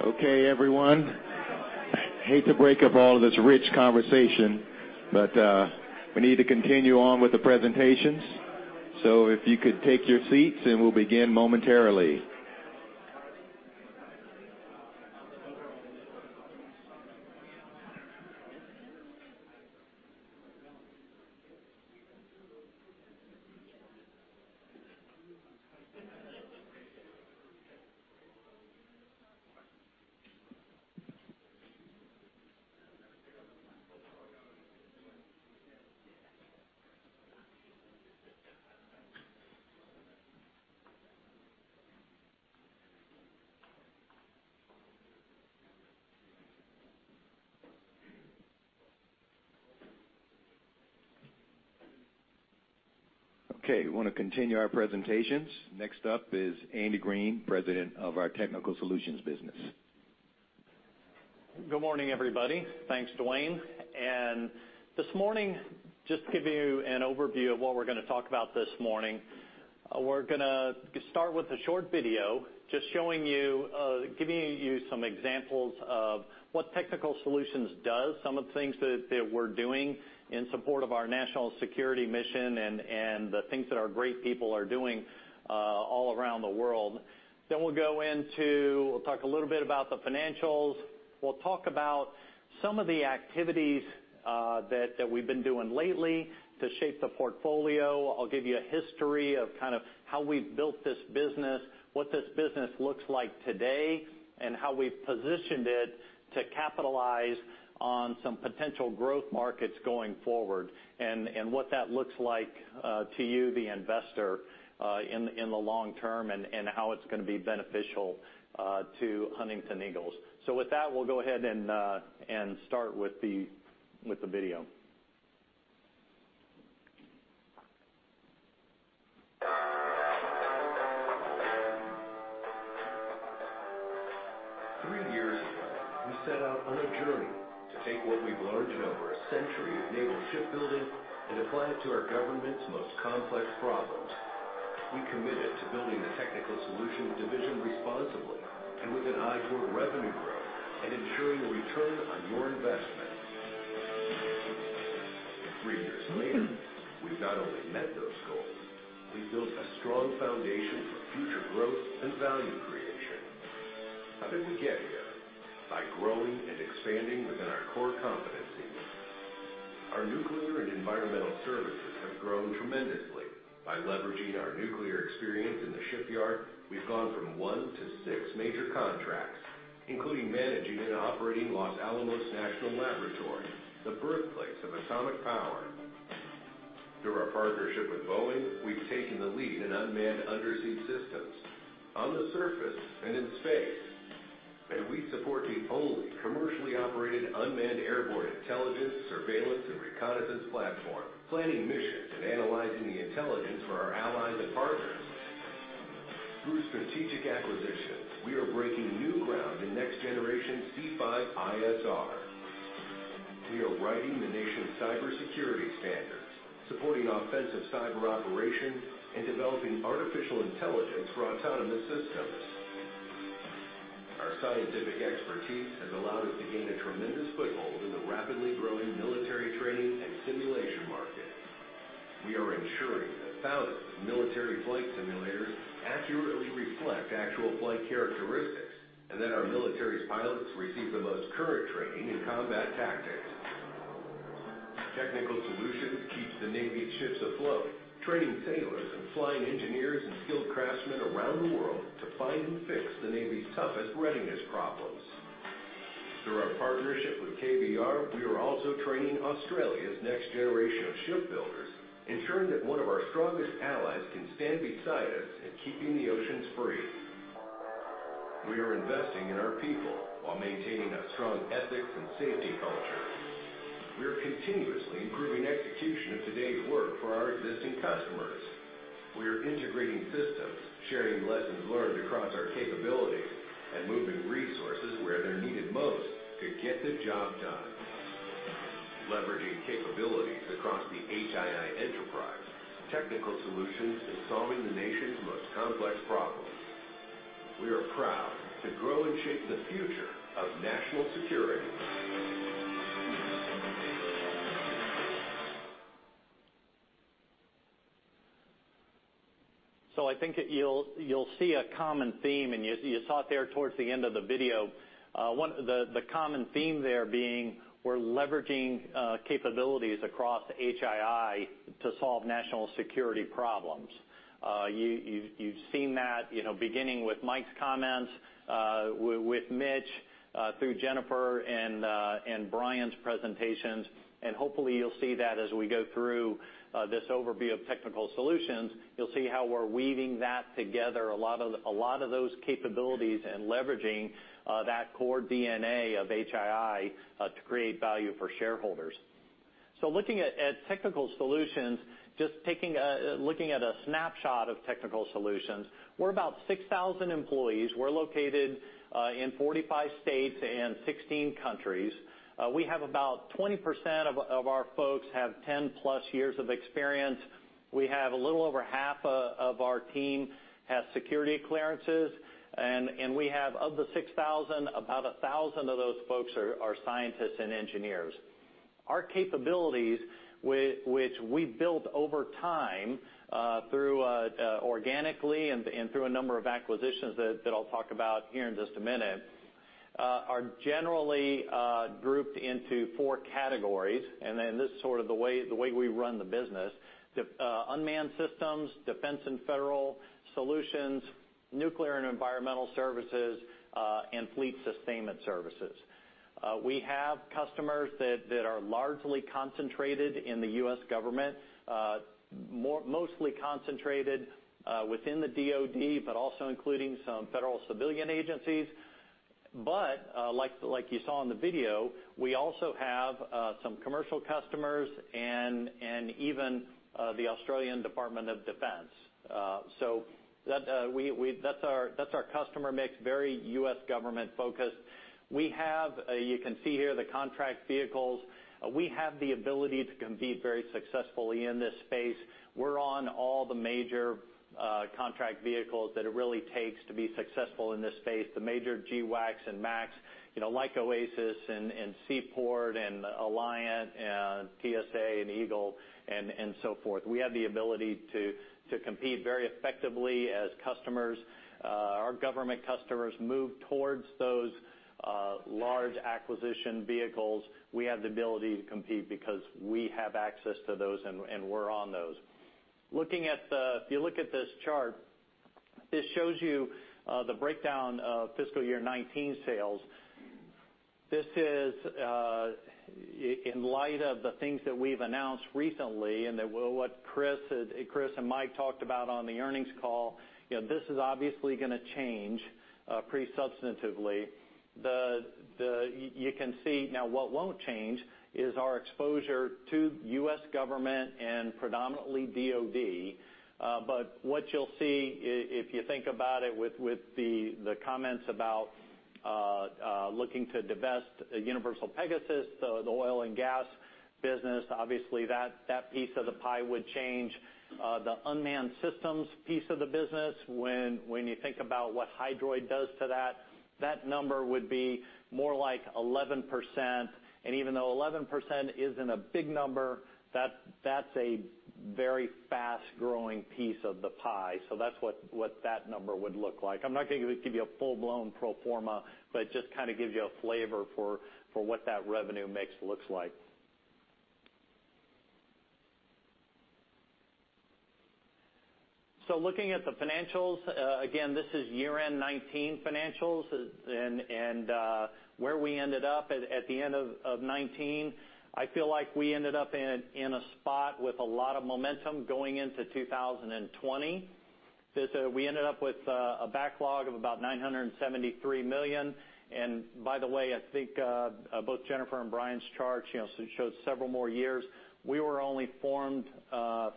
A: Okay, everyone. I hate to break up all of this rich conversation, but we need to continue on with the presentations. So if you could take your seats, and we'll begin momentarily. Okay, we want to continue our presentations. Next up is Andy Green, President of our Technical Solutions business.
L: Good morning, everybody. Thanks, Dwayne. And this morning, just to give you an overview of what we're going to talk about this morning, we're going to start with a short video just showing you, giving you some examples of what Technical Solutions does, some of the things that we're doing in support of our national security mission and the things that our great people are doing, all around the world. Then we'll go into, we'll talk a little bit about the financials. We'll talk about some of the activities that we've been doing lately to shape the portfolio. I'll give you a history of kind of how we've built this business, what this business looks like today, and how we've positioned it to capitalize on some potential growth markets going forward, and what that looks like, to you, the investor, in the long term and how it's going to be beneficial, to Huntington Ingalls. So with that, we'll go ahead and start with the video.
M: Three years ago, we set out on a journey to take what we've learned in over a century of naval shipbuilding and apply it to our government's most complex problems. We committed to building the Technical Solutions division responsibly and with an eye toward revenue growth and ensuring a return on your investment. Three years later, we've not only met those goals, we've built a strong foundation for future growth and value creation. How did we get here? By growing and expanding within our core competencies. Our Nuclear & Environmental Services have grown tremendously. By leveraging our nuclear experience in the shipyard, we've gone from one to six major contracts, including managing and operating Los Alamos National Laboratory, the birthplace of atomic power. Through our partnership with Boeing, we've taken the lead in unmanned undersea systems on the surface and in space. And we support the only commercially operated unmanned airborne intelligence, surveillance, and reconnaissance platform, planning missions and analyzing the intelligence for our allies and partners. Through strategic acquisitions, we are breaking new ground in next-generation C5ISR. We are writing the nation's cybersecurity standards, supporting offensive cyber operations, and developing artificial intelligence for autonomous systems. Our scientific expertise has allowed us to gain a tremendous foothold in the rapidly growing military training and simulation market. We are ensuring that thousands of military flight simulators accurately reflect actual flight characteristics and that our military's pilots receive the most current training in combat tactics. Technical Solutions keeps the Navy's ships afloat, training sailors and flying engineers and skilled craftsmen around the world to find and fix the Navy's toughest readiness problems. Through our partnership with KBR, we are also training Australia's next generation of shipbuilders, ensuring that one of our strongest allies can stand beside us in keeping the oceans free. We are investing in our people while maintaining a strong ethics and safety culture. We are continuously improving execution of today's work for our existing customers. We are integrating systems, sharing lessons learned across our capabilities, and moving resources where they're needed most to get the job done. Leveraging capabilities across the HII enterprise, Technical Solutions is solving the nation's most complex problems. We are proud to grow and shape the future of national security.
L: So I think that you'll see a common theme, and you saw it there towards the end of the video. One of the common theme there being we're leveraging capabilities across HII to solve national security problems. You've seen that, you know, beginning with Mike's comments, with Mitch, through Jennifer and Brian's presentations. And hopefully you'll see that as we go through this overview of Technical Solutions. You'll see how we're weaving that together, a lot of those capabilities and leveraging that core DNA of HII, to create value for shareholders. So looking at Technical Solutions, just looking at a snapshot of Technical Solutions, we're about 6,000 employees. We're located in 45 states and 16 countries. We have about 20% of our folks have 10+ years of experience. We have a little over half of our team has security clearances, and we have of the 6,000, about 1,000 of those folks are scientists and engineers. Our capabilities, which we've built over time through organically and through a number of acquisitions that I'll talk about here in just a minute, are generally grouped into four categories, and then this is sort of the way we run the business: unmanned systems, defense and federal solutions, Nuclear & Environmental Services, and Fleet Sustainment Services. We have customers that are largely concentrated in the U.S. government, mostly concentrated within the DoD, but also including some federal civilian agencies, but like you saw in the video, we also have some commercial customers and even the Australian Department of Defense, so that's our customer mix, very U.S. government focused. We have. You can see here the contract vehicles. We have the ability to compete very successfully in this space. We're on all the major contract vehicles that it really takes to be successful in this space: the major GWACs and MACs, you know, like OASIS and SeaPort and Alliant and TSA and Eagle and so forth. We have the ability to compete very effectively as customers. Our government customers move towards those large acquisition vehicles. We have the ability to compete because we have access to those and we're on those. Looking at, if you look at this chart, this shows you the breakdown of fiscal year 2019 sales. This is, in light of the things that we've announced recently and that what Chris and Mike talked about on the earnings call, you know, this is obviously going to change pretty substantively. Then you can see now what won't change is our exposure to the U.S. government and predominantly DoD. But what you'll see if you think about it with the comments about looking to divest UniversalPegasus, the oil and gas business, obviously that piece of the pie would change. The unmanned systems piece of the business, when you think about what Hydroid does to that, that number would be more like 11%. And even though 11% isn't a big number, that's a very fast-growing piece of the pie. So that's what that number would look like. I'm not going to give you a full-blown pro forma, but just kind of give you a flavor for what that revenue mix looks like. Looking at the financials, again, this is year-end 2019 financials and where we ended up at the end of 2019. I feel like we ended up in a spot with a lot of momentum going into 2020. We ended up with a backlog of about $973 million. By the way, I think both Jennifer and Brian's chart, you know, showed several more years. We were only formed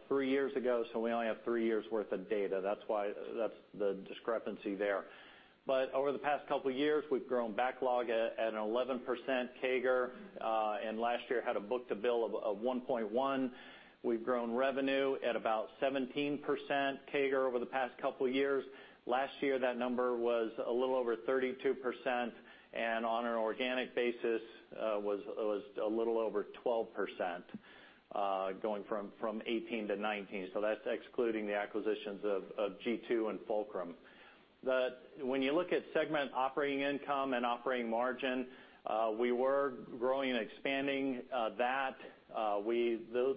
L: three years ago, so we only have three years' worth of data. That's why the discrepancy there. Over the past couple of years, we've grown backlog at an 11% CAGR, and last year had a book to bill of 1.1. We've grown revenue at about 17% CAGR over the past couple of years. Last year, that number was a little over 32%, and on an organic basis, was a little over 12%, going from 2018 to 2019. So that's excluding the acquisitions of G2 and Fulcrum. But when you look at segment operating income and operating margin, we were growing and expanding that.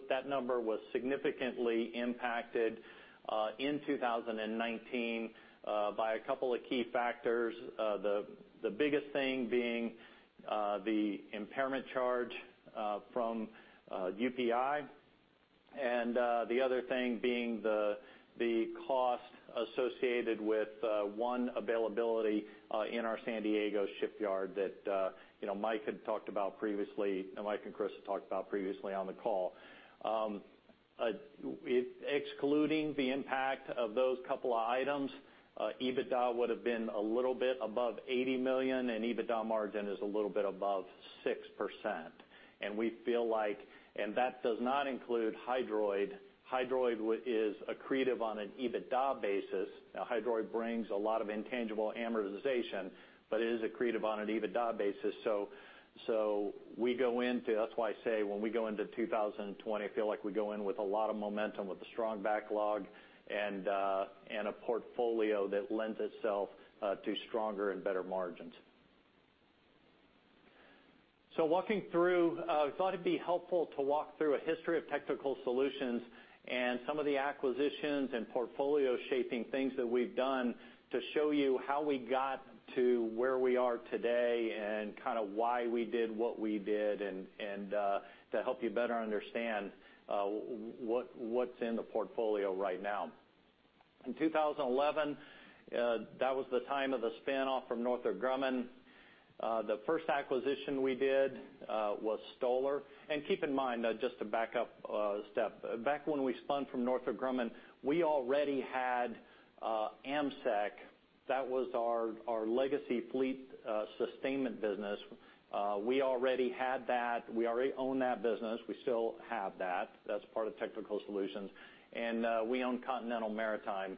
L: That number was significantly impacted, in 2019, by a couple of key factors. The biggest thing being the impairment charge from UPI. And the other thing being the cost associated with one availability in our San Diego shipyard that you know Mike had talked about previously, and Mike and Chris had talked about previously on the call. Excluding the impact of those couple of items, EBITDA would have been a little bit above $80 million, and EBITDA margin is a little bit above 6%, and we feel like, and that does not include Hydroid. Hydroid is accretive on an EBITDA basis. Now, Hydroid brings a lot of intangible amortization, but it is accretive on an EBITDA basis. So we go into that's why I say when we go into 2020, I feel like we go in with a lot of momentum, with a strong backlog, and a portfolio that lends itself to stronger and better margins. So walking through, I thought it'd be helpful to walk through a history of Technical Solutions and some of the acquisitions and portfolio shaping things that we've done to show you how we got to where we are today and kind of why we did what we did and to help you better understand what's in the portfolio right now. In 2011, that was the time of the spin-off from Northrop Grumman. The first acquisition we did was Stoller. Keep in mind, just to back up a step. Back when we spun from Northrop Grumman, we already had AMSEC. That was our legacy fleet sustainment business. We already had that. We already own that business. We still have that. That's part of Technical Solutions. And we own Continental Maritime,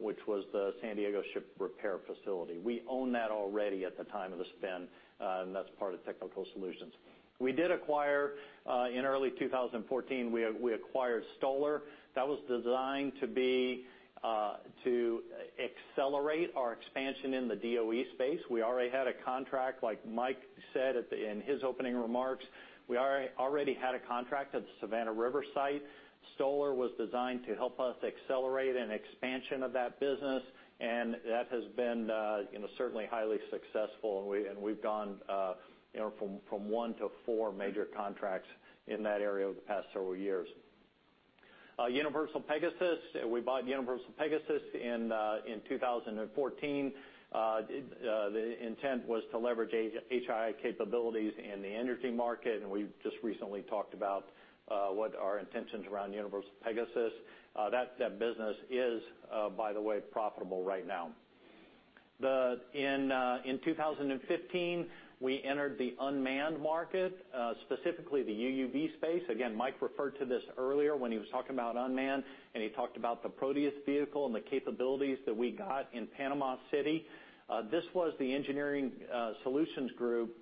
L: which was the San Diego ship repair facility. We own that already at the time of the spin, and that's part of Technical Solutions. We did acquire, in early 2014, we acquired Stoller. That was designed to be to accelerate our expansion in the DOE space. We already had a contract, like Mike said in his opening remarks. We already had a contract at the Savannah River Site. Stoller was designed to help us accelerate an expansion of that business, and that has been, you know, certainly highly successful. We've gone, you know, from one to four major contracts in that area over the past several years. UniversalPegasus. We bought UniversalPegasus in 2014. The intent was to leverage HII capabilities in the energy market, and we just recently talked about what our intentions around UniversalPegasus are. That business is, by the way, profitable right now. In 2015, we entered the unmanned market, specifically the UUV space. Again, Mike referred to this earlier when he was talking about unmanned, and he talked about the Proteus vehicle and the capabilities that we got in Panama City. This was the Engineering Solutions Group,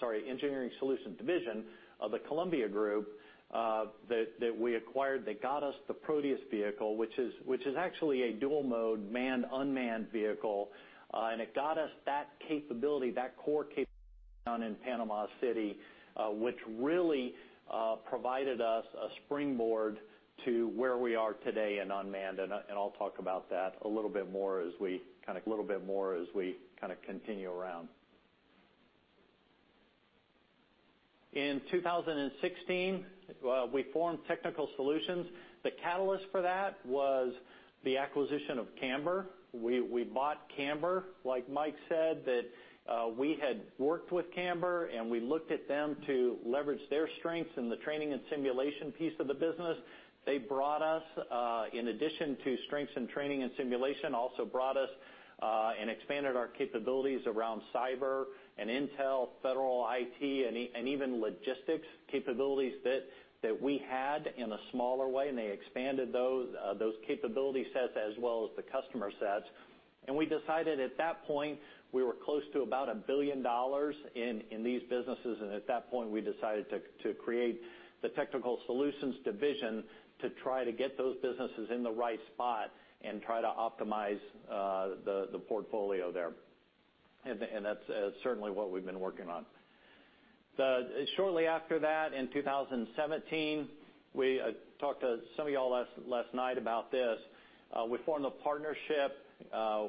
L: sorry, Engineering Solutions Division of the Columbia Group that we acquired that got us the Proteus vehicle, which is actually a dual-mode manned-unmanned vehicle. And it got us that capability, that core capability down in Panama City, which really provided us a springboard to where we are today in unmanned. And I'll talk about that a little bit more as we kind of continue around. In 2016, we formed Technical Solutions. The catalyst for that was the acquisition of Camber. We bought Camber, like Mike said, that we had worked with Camber, and we looked at them to leverage their strengths in the training and simulation piece of the business. They brought us, in addition to strengths in training and simulation, and expanded our capabilities around cyber and intel, federal IT, and even logistics capabilities that we had in a smaller way. And they expanded those capability sets as well as the customer sets. And we decided at that point, we were close to about $1 billion in these businesses. And at that point, we decided to create the Technical Solutions division to try to get those businesses in the right spot and try to optimize the portfolio there. And that's certainly what we've been working on. Shortly after that, in 2017, we talked to some of y'all last night about this. We formed a partnership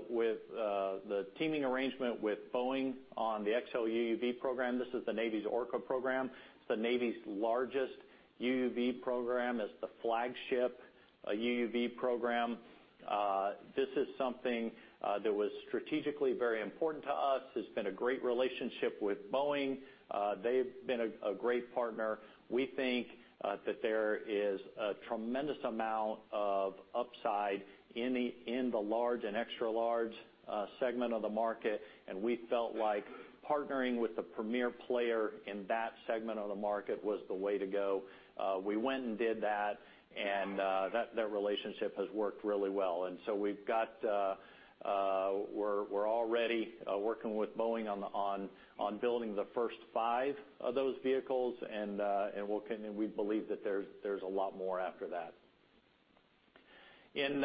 L: with the teaming arrangement with Boeing on the XLUUV program. This is the Navy's Orca program. It's the Navy's largest UUV program. It's the flagship UUV program. This is something that was strategically very important to us. It's been a great relationship with Boeing. They've been a great partner. We think that there is a tremendous amount of upside in the large and extra-large segment of the market. And we felt like partnering with the premier player in that segment of the market was the way to go. We went and did that, and that relationship has worked really well. And so we've got. We're already working with Boeing on building the first five of those vehicles. And we'll continue. We believe that there's a lot more after that. In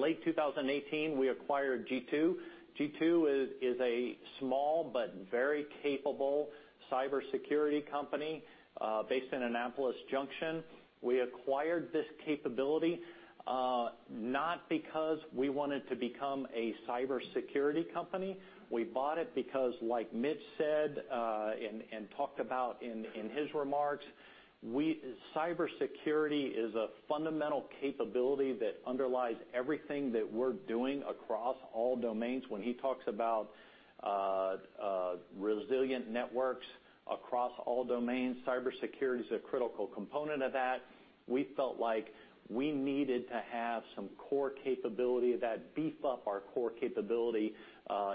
L: late 2018, we acquired G2. G2 is a small but very capable cybersecurity company, based in Annapolis Junction. We acquired this capability, not because we wanted to become a cybersecurity company. We bought it because, like Mitch said and talked about in his remarks, cybersecurity is a fundamental capability that underlies everything that we're doing across all domains. When he talks about resilient networks across all domains, cybersecurity is a critical component of that. We felt like we needed to have some core capability that beef up our core capability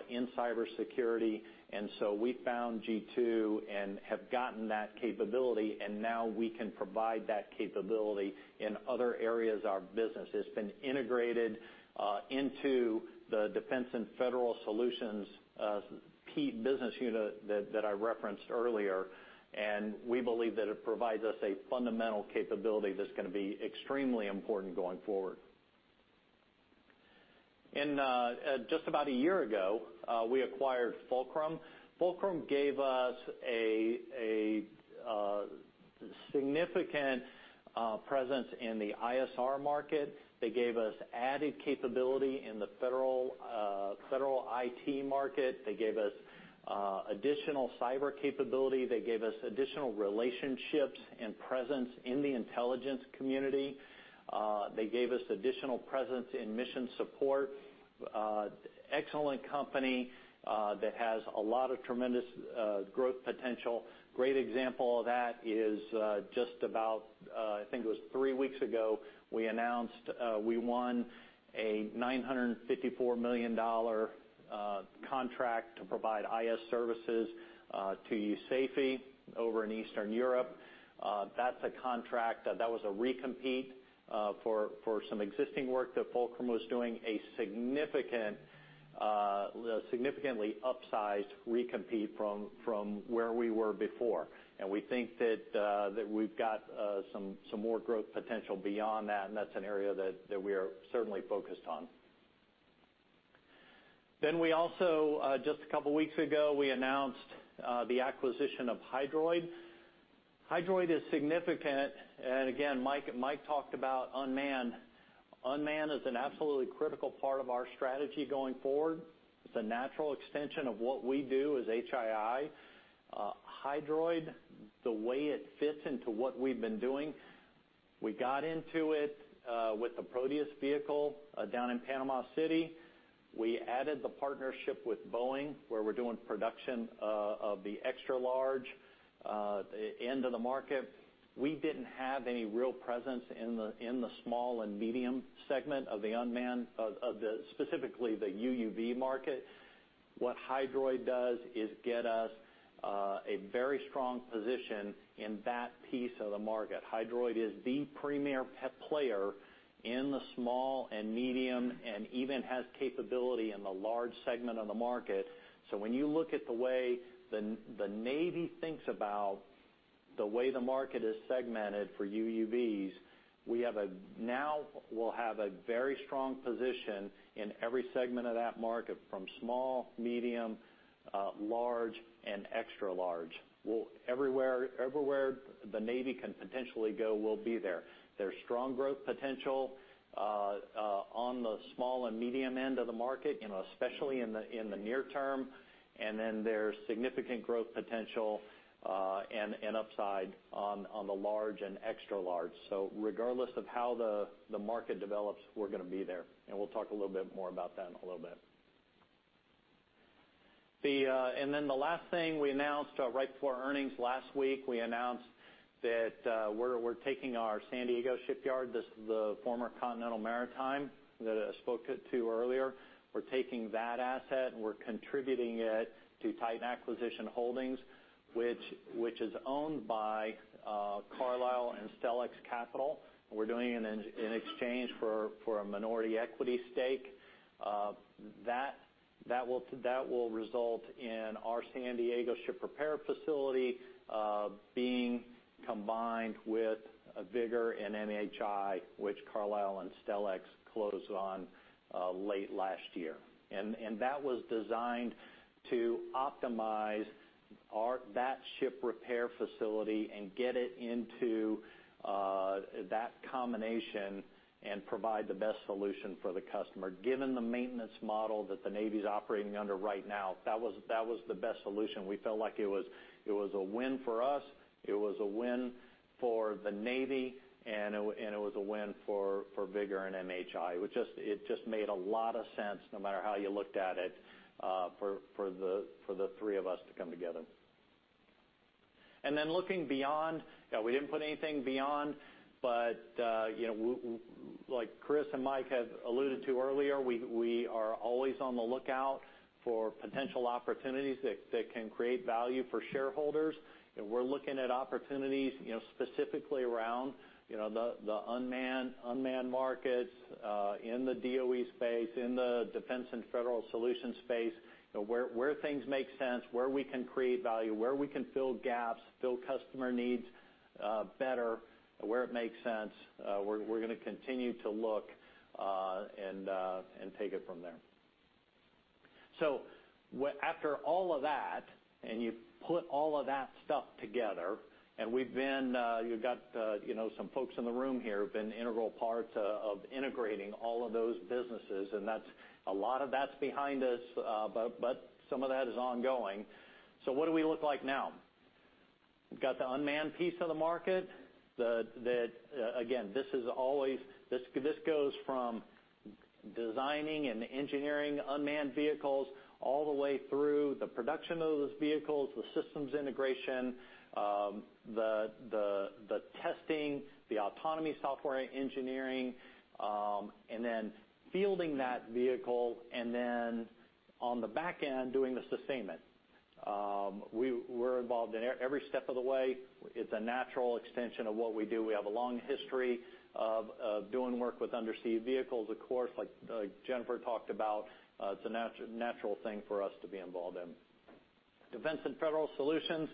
L: in cybersecurity. And so we found G2 and have gotten that capability. And now we can provide that capability in other areas of our business. It's been integrated into the Defense and Federal Solutions business unit that I referenced earlier. And we believe that it provides us a fundamental capability that's going to be extremely important going forward. In just about a year ago, we acquired Fulcrum. Fulcrum gave us a significant presence in the ISR market. They gave us added capability in the federal IT market. They gave us additional cyber capability. They gave us additional relationships and presence in the intelligence community. They gave us additional presence in mission support. Excellent company that has a lot of tremendous growth potential. Great example of that is, just about, I think it was three weeks ago, we announced we won a $954 million contract to provide IT services to USAFE over in Eastern Europe. That's a contract that was a recompete for some existing work that Fulcrum was doing, a significantly upsized recompete from where we were before. And we think that we've got some more growth potential beyond that. And that's an area that we are certainly focused on. Then we also, just a couple of weeks ago, we announced the acquisition of Hydroid. Hydroid is significant. And again, Mike talked about unmanned. Unmanned is an absolutely critical part of our strategy going forward. It's a natural extension of what we do as HII. Hydroid, the way it fits into what we've been doing, we got into it with the Proteus vehicle down in Panama City. We added the partnership with Boeing, where we're doing production of the extra-large end of the market. We didn't have any real presence in the small and medium segment of the unmanned, specifically the UUV market. What Hydroid does is get us a very strong position in that piece of the market. Hydroid is the premier player in the small and medium and even has capability in the large segment of the market. So when you look at the way the Navy thinks about the way the market is segmented for UUVs, we'll now have a very strong position in every segment of that market from small, medium, large, and extra-large. Everywhere the Navy can potentially go, we'll be there. There's strong growth potential on the small and medium end of the market, you know, especially in the near term. And then there's significant growth potential and upside on the large and extra-large. So regardless of how the market develops, we're going to be there. And we'll talk a little bit more about that in a little bit. And then the last thing we announced right before earnings last week, we announced that we're taking our San Diego shipyard, the former Continental Maritime that I spoke to earlier. We're taking that asset, and we're contributing it to Titan Acquisition Holdings, which is owned by Carlyle and Stellex Capital. We're doing an exchange for a minority equity stake. that will result in our San Diego ship repair facility being combined with Vigor and MHI, which Carlyle and Stellex closed on late last year. And that was designed to optimize our ship repair facility and get it into that combination and provide the best solution for the customer, given the maintenance model that the Navy's operating under right now. That was the best solution. We felt like it was a win for us. It was a win for the Navy. And it was a win for Vigor and MHI. It just made a lot of sense, no matter how you looked at it, for the three of us to come together. And then looking beyond, yeah, we didn't put anything beyond, but, you know, we like Chris and Mike have alluded to earlier, we are always on the lookout for potential opportunities that can create value for shareholders. And we're looking at opportunities, you know, specifically around, you know, the unmanned markets, in the DOE space, in the Defense and Federal Solutions space, you know, where things make sense, where we can create value, where we can fill gaps, fill customer needs, better, where it makes sense. We're going to continue to look, and take it from there. So after all of that, and you put all of that stuff together, and we've been, you've got, you know, some folks in the room here have been integral parts of integrating all of those businesses. That's a lot of that that's behind us, but some of that is ongoing. What do we look like now? We've got the unmanned piece of the market. That, again, this always goes from designing and engineering unmanned vehicles all the way through the production of those vehicles, the systems integration, the testing, the autonomy software engineering, and then fielding that vehicle, and then on the back end, doing the sustainment. We're involved in every step of the way. It's a natural extension of what we do. We have a long history of doing work with undersea vehicles, of course, like Jennifer talked about. It's a natural thing for us to be involved in. Defense and Federal Solutions,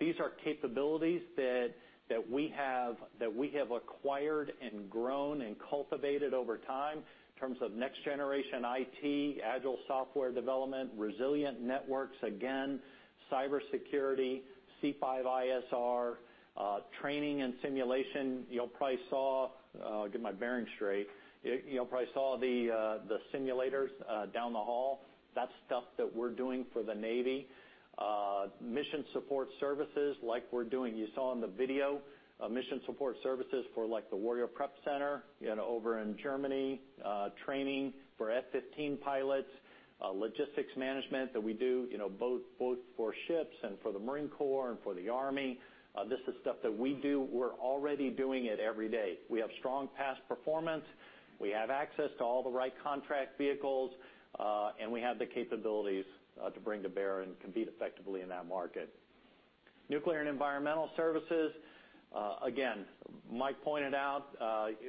L: these are capabilities that we have acquired and grown and cultivated over time in terms of next-generation IT, Agile software development, resilient networks, again, cybersecurity, C5ISR, training and simulation. You probably saw the simulators down the hall. That's stuff that we're doing for the Navy. Mission support services, like we're doing, you saw in the video, mission support services for, like, the Warrior Preparation Center, you know, over in Germany, training for F-15 pilots, logistics management that we do, you know, both for ships and for the Marine Corps and for the Army. This is stuff that we do. We're already doing it every day. We have strong past performance. We have access to all the right contract vehicles. And we have the capabilities to bring to bear and compete effectively in that market. Nuclear & Environmental Services, again, Mike pointed out,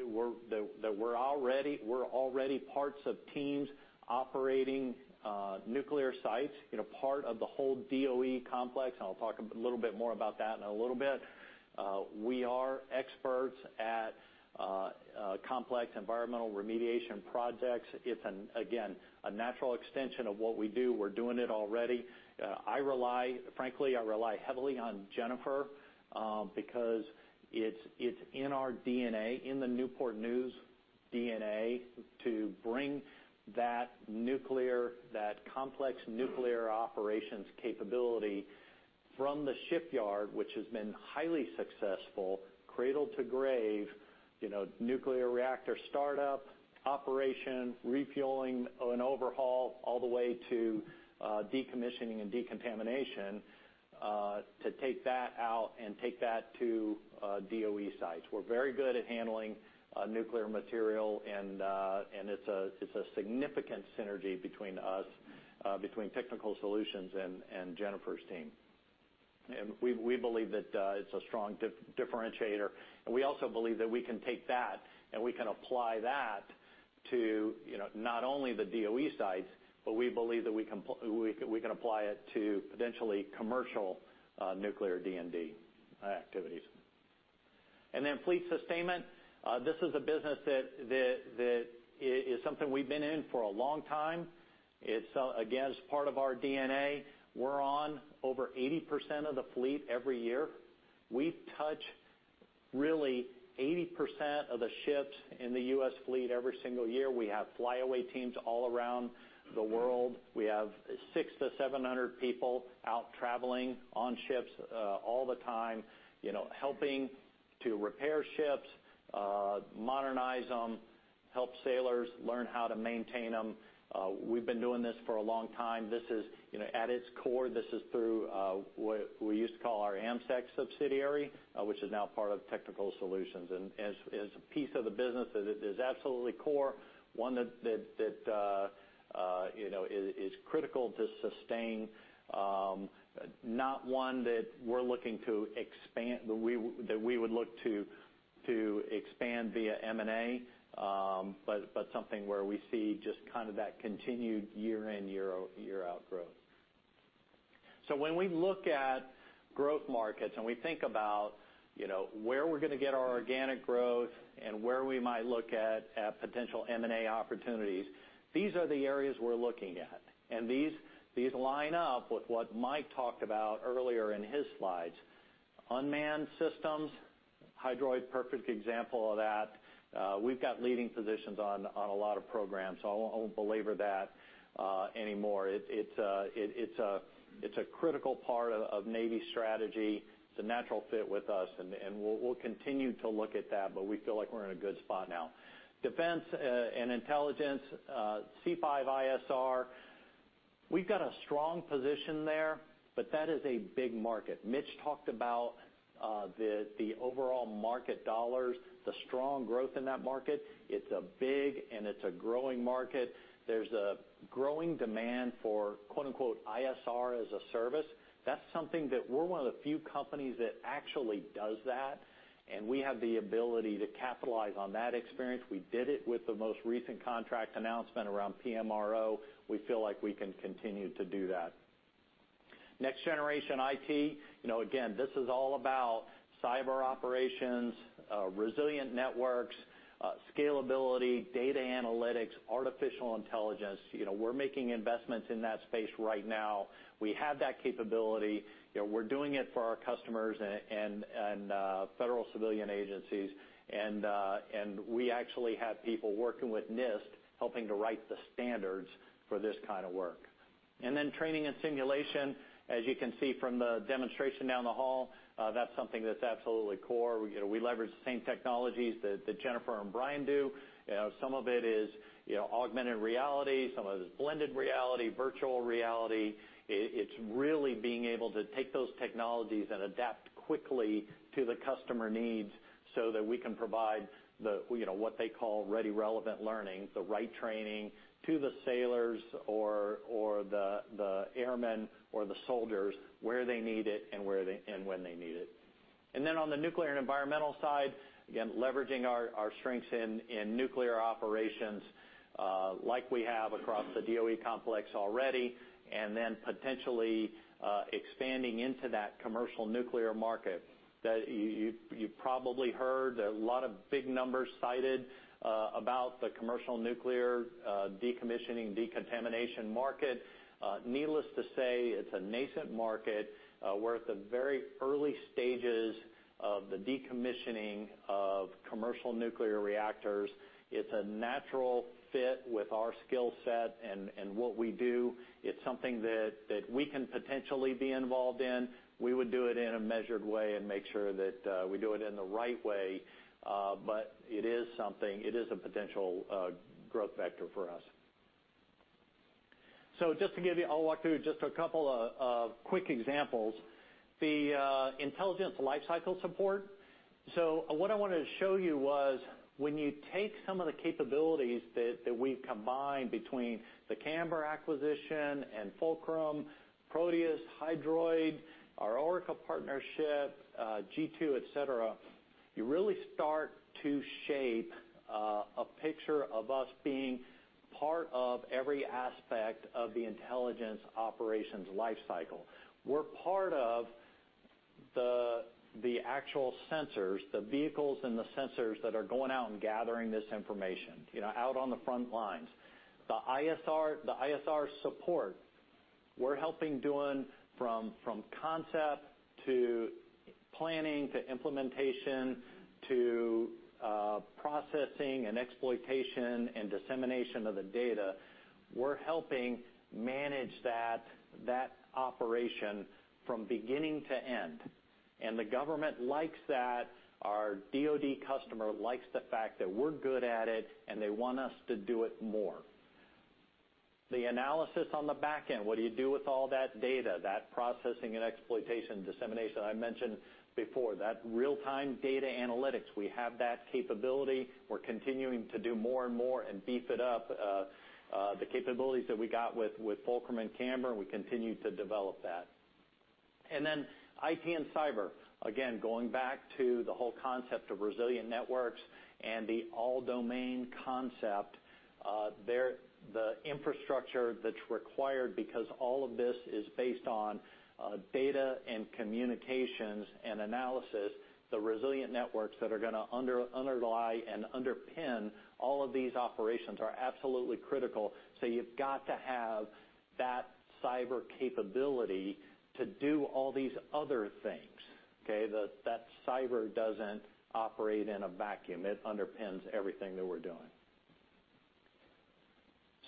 L: we're already parts of teams operating nuclear sites, you know, part of the whole DOE complex. And I'll talk a little bit more about that in a little bit. We are experts at complex environmental remediation projects. It's an, again, a natural extension of what we do. We're doing it already. I rely, frankly, heavily on Jennifer, because it's in our DNA, in the Newport News DNA, to bring that nuclear, complex nuclear operations capability from the shipyard, which has been highly successful, cradle to grave, you know, nuclear reactor startup, operation, refueling and overhaul, all the way to decommissioning and decontamination, to take that out and take that to DOE sites. We're very good at handling nuclear material. It's a significant synergy between Technical Solutions and Jennifer's team. We believe that it's a strong differentiator. We also believe that we can take that and we can apply that to, you know, not only the DOE sites, but we believe that we can apply it to potentially commercial nuclear D&D activities. Fleet sustainment is a business that is something we've been in for a long time. It's again part of our DNA. We're on over 80% of the fleet every year. We touch really 80% of the ships in the U.S. fleet every single year. We have flyaway teams all around the world. We have 600-700 people out traveling on ships all the time, you know, helping to repair ships, modernize them, help sailors learn how to maintain them. We've been doing this for a long time. This is, you know, at its core, this is through what we used to call our AMSEC subsidiary, which is now part of Technical Solutions, and as a piece of the business that is absolutely core, one that, you know, is critical to sustain, not one that we're looking to expand that we would look to expand via M&A, but something where we see just kind of that continued year-in, year-out growth. So when we look at growth markets and we think about, you know, where we're going to get our organic growth and where we might look at potential M&A opportunities, these are the areas we're looking at. These line up with what Mike talked about earlier in his slides. Unmanned systems, Hydroid's perfect example of that. We've got leading positions on a lot of programs. I won't belabor that anymore. It's a critical part of Navy strategy. It's a natural fit with us. We'll continue to look at that, but we feel like we're in a good spot now. Defense and intelligence, C5ISR, we've got a strong position there, but that is a big market. Mitch talked about the overall market dollars, the strong growth in that market. It's a big and it's a growing market. There's a growing demand for, quote-unquote, "ISR as a service." That's something that we're one of the few companies that actually does that. And we have the ability to capitalize on that experience. We did it with the most recent contract announcement around PMRO. We feel like we can continue to do that. Next-generation IT, you know, again, this is all about cyber operations, resilient networks, scalability, data analytics, artificial intelligence. You know, we're making investments in that space right now. We have that capability. You know, we're doing it for our customers and federal civilian agencies. And we actually have people working with NIST helping to write the standards for this kind of work. And then training and simulation, as you can see from the demonstration down the hall, that's something that's absolutely core. You know, we leverage the same technologies that Jennifer and Brian do. You know, some of it is, you know, augmented reality. Some of it is blended reality, virtual reality. It's really being able to take those technologies and adapt quickly to the customer needs so that we can provide the, you know, what they call Ready Relevant Learning, the right training to the sailors or the airmen or the soldiers where they need it and where and when they need it. And then on the nuclear and environmental side, again, leveraging our strengths in nuclear operations, like we have across the DOE complex already, and then potentially, expanding into that commercial nuclear market that you've probably heard a lot of big numbers cited, about the commercial nuclear, decommissioning, decontamination market. Needless to say, it's a nascent market. We're at the very early stages of the decommissioning of commercial nuclear reactors. It's a natural fit with our skill set and what we do. It's something that we can potentially be involved in. We would do it in a measured way and make sure that we do it in the right way. But it is something. It is a potential growth vector for us. So just to give you, I'll walk through just a couple of quick examples. The intelligence lifecycle support. So what I wanted to show you was when you take some of the capabilities that we've combined between the Camber acquisition and Fulcrum, Proteus, Hydroid, our Orca partnership, G2, etc., you really start to shape a picture of us being part of every aspect of the intelligence operations lifecycle. We're part of the actual sensors, the vehicles and the sensors that are going out and gathering this information, you know, out on the front lines. The ISR support, we're helping doing from concept to planning to implementation to processing and exploitation and dissemination of the data. We're helping manage that operation from beginning to end. The government likes that. Our DoD customer likes the fact that we're good at it, and they want us to do it more. The analysis on the back end, what do you do with all that data, that processing and exploitation, dissemination I mentioned before, that real-time data analytics, we have that capability. We're continuing to do more and more and beef it up. The capabilities that we got with Fulcrum and Camber, we continue to develop that. And then IT and cyber, again, going back to the whole concept of resilient networks and the all-domain concept, there the infrastructure that's required because all of this is based on data and communications and analysis. The resilient networks that are going to underlie and underpin all of these operations are absolutely critical. So you've got to have that cyber capability to do all these other things, okay, that cyber doesn't operate in a vacuum. It underpins everything that we're doing.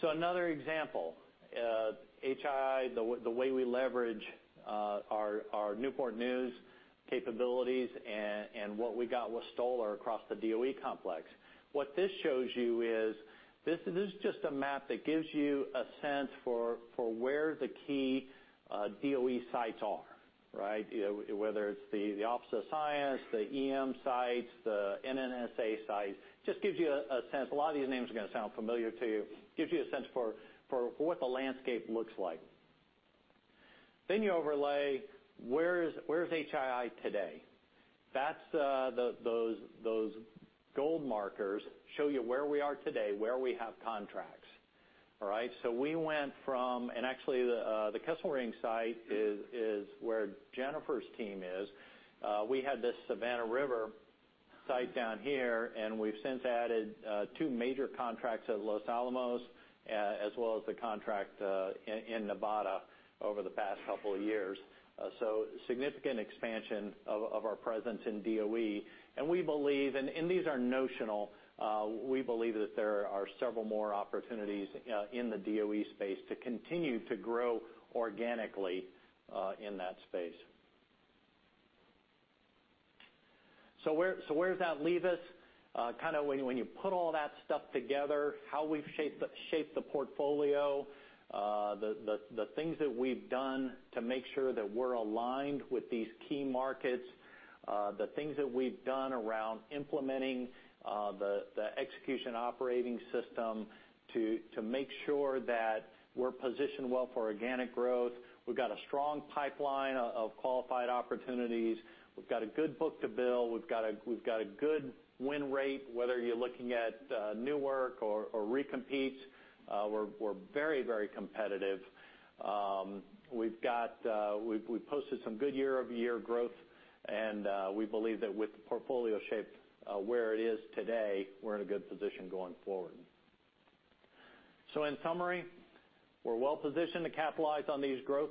L: So another example, HII, the way we leverage our Newport News capabilities and what we got with Stoller across the DOE complex. What this shows you is this is just a map that gives you a sense for where the key DOE sites are, right, whether it's the Office of Science, the EM sites, the NNSA sites. It just gives you a sense. A lot of these names are going to sound familiar to you. It gives you a sense for what the landscape looks like. Then you overlay where is HII today. That's the gold markers show you where we are today, where we have contracts, all right? So we went from and actually, the Kesselring site is where Jennifer's team is. We had this Savannah River Site down here, and we've since added two major contracts at Los Alamos, as well as the contract in Nevada over the past couple of years. So significant expansion of our presence in DOE. And we believe and these are notional. We believe that there are several more opportunities in the DOE space to continue to grow organically in that space. So where does that leave us? Kind of when you put all that stuff together, how we've shaped the portfolio, the things that we've done to make sure that we're aligned with these key markets, the things that we've done around implementing the execution operating system to make sure that we're positioned well for organic growth. We've got a strong pipeline of qualified opportunities. We've got a good book-to-bill. We've got a good win rate, whether you're looking at new work or recompetes. We're very competitive. We've posted some good year-over-year growth. And we believe that with the portfolio shaped where it is today, we're in a good position going forward. In summary, we're well positioned to capitalize on these growth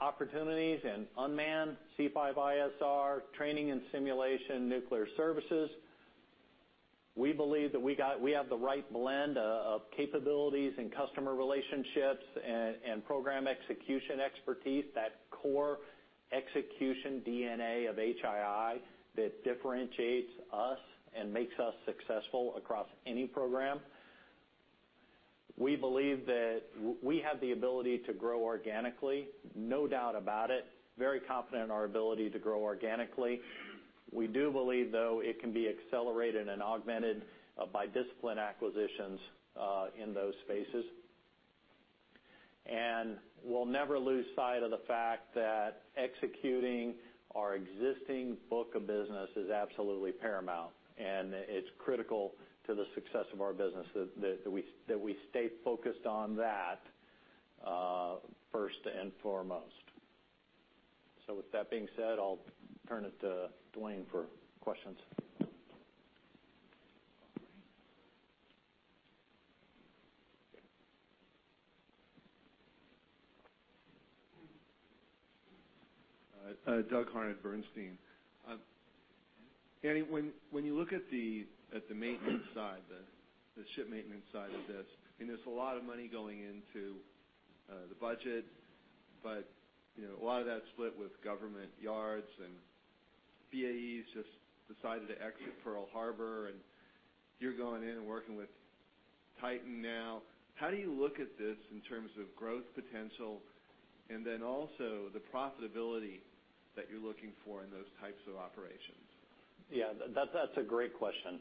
L: opportunities and unmanned C5ISR, training and simulation, nuclear services. We believe that we have the right blend of capabilities and customer relationships and program execution expertise, that core execution DNA of HII that differentiates us and makes us successful across any program. We believe that we have the ability to grow organically, no doubt about it, very confident in our ability to grow organically. We do believe, though, it can be accelerated and augmented by disciplined acquisitions in those spaces. We'll never lose sight of the fact that executing our existing book of business is absolutely paramount. It's critical to the success of our business that we stay focused on that, first and foremost. With that being said, I'll turn it to Dwayne for questions.
F: Doug Harned, Bernstein. Andy, when you look at the maintenance side, the ship maintenance side of this, I mean, there's a lot of money going into the budget, but, you know, a lot of that's split with government yards, and BAE's just decided to exit Pearl Harbor. And you're going in and working with Titan now. How do you look at this in terms of growth potential and then also the profitability that you're looking for in those types of operations?
L: Yeah, that's a great question.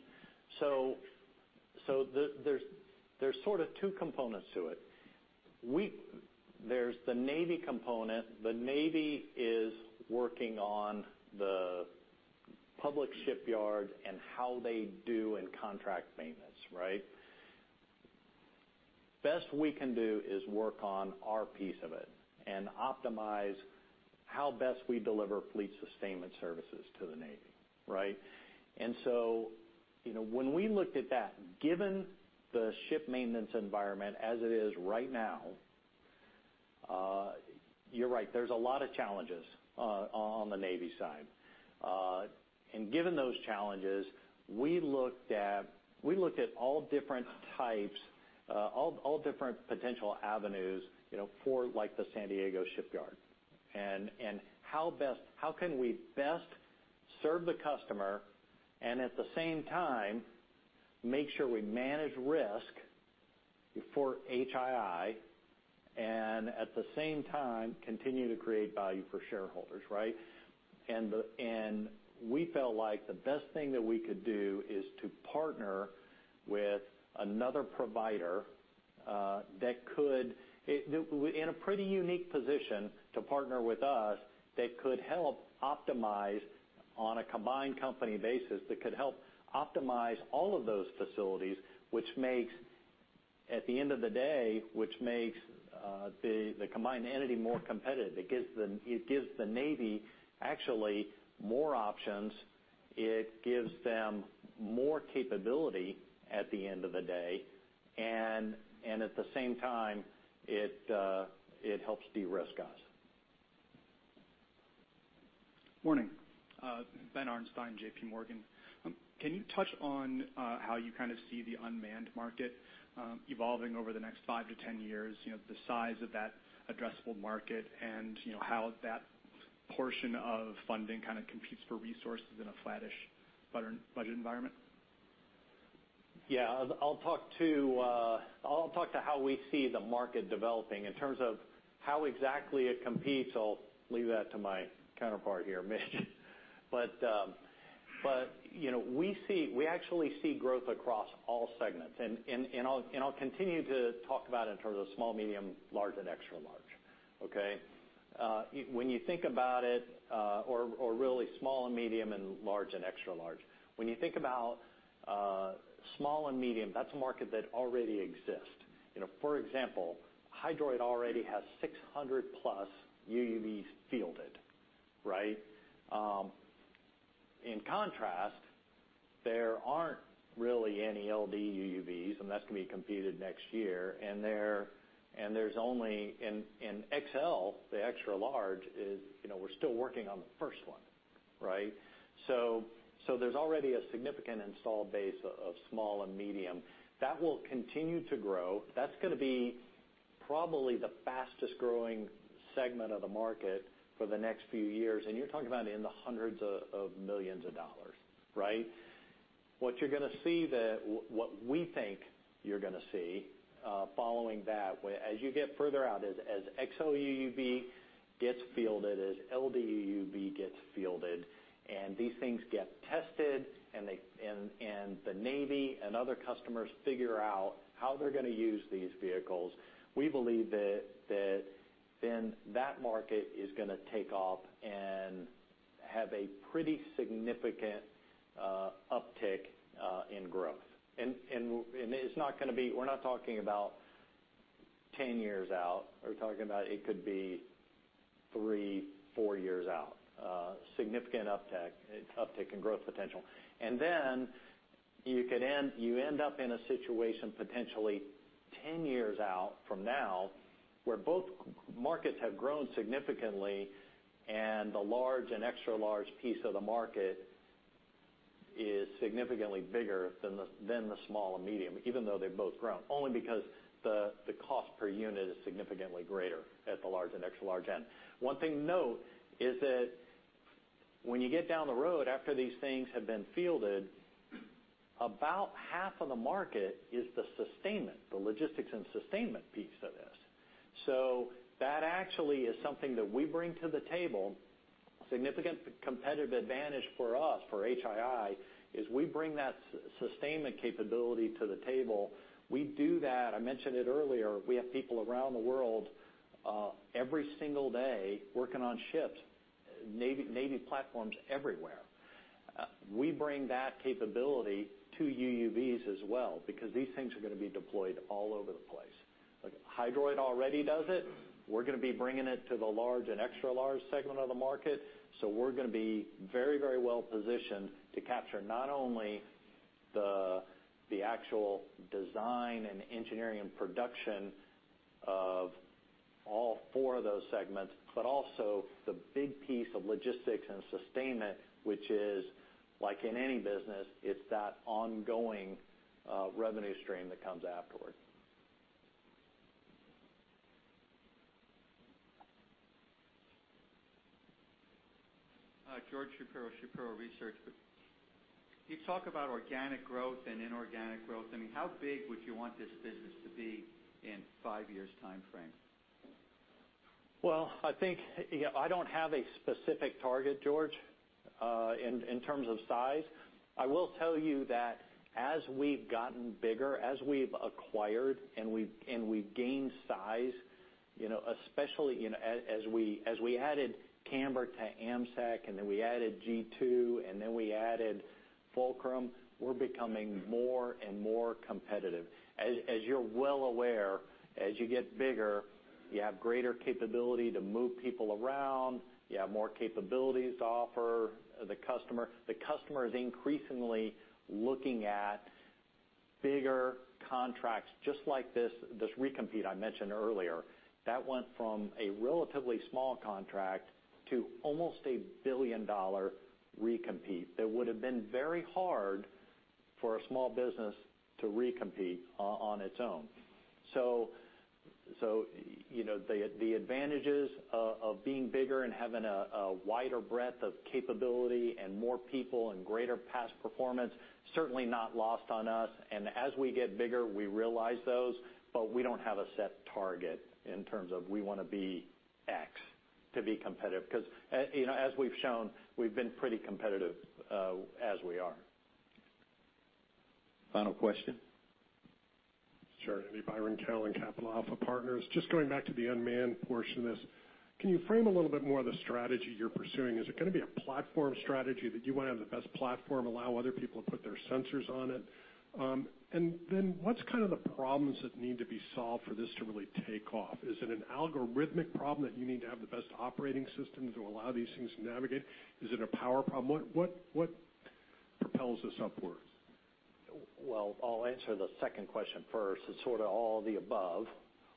L: So there are sort of two components to it. There's the Navy component. The Navy is working on the public shipyards and how they do contract maintenance, right? Best we can do is work on our piece of it and optimize how best we deliver Fleet Sustainment Services to the Navy, right? And so you know when we looked at that, given the ship maintenance environment as it is right now, you're right. There's a lot of challenges on the Navy side and given those challenges, we looked at all different types, all different potential avenues, you know, for, like, the San Diego shipyard. And how best can we best serve the customer and at the same time make sure we manage risk for HII and at the same time continue to create value for shareholders, right? And we felt like the best thing that we could do is to partner with another provider that could put it in a pretty unique position to partner with us that could help optimize on a combined company basis that could help optimize all of those facilities, which makes at the end of the day the combined entity more competitive. It gives the Navy actually more options. It gives them more capability at the end of the day. And at the same time, it helps de-risk us.
N: Morning. Ben Arnstein, JPMorgan. Can you touch on, how you kind of see the unmanned market, evolving over the next 5 to 10 years, you know, the size of that addressable market and, you know, how that portion of funding kind of competes for resources in a flattish budget environment?
L: Yeah, I'll talk to how we see the market developing in terms of how exactly it competes. I'll leave that to my counterpart here, Mitch. But, you know, we actually see growth across all segments. And I'll continue to talk about it in terms of small, medium, large, and extra large, okay? When you think about it, or really small and medium and large and extra large, when you think about small and medium, that's a market that already exists. You know, for example, Hydroid already has 600+ UUVs fielded, right? In contrast, there aren't really any LDUUVs, and that's going to be competed next year. And there's only in XL, the extra large is, you know, we're still working on the first one, right? So there's already a significant installed base of small and medium that will continue to grow. That's going to be probably the fastest-growing segment of the market for the next few years. And you're talking about in the hundreds of millions of dollars, right? What we think you're going to see, following that, as you get further out, is as XLUUV gets fielded, as LDUUV gets fielded, and these things get tested and they and the Navy and other customers figure out how they're going to use these vehicles, we believe that then that market is going to take off and have a pretty significant uptick in growth. And it's not going to be. We're not talking about 10 years out. We're talking about it could be three, four years out, significant uptick in growth potential, and then you could end up in a situation potentially 10 years out from now where both markets have grown significantly and the large and extra large piece of the market is significantly bigger than the small and medium, even though they've both grown, only because the cost per unit is significantly greater at the large and extra large end. One thing to note is that when you get down the road after these things have been fielded, about half of the market is the sustainment, the logistics and sustainment piece of this. So that actually is something that we bring to the table. Significant competitive advantage for us, for HII, is we bring that sustainment capability to the table. We do that. I mentioned it earlier. We have people around the world, every single day working on ships, Navy platforms everywhere. We bring that capability to UUVs as well because these things are going to be deployed all over the place. Like, Hydroid already does it. We're going to be bringing it to the large and extra large segment of the market. So we're going to be very, very well positioned to capture not only the actual design and engineering and production of all four of those segments, but also the big piece of logistics and sustainment, which is, like in any business, it's that ongoing, revenue stream that comes afterward.
E: George Shapiro, Shapiro Research. You talk about organic growth and inorganic growth. I mean, how big would you want this business to be in five years' time frame?
L: I think, you know, I don't have a specific target, George, in terms of size. I will tell you that as we've gotten bigger, as we've acquired and we've gained size, you know, especially, you know, as we added Camber to AMSEC, and then we added G2, and then we added Fulcrum, we're becoming more and more competitive. As you're well aware, as you get bigger, you have greater capability to move people around. You have more capabilities to offer the customer. The customer is increasingly looking at bigger contracts just like this recompete I mentioned earlier. That went from a relatively small contract to almost a billion-dollar recompete that would have been very hard for a small business to recompete on its own. So, you know, the advantages of being bigger and having a wider breadth of capability and more people and greater past performance certainly not lost on us. And as we get bigger, we realize those, but we don't have a set target in terms of we want to be X to be competitive because, you know, as we've shown, we've been pretty competitive, as we are.
A: Final question.
H: Sure. Byron Callan, Capital Alpha Partners. Just going back to the unmanned portion of this, can you frame a little bit more of the strategy you're pursuing? Is it going to be a platform strategy that you want to have the best platform, allow other people to put their sensors on it? And then what's kind of the problems that need to be solved for this to really take off? Is it an algorithmic problem that you need to have the best operating system to allow these things to navigate? Is it a power problem? What propels this upwards?
L: I'll answer the second question first. It's sort of all the above,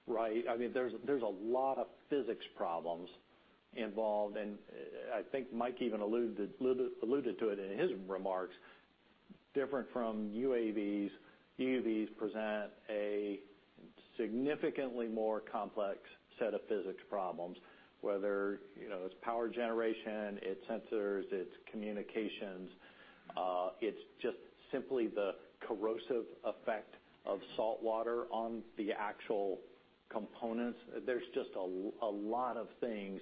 L: right? I mean, there's a lot of physics problems involved. And I think Mike even alluded to it in his remarks. Different from UAVs, UUVs present a significantly more complex set of physics problems, whether, you know, it's power generation, it's sensors, it's communications. It's just simply the corrosive effect of salt water on the actual components. There's just a lot of things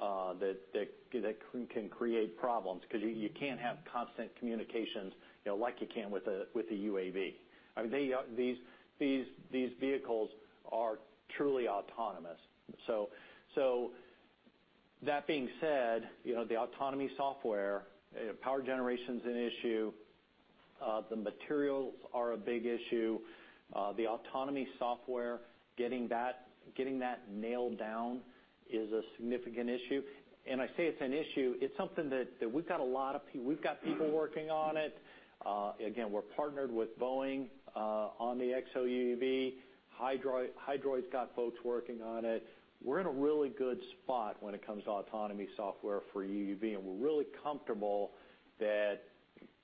L: that can create problems because you can't have constant communications, you know, like you can with a UAV. I mean, these vehicles are truly autonomous. So that being said, you know, the autonomy software, power generation's an issue. The materials are a big issue. The autonomy software, getting that nailed down is a significant issue. And I say it's an issue. It's something that we've got a lot of people working on it. Again, we're partnered with Boeing on the XLUUV. Hydroid's got folks working on it. We're in a really good spot when it comes to autonomy software for UUV, and we're really comfortable that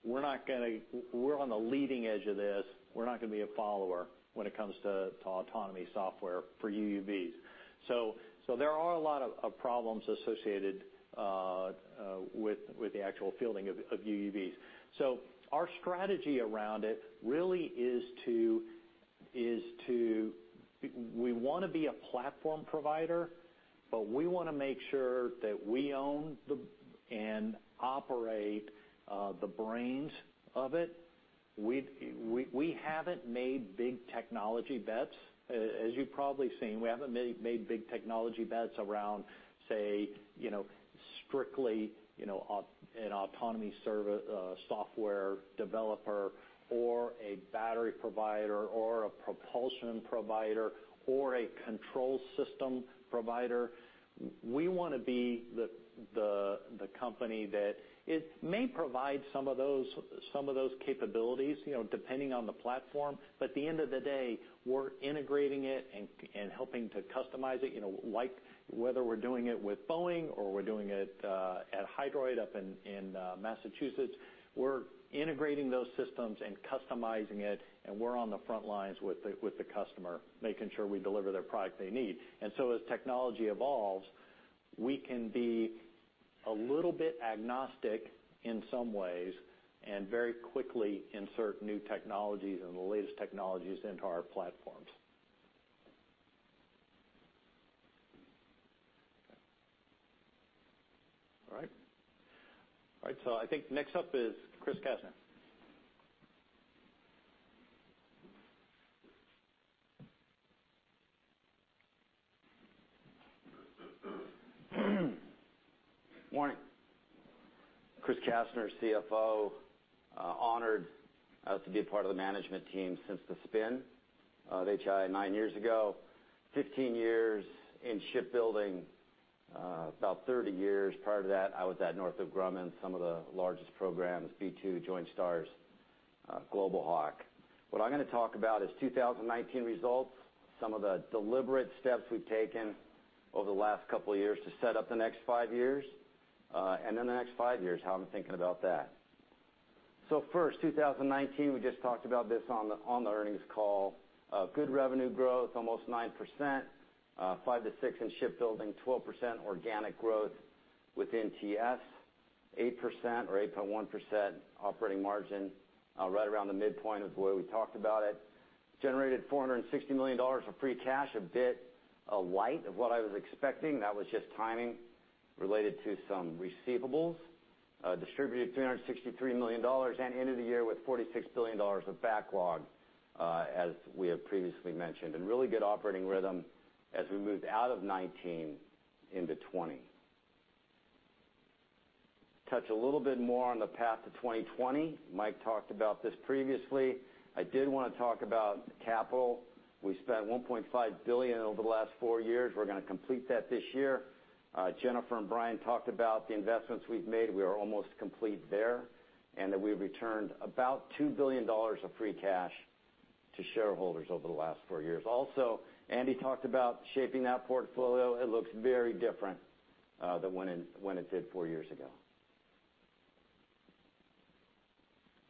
L: we're not going to; we're on the leading edge of this. We're not going to be a follower when it comes to autonomy software for UUVs. So there are a lot of problems associated with the actual fielding of UUVs. So our strategy around it really is to we want to be a platform provider, but we want to make sure that we own and operate the brains of it. We haven't made big technology bets. As you've probably seen, we haven't made big technology bets around, say, you know, strictly, you know, an autonomy server, software developer or a battery provider or a propulsion provider or a control system provider. We want to be the company that may provide some of those capabilities, you know, depending on the platform, but at the end of the day, we're integrating it and helping to customize it, you know, like whether we're doing it with Boeing or we're doing it at Hydroid up in Massachusetts, we're integrating those systems and customizing it, and we're on the front lines with the customer, making sure we deliver their product they need, and so as technology evolves, we can be a little bit agnostic in some ways and very quickly insert new technologies and the latest technologies into our platforms.
A: All right. All right. So I think next up is Chris Kastner. Morning.
O: Chris Kastner, CFO, honored to be a part of the management team since the spin of HII nine years ago, 15 years in shipbuilding, about 30 years. Prior to that, I was at Northrop Grumman, some of the largest programs, B-2, Joint STARS, Global Hawk. What I'm going to talk about is 2019 results, some of the deliberate steps we've taken over the last couple of years to set up the next five years, and then the next five years, how I'm thinking about that. First, 2019. We just talked about this on the earnings call. Good revenue growth, almost 9%, 5%-6% in shipbuilding, 12% organic growth within TS, 8% or 8.1% operating margin, right around the midpoint of the way we talked about it. Generated $460 million of free cash, a bit light of what I was expecting. That was just timing related to some receivables, distributed $363 million and ended the year with $46 billion of backlog, as we have previously mentioned, and really good operating rhythm as we moved out of 2019 into 2020. Touch a little bit more on the path to 2020. Mike talked about this previously. I did want to talk about capital. We spent $1.5 billion over the last four years. We're going to complete that this year. Jennifer and Brian talked about the investments we've made. We are almost complete there and that we've returned about $2 billion of free cash to shareholders over the last four years. Also, Andy talked about shaping that portfolio. It looks very different than when it did four years ago.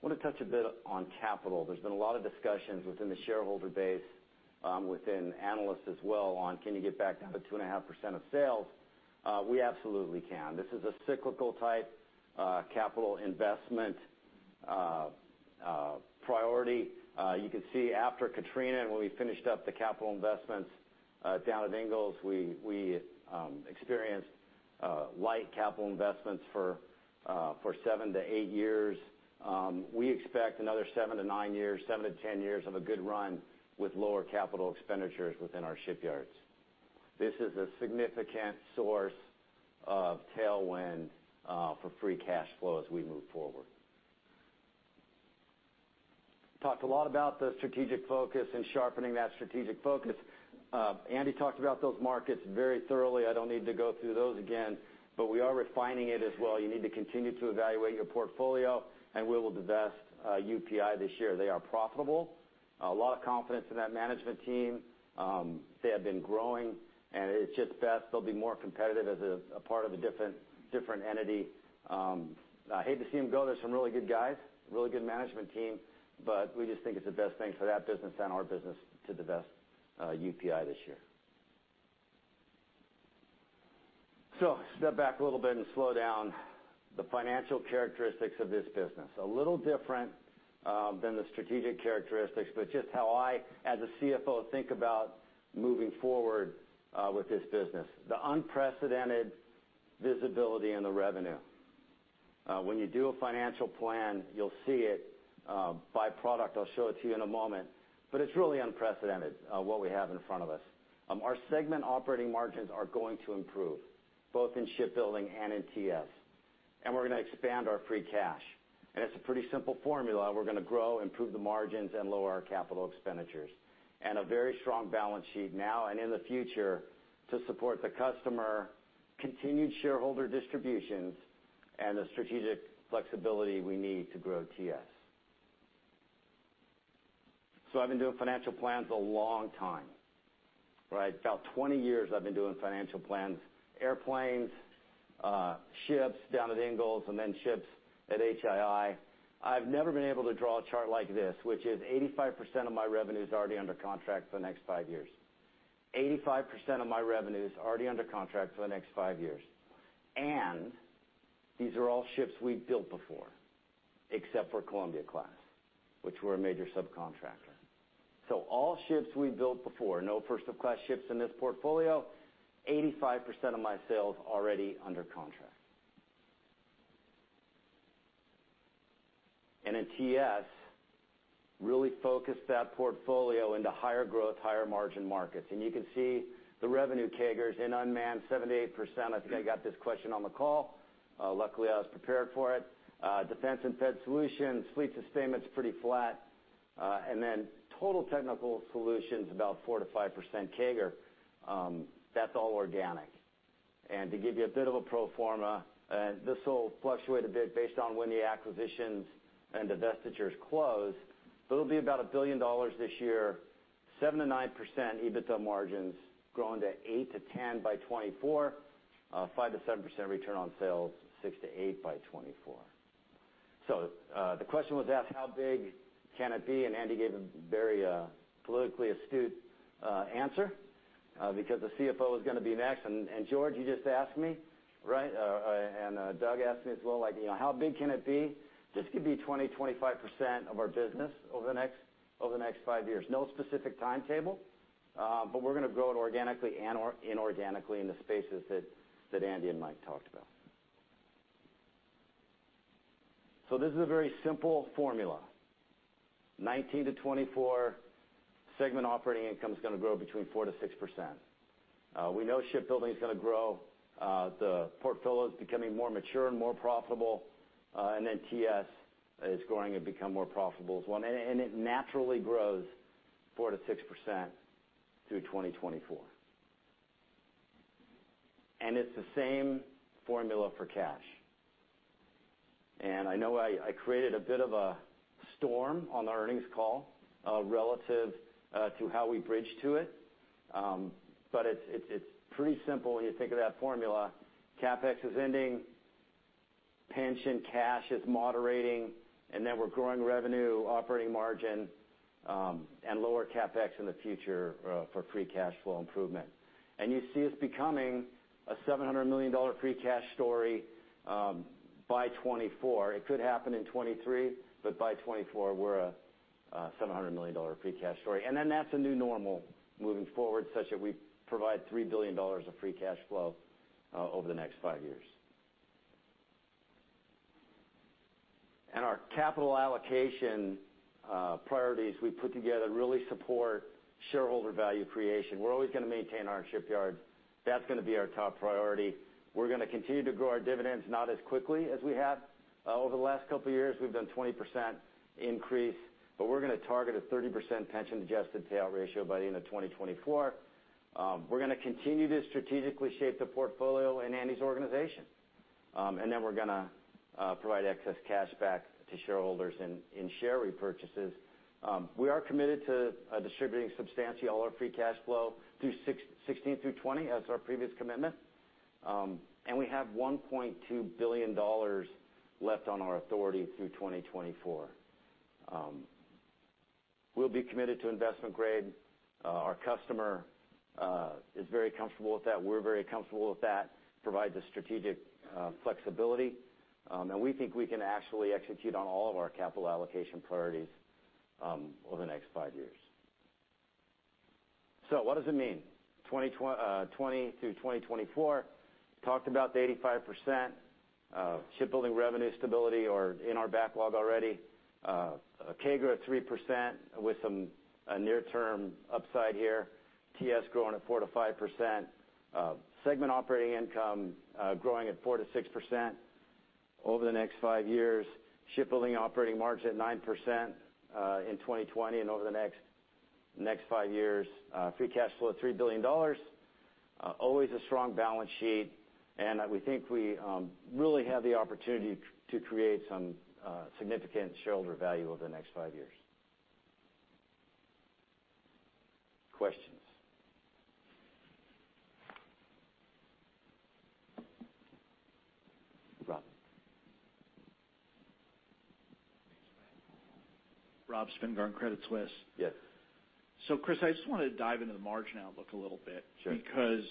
O: I want to touch a bit on capital. There's been a lot of discussions within the shareholder base, within analysts as well on, can you get back down to 2.5% of sales? We absolutely can. This is a cyclical type, capital investment, priority. You can see after Katrina and when we finished up the capital investments, down at Ingalls, we experienced light capital investments for seven to eight years. We expect another seven to nine years, seven to ten years of a good run with lower capital expenditures within our shipyards. This is a significant source of tailwind for free cash flow as we move forward. Talked a lot about the strategic focus and sharpening that strategic focus. Andy talked about those markets very thoroughly. I don't need to go through those again, but we are refining it as well. You need to continue to evaluate your portfolio, and we will divest UPI this year. They are profitable. A lot of confidence in that management team. They have been growing, and it's just best. They'll be more competitive as a part of a different entity. I hate to see them go. There's some really good guys, really good management team, but we just think it's the best thing for that business and our business to divest UPI this year. So step back a little bit and slow down the financial characteristics of this business. A little different than the strategic characteristics, but just how I, as a CFO, think about moving forward with this business. The unprecedented visibility in the revenue. When you do a financial plan, you'll see it by product. I'll show it to you in a moment. But it's really unprecedented, what we have in front of us. Our segment operating margins are going to improve both in shipbuilding and in TS, and we're going to expand our free cash. And it's a pretty simple formula. We're going to grow, improve the margins, and lower our capital expenditures. And a very strong balance sheet now and in the future to support the customer, continued shareholder distributions, and the strategic flexibility we need to grow TS. So I've been doing financial plans a long time, right? About 20 years I've been doing financial plans. Airplanes, ships down at Ingalls, and then ships at HII. I've never been able to draw a chart like this, which is 85% of my revenue is already under contract for the next five years. 85% of my revenue is already under contract for the next five years. And these are all ships we've built before, except for Columbia-class, which we're a major subcontractor. All ships we built before, no first-of-class ships in this portfolio, 85% of my sales already under contract. In TS, we really focused that portfolio into higher growth, higher margin markets. You can see the revenue CAGRs in unmanned, 78%. I think I got this question on the call. Luckily, I was prepared for it. Defense and Fed Solutions, fleet sustainment's pretty flat. Then Total Technical Solutions, about 4%-5% CAGR. That's all organic. To give you a bit of a pro forma, this will fluctuate a bit based on when the acquisitions and the divestitures close, but it'll be about $1 billion this year, 7%-9% EBITDA margins grown to 8%-10% by 2024, 5%-7% return on sales, 6%-8% by 2024. The question was asked, how big can it be? Andy gave a very politically astute answer, because the CFO is going to be next. And George, you just asked me, right? And Doug asked me as well, like, you know, how big can it be? This could be 20%-25% of our business over the next five years. No specific timetable, but we're going to grow it organically and inorganically in the spaces that Andy and Mike talked about. This is a very simple formula. 2019 to 2024, segment operating income's going to grow between 4%-6%. We know shipbuilding's going to grow. The portfolio's becoming more mature and more profitable. And then TS is growing and becoming more profitable as well. It naturally grows 4%-6% through 2024. It's the same formula for cash. And I know I created a bit of a storm on the earnings call, relative to how we bridge to it. But it's pretty simple when you think of that formula. CapEx is ending, pension cash is moderating, and then we're growing revenue, operating margin, and lower CapEx in the future, for free cash flow improvement. And you see us becoming a $700 million free cash story by 2024. It could happen in 2023, but by 2024, we're a $700 million free cash story. And then that's a new normal moving forward such that we provide $3 billion of free cash flow over the next five years. And our capital allocation priorities we put together really support shareholder value creation. We're always going to maintain our shipyards. That's going to be our top priority. We're going to continue to grow our dividends not as quickly as we have, over the last couple of years. We've done 20% increase, but we're going to target a 30% pension adjusted payout ratio by the end of 2024. We're going to continue to strategically shape the portfolio and Andy's organization. And then we're going to provide excess cash back to shareholders in share repurchases. We are committed to distributing substantially all our free cash flow through 2016 through 2020, as our previous commitment. And we have $1.2 billion left on our authority through 2024. We'll be committed to investment grade. Our customer is very comfortable with that. We're very comfortable with that. It provides a strategic flexibility. And we think we can actually execute on all of our capital allocation priorities over the next five years. So what does it mean? 2020 through 2024. Talked about the 85% shipbuilding revenue stability or in our backlog already. CAGR at 3% with some near-term upside here. TS growing at 4%-5%. Segment operating income growing at 4%-6% over the next five years. Shipbuilding operating margin at 9% in 2020 and over the next five years. Free cash flow of $3 billion. Always a strong balance sheet. We think we really have the opportunity to create some significant shareholder value over the next five years. Questions?
P: Rob. Rob Spingarn, Credit Suisse.
O: Yes.
P: So Chris, I just wanted to dive into the margin outlook a little bit.
O: Sure.
P: Because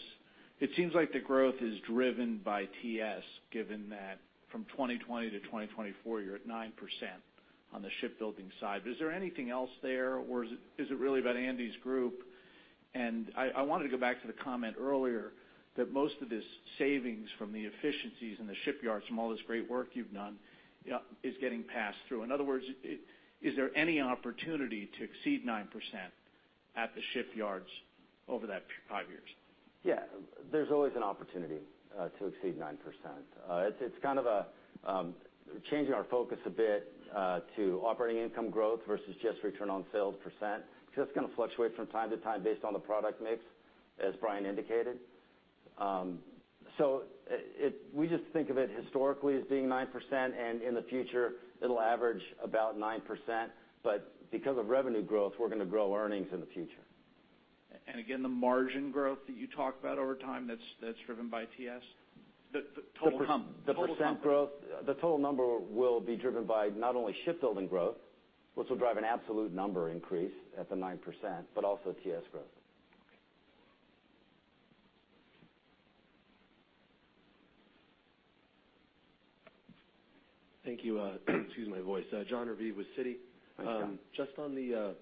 P: it seems like the growth is driven by TS, given that from 2020 to 2024, you're at 9% on the shipbuilding side. Is there anything else there, or is it really about Andy's group? I wanted to go back to the comment earlier that most of this savings from the efficiencies in the shipyards, from all this great work you've done, is getting passed through. In other words, is there any opportunity to exceed 9% at the shipyards over that five years?
O: Yeah. There's always an opportunity to exceed 9%. It's kind of a changing our focus a bit to operating income growth versus just return on sales percent because that's going to fluctuate from time to time based on the product mix, as Brian indicated. So it we just think of it historically as being 9%, and in the future, it'll average about 9%. But because of revenue growth, we're going to grow earnings in the future.
P: Again, the margin growth that you talk about over time, that's driven by TS? The total combined?
O: The percent growth, the total number will be driven by not only shipbuilding growth, which will drive an absolute number increase at the 9%, but also TS growth.
Q: Okay. Thank you. Excuse my voice. Jon Raviv, with Citi.
O: Hi, Jon.
Q: Just on the allocation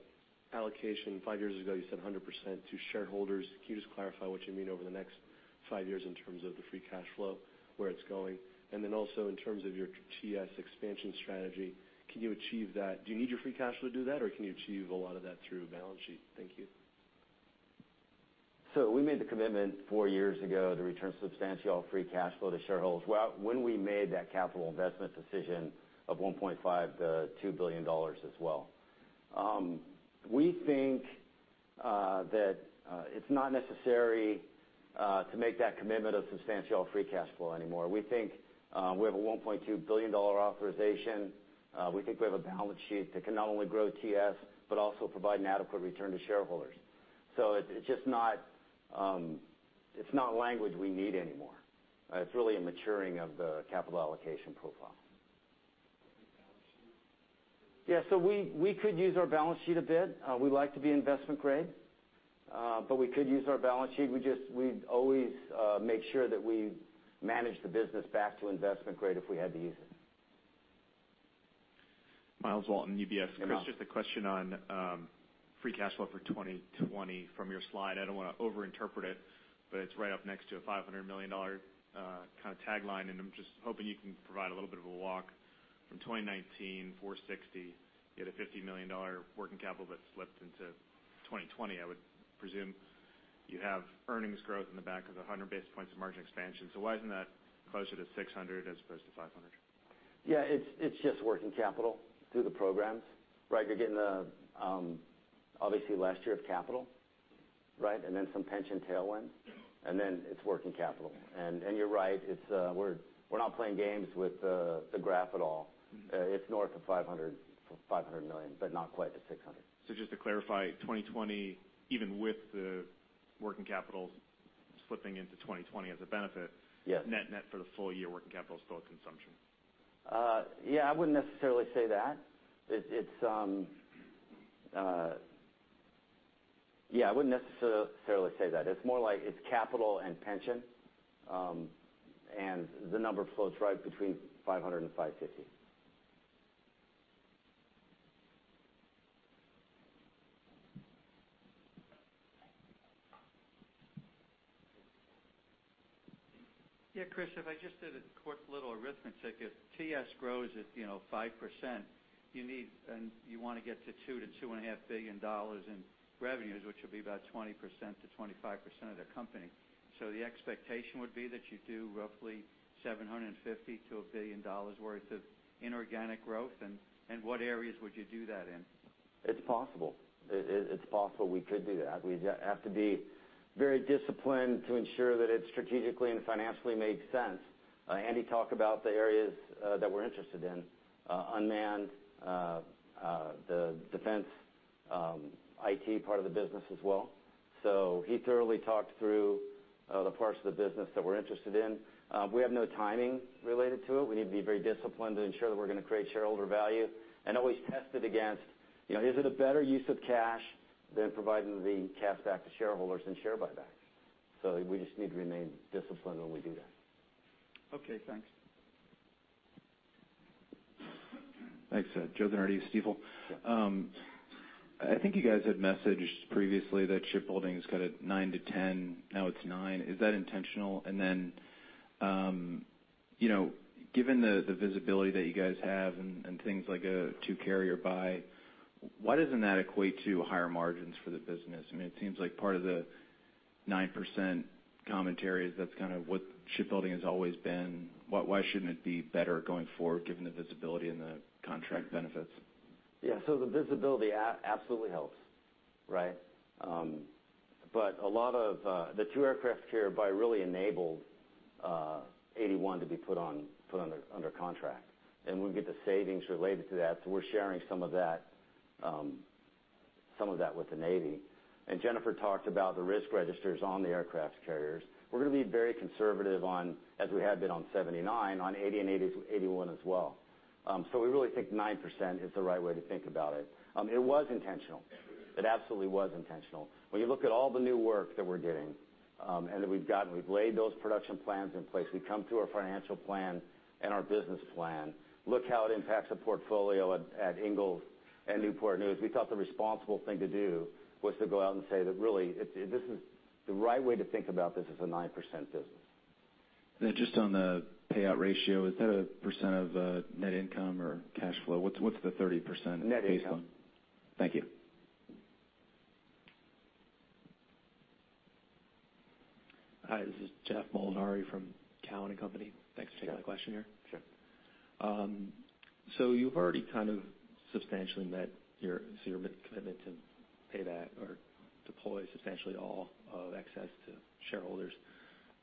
Q: five years ago, you said 100% to shareholders. Can you just clarify what you mean over the next five years in terms of the free cash flow, where it's going? And then also in terms of your TS expansion strategy, can you achieve that? Do you need your free cash flow to do that, or can you achieve a lot of that through balance sheet? Thank you.
O: So we made the commitment four years ago to return substantial free cash flow to shareholders when we made that capital investment decision of $1.5 billion-$2 billion as well. We think that it's not necessary to make that commitment of substantial free cash flow anymore. We think we have a $1.2 billion authorization. We think we have a balance sheet that can not only grow TS but also provide an adequate return to shareholders. So it's it's just not; it's not language we need anymore. It's really a maturing of the capital allocation profile. Yeah. So we we could use our balance sheet a bit. We like to be investment grade, but we could use our balance sheet. We just we always make sure that we manage the business back to investment grade if we had to use it.
J: Myles Walton, UBS.
O: Hello.
J: Chris, just a question on free cash flow for 2020 from your slide. I don't want to overinterpret it, but it's right up next to a $500 million kind of tagline. And I'm just hoping you can provide a little bit of a walk from 2019, $460 million. You had a $50 million working capital that slipped into 2020. I would presume you have earnings growth in the back of the 100 basis points of margin expansion. So why isn't that closer to $600 million as opposed to $500 million?
O: Yeah. It's just working capital through the programs, right? You're getting the, obviously, last year of capital, right? And then some pension tailwinds. And then it's working capital. And you're right. It's, we're not playing games with the graph at all. It's north of $500 million but not quite to $600 million.
J: So just to clarify, 2020, even with the working capital slipping into 2020 as a benefit.
O: Yes.
J: Net net for the full year working capital is still a consumption.
O: Yeah. I wouldn't necessarily say that. It's more like it's capital and pension, and the number floats right between 500 and 550.
J: Yeah. Chris, if I just did a quick little arithmetic, if TS grows at, you know, 5%, you need and you want to get to $2 billion-$2.5 billion in revenues, which would be about 20%-25% of the company. So the expectation would be that you do roughly $750 billion-$1 billion worth of inorganic growth. And what areas would you do that in?
O: It's possible we could do that. We'd have to be very disciplined to ensure that it strategically and financially makes sense. Andy talked about the areas that we're interested in, unmanned, the defense IT part of the business as well. So he thoroughly talked through the parts of the business that we're interested in. We have no timing related to it. We need to be very disciplined to ensure that we're going to create shareholder value and always test it against, you know, is it a better use of cash than providing the cash back to shareholders and share buybacks? So we just need to remain disciplined when we do that.
J: Okay. Thanks.
R: Thanks, Joe DeNardi, Stifel.
O: Yeah.
R: I think you guys had messaged previously that shipbuilding's cut at 9%-10%. Now it's 9%. Is that intentional? And then, you know, given the visibility that you guys have and things like a two carrier buy, why doesn't that equate to higher margins for the business? I mean, it seems like part of the 9% commentary is that's kind of what shipbuilding has always been. Why shouldn't it be better going forward given the visibility and the contract benefits?
O: Yeah. So the visibility absolutely helps, right? But a lot of the two aircraft carrier buy really enabled CVN 81 to be put under contract. And we get the savings related to that. So we're sharing some of that with the Navy. And Jennifer talked about the risk registers on the aircraft carriers. We're going to be very conservative on, as we been on CVN 79, on CVN 80 and CVN 81 as well. So we really think 9% is the right way to think about it. It was intentional. It absolutely was intentional. When you look at all the new work that we're getting, and that we've gotten, we've laid those production plans in place. We've come through our financial plan and our business plan. Look how it impacts the portfolio at Ingalls and Newport News. We thought the responsible thing to do was to go out and say that really this is the right way to think about this as a 9% business.
R: Just on the payout ratio, is that a percent of net income or cash flow? What's the 30% based on?
O: Net income.
R: Thank you.
S: Hi. This is [Jeff Malvari] from Cowen and Company. Thanks for taking my question here.
O: Sure. Sure.
S: You've already kind of substantially met your goal, so you're committed to pay that or deploy substantially all of excess to shareholders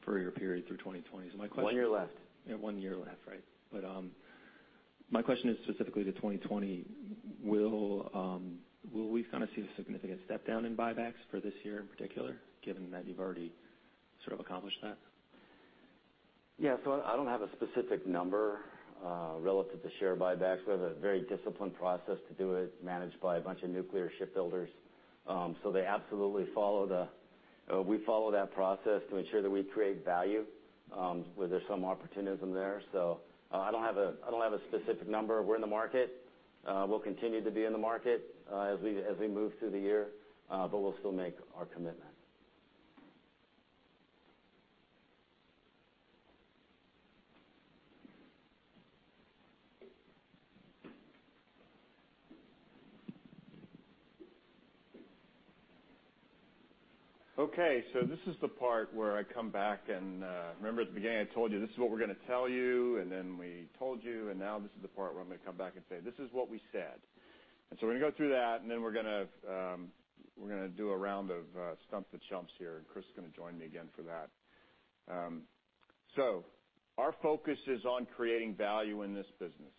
S: for your period through 2020. So my question.
O: One year left.
S: Yeah. One year left, right? But, my question is specifically to 2020. Will we kind of see a significant step down in buybacks for this year in particular, given that you've already sort of accomplished that?
O: Yeah. So I don't have a specific number, relative to share buybacks. We have a very disciplined process to do it, managed by a bunch of nuclear shipbuilders. So we absolutely follow that process to ensure that we create value, where there's some opportunism there. So, I don't have a specific number. We're in the market. We'll continue to be in the market, as we move through the year, but we'll still make our commitment. Okay.
B: So this is the part where I come back and, remember at the beginning I told you this is what we're going to tell you, and then we told you, and now this is the part where I'm going to come back and say, "This is what we said." And so we're going to go through that, and then we're going to, we're going to do a round of, stump the chumps here. And Chris is going to join me again for that. So our focus is on creating value in this business.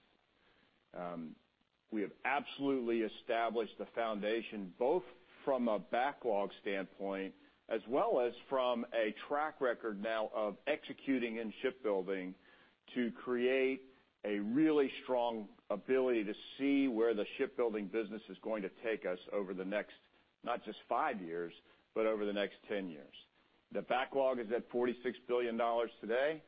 B: We have absolutely established the foundation, both from a backlog standpoint as well as from a track record now of executing in shipbuilding, to create a really strong ability to see where the shipbuilding business is going to take us over the next not just five years but over the next 10 years. The backlog is at $46 billion today.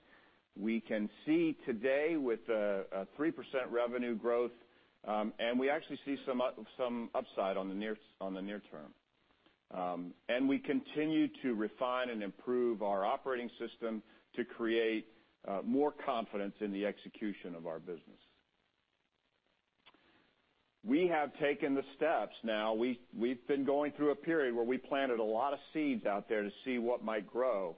B: We can see today with a 3% revenue growth, and we actually see some upside on the near term. We continue to refine and improve our operating system to create more confidence in the execution of our business. We have taken the steps now. We've been going through a period where we planted a lot of seeds out there to see what might grow.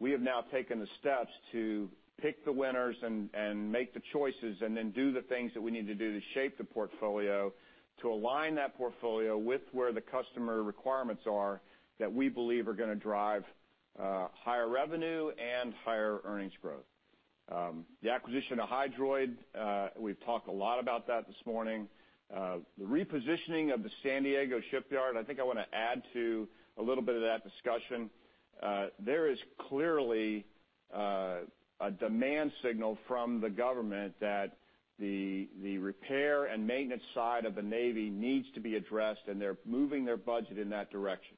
B: We have now taken the steps to pick the winners and make the choices and then do the things that we need to do to shape the portfolio to align that portfolio with where the customer requirements are that we believe are going to drive higher revenue and higher earnings growth. The acquisition of Hydroid, we've talked a lot about that this morning. The repositioning of the San Diego shipyard, I think I want to add to a little bit of that discussion. There is clearly a demand signal from the government that the repair and maintenance side of the Navy needs to be addressed, and they're moving their budget in that direction.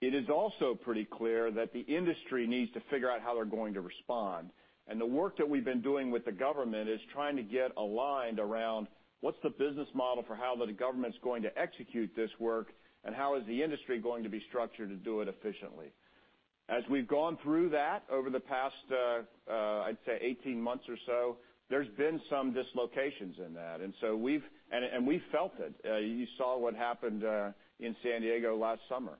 B: It is also pretty clear that the industry needs to figure out how they're going to respond. The work that we've been doing with the government is trying to get aligned around what's the business model for how the government's going to execute this work, and how is the industry going to be structured to do it efficiently. As we've gone through that over the past, I'd say 18 months or so, there's been some dislocations in that. And so we've and we felt it. You saw what happened in San Diego last summer.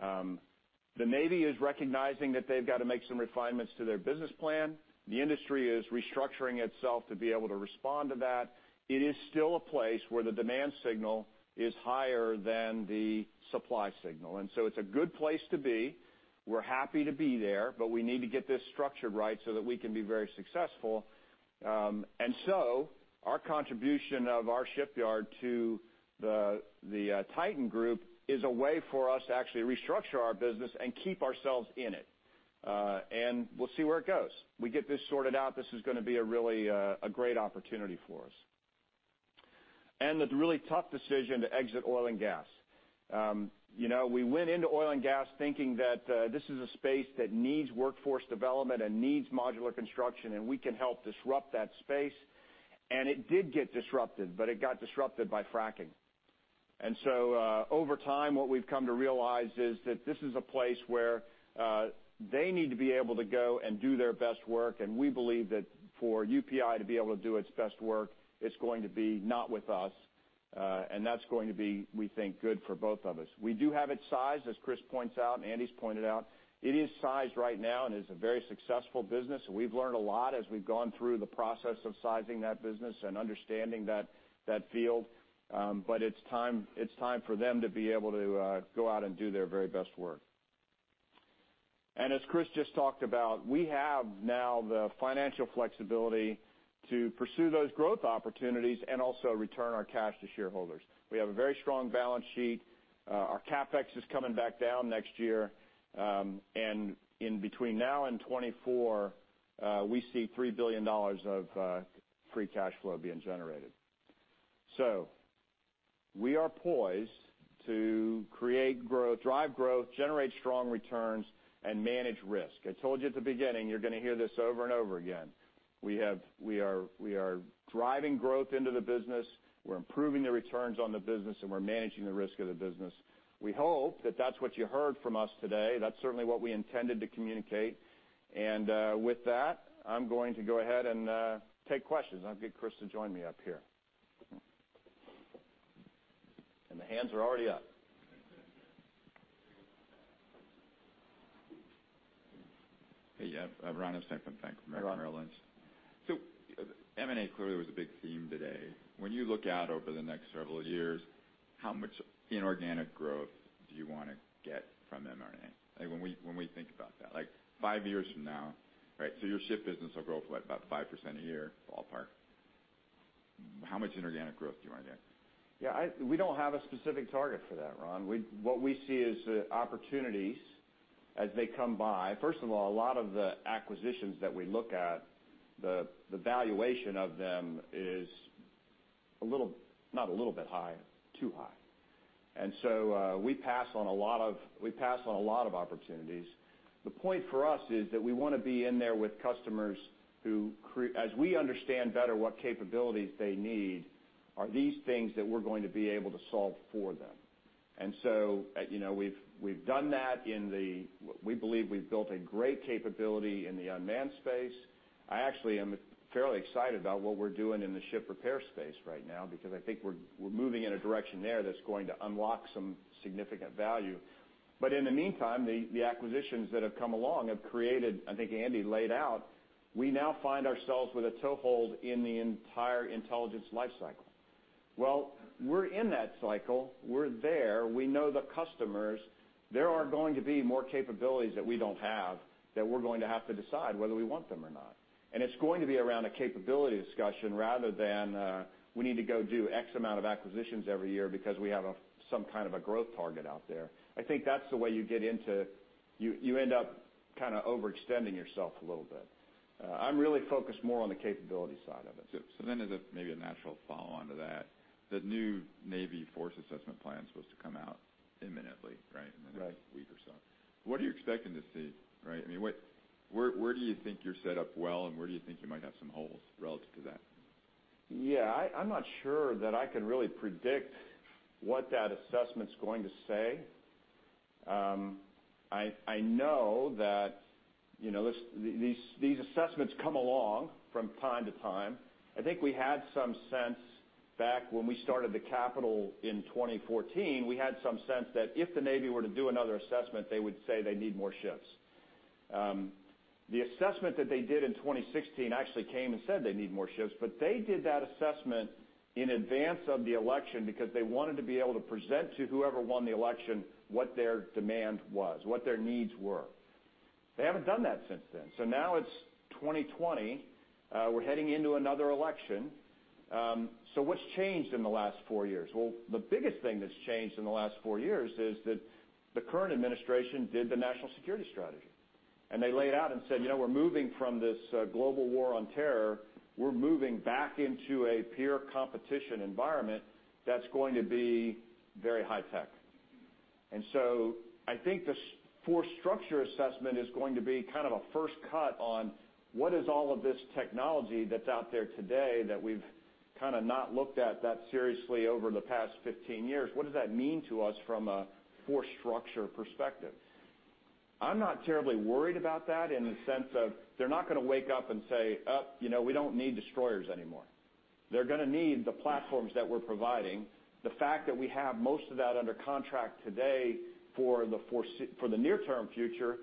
B: The Navy is recognizing that they've got to make some refinements to their business plan. The industry is restructuring itself to be able to respond to that. It is still a place where the demand signal is higher than the supply signal. And so it's a good place to be. We're happy to be there, but we need to get this structured right so that we can be very successful. Our contribution of our shipyard to the Titan Acquisition Holdings is a way for us to actually restructure our business and keep ourselves in it. And we'll see where it goes. We get this sorted out. This is going to be a really great opportunity for us. And the really tough decision to exit oil and gas. You know, we went into oil and gas thinking that this is a space that needs workforce development and needs modular construction, and we can help disrupt that space. And it did get disrupted, but it got disrupted by fracking. And so, over time, what we've come to realize is that this is a place where they need to be able to go and do their best work. And we believe that for UPI to be able to do its best work, it's going to be not with us. And that's going to be, we think, good for both of us. We do have its size, as Chris points out, and Andy's pointed out. It is sized right now and is a very successful business. And we've learned a lot as we've gone through the process of sizing that business and understanding that that field. But it's time, it's time for them to be able to go out and do their very best work. And as Chris just talked about, we have now the financial flexibility to pursue those growth opportunities and also return our cash to shareholders. We have a very strong balance sheet. Our CapEx is coming back down next year. And in between now and 2024, we see $3 billion of free cash flow being generated. So we are poised to create growth, drive growth, generate strong returns, and manage risk. I told you at the beginning you're going to hear this over and over again. We are driving growth into the business. We're improving the returns on the business, and we're managing the risk of the business. We hope that that's what you heard from us today. That's certainly what we intended to communicate. And with that, I'm going to go ahead and take questions. I'll get Chris to join me up here. And the hands are already up.
T: Hey. Yeah. Ron Stempin. Thanks.
B: You're on.
T: From Merrill Lynch. M&A clearly was a big theme today. When you look out over the next several years, how much inorganic growth do you want to get from M&A? Like, when we think about that, like, five years from now, right, so your ship business will grow for, what, about 5% a year, ballpark. How much inorganic growth do you want to get?
B: Yeah. We don't have a specific target for that, Ron. We see the opportunities as they come by. First of all, a lot of the acquisitions that we look at, the valuation of them is a little bit high, too high. And so, we pass on a lot of opportunities. The point for us is that we want to be in there with customers who, as we understand better what capabilities they need, are these things that we're going to be able to solve for them. And so, you know, we've done that. We believe we've built a great capability in the unmanned space. I actually am fairly excited about what we're doing in the ship repair space right now because I think we're moving in a direction there that's going to unlock some significant value. But in the meantime, the acquisitions that have come along have created, I think Andy laid out, we now find ourselves with a toehold in the entire intelligence life cycle. We're in that cycle. We're there. We know the customers. There are going to be more capabilities that we don't have that we're going to have to decide whether we want them or not. It's going to be around a capability discussion rather than we need to go do X amount of acquisitions every year because we have some kind of a growth target out there. I think that's the way you get into you end up kind of overextending yourself a little bit. I'm really focused more on the capability side of it. So then as maybe a natural follow-on to that, the Navy Force Structure Assessment is supposed to come out imminently, right, in the next. Right. Week or so. What are you expecting to see, right? I mean, what where do you think you're set up well, and where do you think you might have some holes relative to that? Yeah. I'm not sure that I can really predict what that assessment's going to say. I know that, you know, these assessments come along from time to time. I think we had some sense back when we started the capital in 2014. We had some sense that if the Navy were to do another assessment, they would say they need more ships. The assessment that they did in 2016 actually came and said they need more ships, but they did that assessment in advance of the election because they wanted to be able to present to whoever won the election what their demand was, what their needs were. They haven't done that since then. Now it's 2020. We're heading into another election. What's changed in the last four years? The biggest thing that's changed in the last four years is that the current administration did the National Security Strategy. They laid out and said, "You know, we're moving from this Global War on Terror. We're moving back into a peer competition environment that's going to be very high-tech." So I think the Force Structure Assessment is going to be kind of a first cut on what is all of this technology that's out there today that we've kind of not looked at that seriously over the past 15 years. What does that mean to us from a force structure perspective? I'm not terribly worried about that in the sense of they're not going to wake up and say, you know, we don't need destroyers anymore. They're going to need the platforms that we're providing. The fact that we have most of that under contract today for the force for the near-term future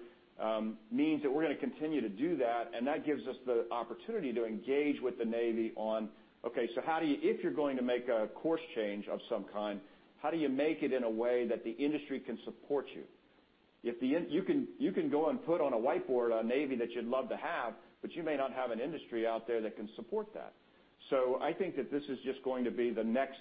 B: means that we're going to continue to do that, and that gives us the opportunity to engage with the Navy on, "Okay. So how do you, if you're going to make a course change of some kind, how do you make it in a way that the industry can support you?" If then you can, you can go and put on a whiteboard a Navy that you'd love to have, but you may not have an industry out there that can support that, so I think that this is just going to be the next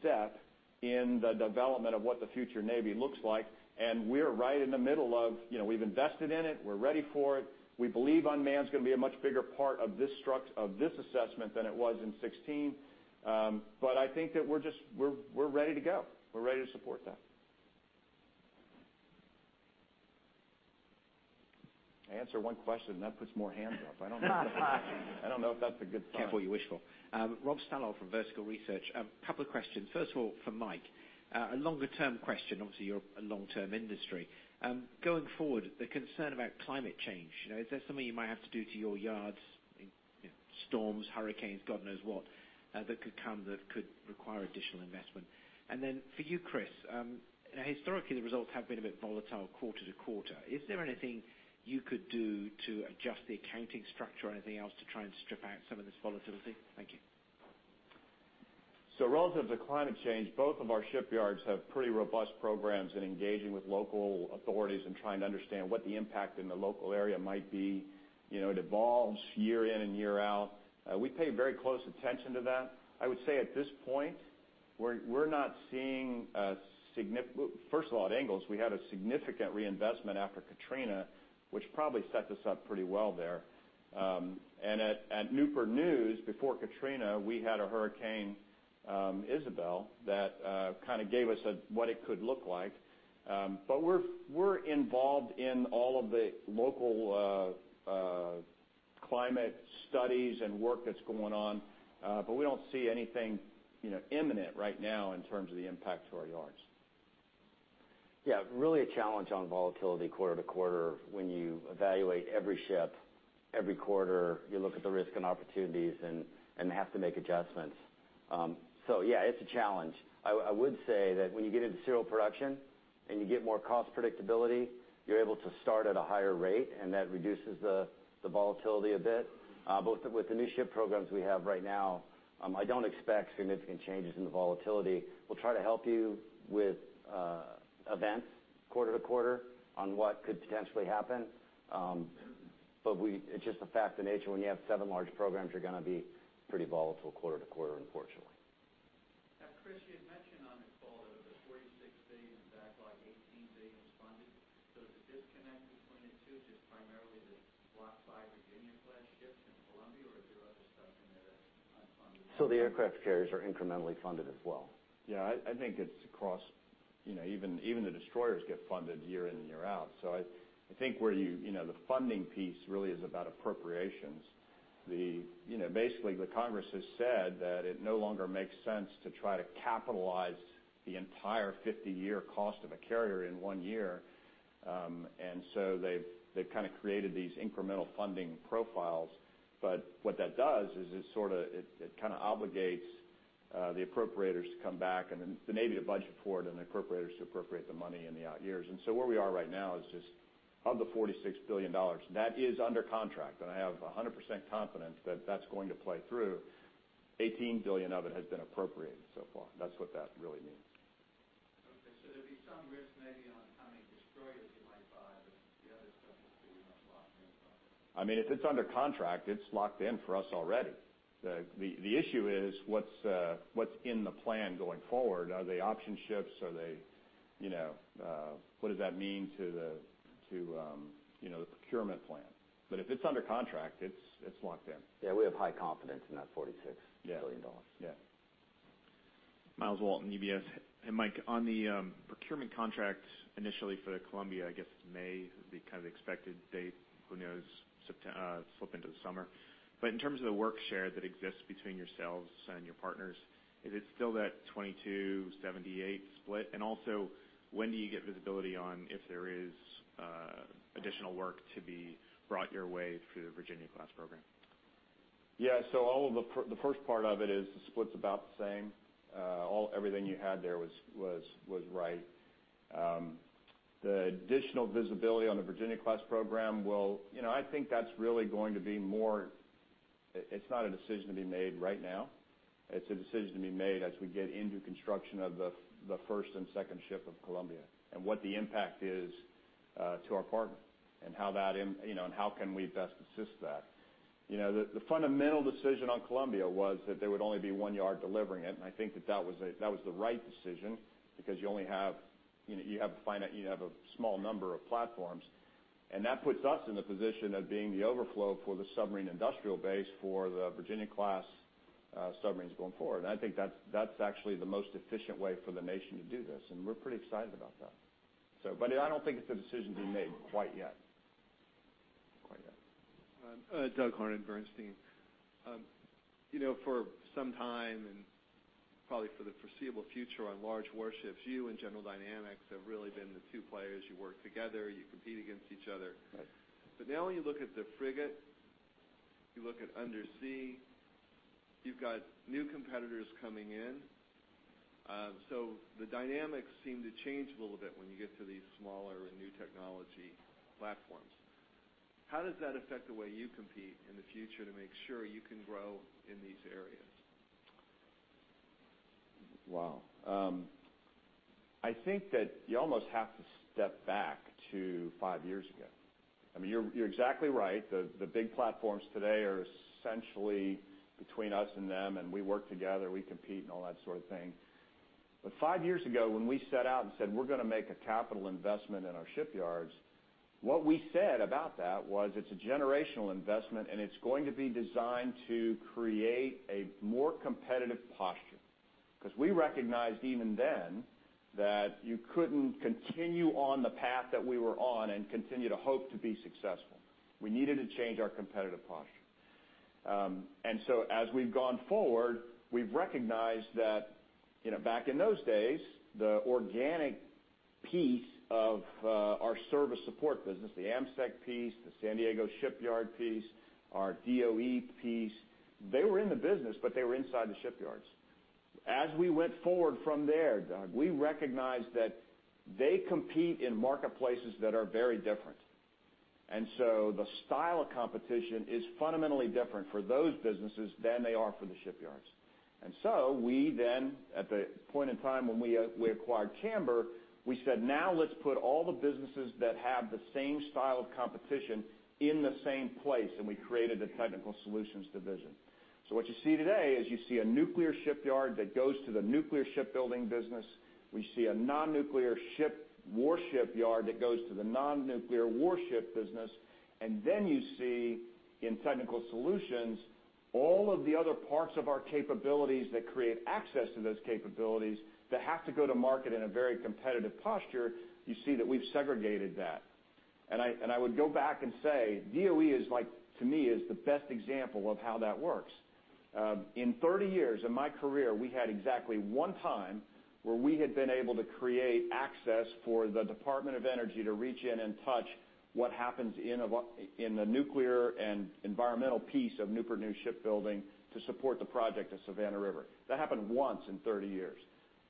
B: step in the development of what the future Navy looks like, and we're right in the middle of, you know, we've invested in it. We're ready for it. We believe unmanned's going to be a much bigger part of this structure assessment than it was in 2016. I think that we're just ready to go. We're ready to support that. Answer one question, and that puts more hands up. I don't know if that's a good thought.
K: Careful what you wish for. Rob Stallard from Vertical Research. A couple of questions. First of all, for Mike, a longer-term question. Obviously, you're a long-term industry. Going forward, the concern about climate change, you know, is there something you might have to do to your yards in, you know, storms, hurricanes, God knows what, that could come that could require additional investment? And then for you, Chris, you know, historically, the results have been a bit volatile quarter to quarter. Is there anything you could do to adjust the accounting structure or anything else to try and strip out some of this volatility? Thank you.
B: So relative to climate change, both of our shipyards have pretty robust programs in engaging with local authorities and trying to understand what the impact in the local area might be. You know, it evolves year in and year out. We pay very close attention to that. I would say at this point, we're not seeing a significant, well, first of all, at Ingalls, we had a significant reinvestment after Katrina, which probably set us up pretty well there and at Newport News, before Katrina, we had Hurricane Isabel that kind of gave us what it could look like, but we're involved in all of the local climate studies and work that's going on, but we don't see anything, you know, imminent right now in terms of the impact to our yards.
O: Yeah. Really a challenge on volatility quarter to quarter when you evaluate every ship every quarter. You look at the risk and opportunities and have to make adjustments, so yeah, it's a challenge. I would say that when you get into serial production and you get more cost predictability, you're able to start at a higher rate, and that reduces the volatility a bit. Both with the new ship programs we have right now, I don't expect significant changes in the volatility. We'll try to help you with events quarter to quarter on what could potentially happen, but it's just the fact of nature. When you have seven large programs, you're going to be pretty volatile quarter to quarter, unfortunately.
K: Chris, you had mentioned on the call that of the $46 billion backlog, $18 billion is funded. So is the disconnect between the two just primarily the Block V Virginia-class ships and Columbia, or is there other stuff in there that's unfunded?
O: The aircraft carriers are incrementally funded as well. Yeah. I think it's across, you know, even the destroyers get funded year in and year out. So I think where you know, the funding piece really is about appropriations. You know, basically, the Congress has said that it no longer makes sense to try to capitalize the entire 50-year cost of a carrier in one year. So they've kind of created these incremental funding profiles. But what that does is it sort of it kind of obligates the appropriators to come back and then the Navy to budget for it and the appropriators to appropriate the money in the out years. So where we are right now is just of the $46 billion that is under contract. And I have 100% confidence that that's going to play through. $18 billion of it has been appropriated so far. That's what that really means.
K: Okay. So there'd be some risk maybe on how many destroyers you might buy, but the other stuff is pretty much locked in.
O: I mean, if it's under contract, it's locked in for us already. The issue is what's in the plan going forward. Are they option ships? Are they, you know, what does that mean to the, you know, the procurement plan? But if it's under contract, it's locked in.
B: Yeah. We have high confidence in that $46 billion.
O: Yeah. Yeah.
J: Myles Walton, UBS. Hey, Mike, on the procurement contract initially for Columbia, I guess May would be kind of the expected date. Who knows? September slip into the summer. But in terms of the work share that exists between yourselves and your partners, is it still that 22/78 split? And also, when do you get visibility on if there is additional work to be brought your way through the Virginia-class program?
B: Yeah. So all of the prior, the first part of it is the split's about the same. All everything you had there was right. The additional visibility on the Virginia-class program, well, you know, I think that's really going to be more. It's not a decision to be made right now. It's a decision to be made as we get into construction of the first and second ship of Columbia and what the impact is to our partner and how that impacts, you know, and how we can best assist that. You know, the fundamental decision on Columbia was that there would only be one yard delivering it. And I think that was the right decision because you only have, you know, a finite, you have a small number of platforms. And that puts us in the position of being the overflow for the submarine industrial base for the Virginia-class submarines going forward. And I think that's actually the most efficient way for the nation to do this. And we're pretty excited about that. So but I don't think it's a decision to be made quite yet.
F: Doug Harned, Bernstein. You know, for some time and probably for the foreseeable future on large warships, you and General Dynamics have really been the two players. You work together. You compete against each other.
B: Right.
F: But now when you look at the frigate, you look at undersea, you've got new competitors coming in. So the dynamics seem to change a little bit when you get to these smaller and new technology platforms. How does that affect the way you compete in the future to make sure you can grow in these areas?
B: Wow. I think that you almost have to step back to five years ago. I mean, you're exactly right. The big platforms today are essentially between us and them, and we work together. We compete and all that sort of thing. But five years ago, when we set out and said, "We're going to make a capital investment in our shipyards," what we said about that was, "It's a generational investment, and it's going to be designed to create a more competitive posture." Because we recognized even then that you couldn't continue on the path that we were on and continue to hope to be successful. We needed to change our competitive posture. And so, as we've gone forward, we've recognized that, you know, back in those days, the organic piece of our service support business, the AMSEC piece, the San Diego Shipyard piece, our DOE piece, they were in the business, but they were inside the shipyards. As we went forward from there, Doug, we recognized that they compete in marketplaces that are very different. And so the style of competition is fundamentally different for those businesses than they are for the shipyards. And so we then, at the point in time when we acquired Camber, we said, "Now let's put all the businesses that have the same style of competition in the same place." And we created the Technical Solutions division. So what you see today is you see a nuclear shipyard that goes to the nuclear shipbuilding business. We see a non-nuclear ship warship yard that goes to the non-nuclear warship business. And then you see in Technical Solutions all of the other parts of our capabilities that create access to those capabilities that have to go to market in a very competitive posture. You see that we've segregated that. And I would go back and say DOE is, like, to me, is the best example of how that works. In 30 years of my career, we had exactly one time where we had been able to create access for the Department of Energy to reach in and touch what happens in the nuclear and environmental piece of Newport News Shipbuilding to support the project of Savannah River. That happened once in 30 years.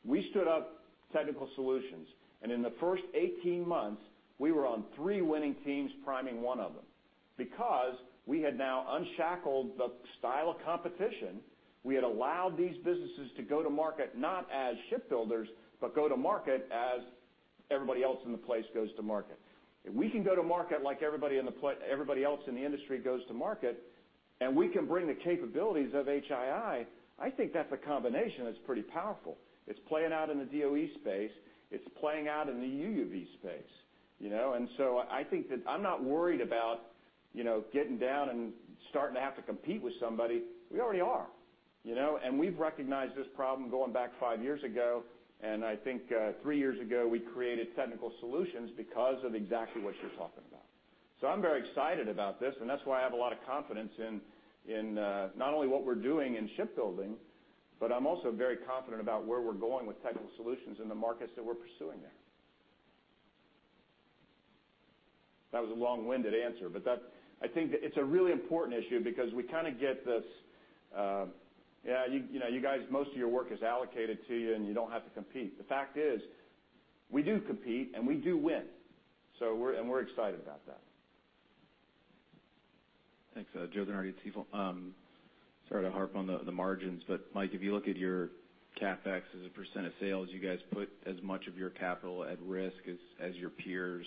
B: We stood up Technical Solutions. In the first 18 months, we were on three winning teams, priming one of them because we had now unshackled the style of competition. We had allowed these businesses to go to market not as shipbuilders, but go to market as everybody else in the place goes to market. If we can go to market like everybody else in the industry goes to market, and we can bring the capabilities of HII, I think that's a combination that's pretty powerful. It's playing out in the DOE space. It's playing out in the UUV space. You know? So I think that I'm not worried about, you know, getting down and starting to have to compete with somebody. We already are. You know? We've recognized this problem going back five years ago. I think, three years ago, we created Technical Solutions because of exactly what you're talking about. I'm very excited about this. That's why I have a lot of confidence in, not only what we're doing in shipbuilding, but I'm also very confident about where we're going with Technical Solutions and the markets that we're pursuing there. That was a long-winded answer. That I think that it's a really important issue because we kind of get this, "Yeah. You know, you guys most of your work is allocated to you, and you don't have to compete." The fact is we do compete, and we do win. We're excited about that.
U: Thanks. [Stifel]. Sorry to harp on the margins. But Mike, if you look at your CapEx as a percent of sales, you guys put as much of your capital at risk as your peers.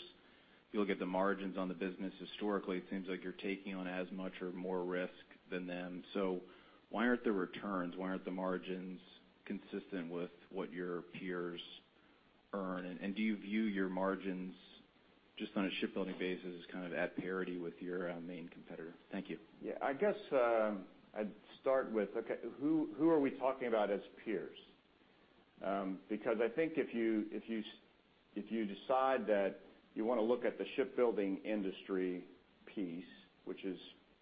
U: You look at the margins on the business. Historically, it seems like you're taking on as much or more risk than them. So why aren't the margins consistent with what your peers earn? And do you view your margins just on a shipbuilding basis as kind of at parity with your main competitor? Thank you.
B: Yeah. I guess, I'd start with, okay, who are we talking about as peers? Because I think if you decide that you want to look at the shipbuilding industry piece, which is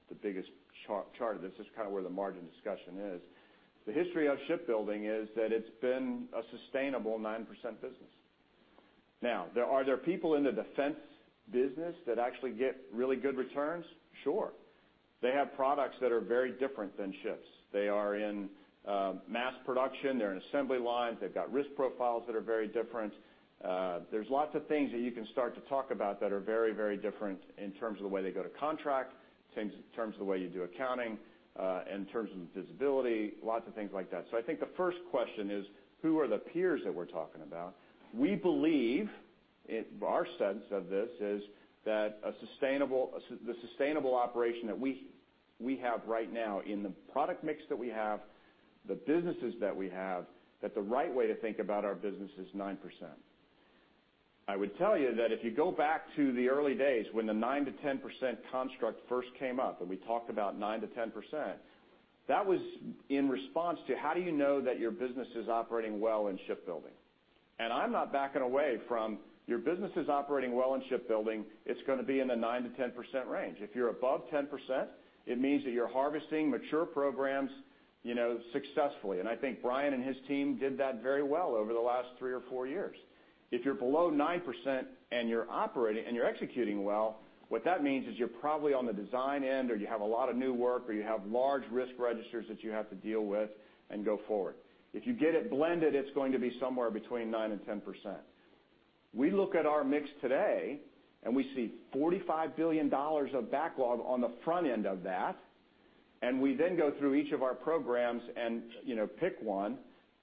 B: the biggest part of the chart, this is kind of where the margin discussion is. The history of shipbuilding is that it's been a sustainable 9% business. Now, there are people in the defense business that actually get really good returns? Sure. They have products that are very different than ships. They are in mass production. They're in assembly lines. They've got risk profiles that are very different. There's lots of things that you can start to talk about that are very, very different in terms of the way they go to contract, things in terms of the way you do accounting, in terms of visibility, lots of things like that. I think the first question is, who are the peers that we're talking about? We believe, in our sense of this, is that the sustainable operation that we have right now in the product mix that we have, the businesses that we have, that the right way to think about our business is 9%. I would tell you that if you go back to the early days when the 9%-10% construct first came up, and we talked about 9%-10%, that was in response to, "How do you know that your business is operating well in shipbuilding?" And I'm not backing away from, "Your business is operating well in shipbuilding. It's going to be in the 9%-10% range." If you're above 10%, it means that you're harvesting mature programs, you know, successfully. And I think Brian and his team did that very well over the last three or four years. If you're below 9% and you're operating and you're executing well, what that means is you're probably on the design end, or you have a lot of new work, or you have large risk registers that you have to deal with and go forward. If you get it blended, it's going to be somewhere between 9% and 10%. We look at our mix today, and we see $45 billion of backlog on the front end of that. And we then go through each of our programs and, you know, pick one.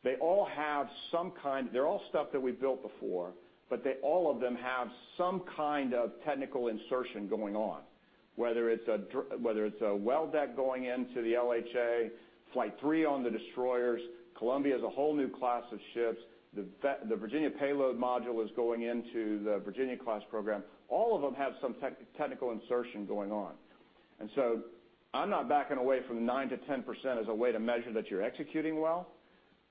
B: They all have some kind; they're all stuff that we've built before, but they all of them have some kind of technical insertion going on, whether it's a well deck going into the LHA, Flight III on the destroyers, Columbia is a whole new class of ships. The Virginia Payload Module is going into the Virginia-class program. All of them have some technical insertion going on. And so I'm not backing away from 9%-10% as a way to measure that you're executing well.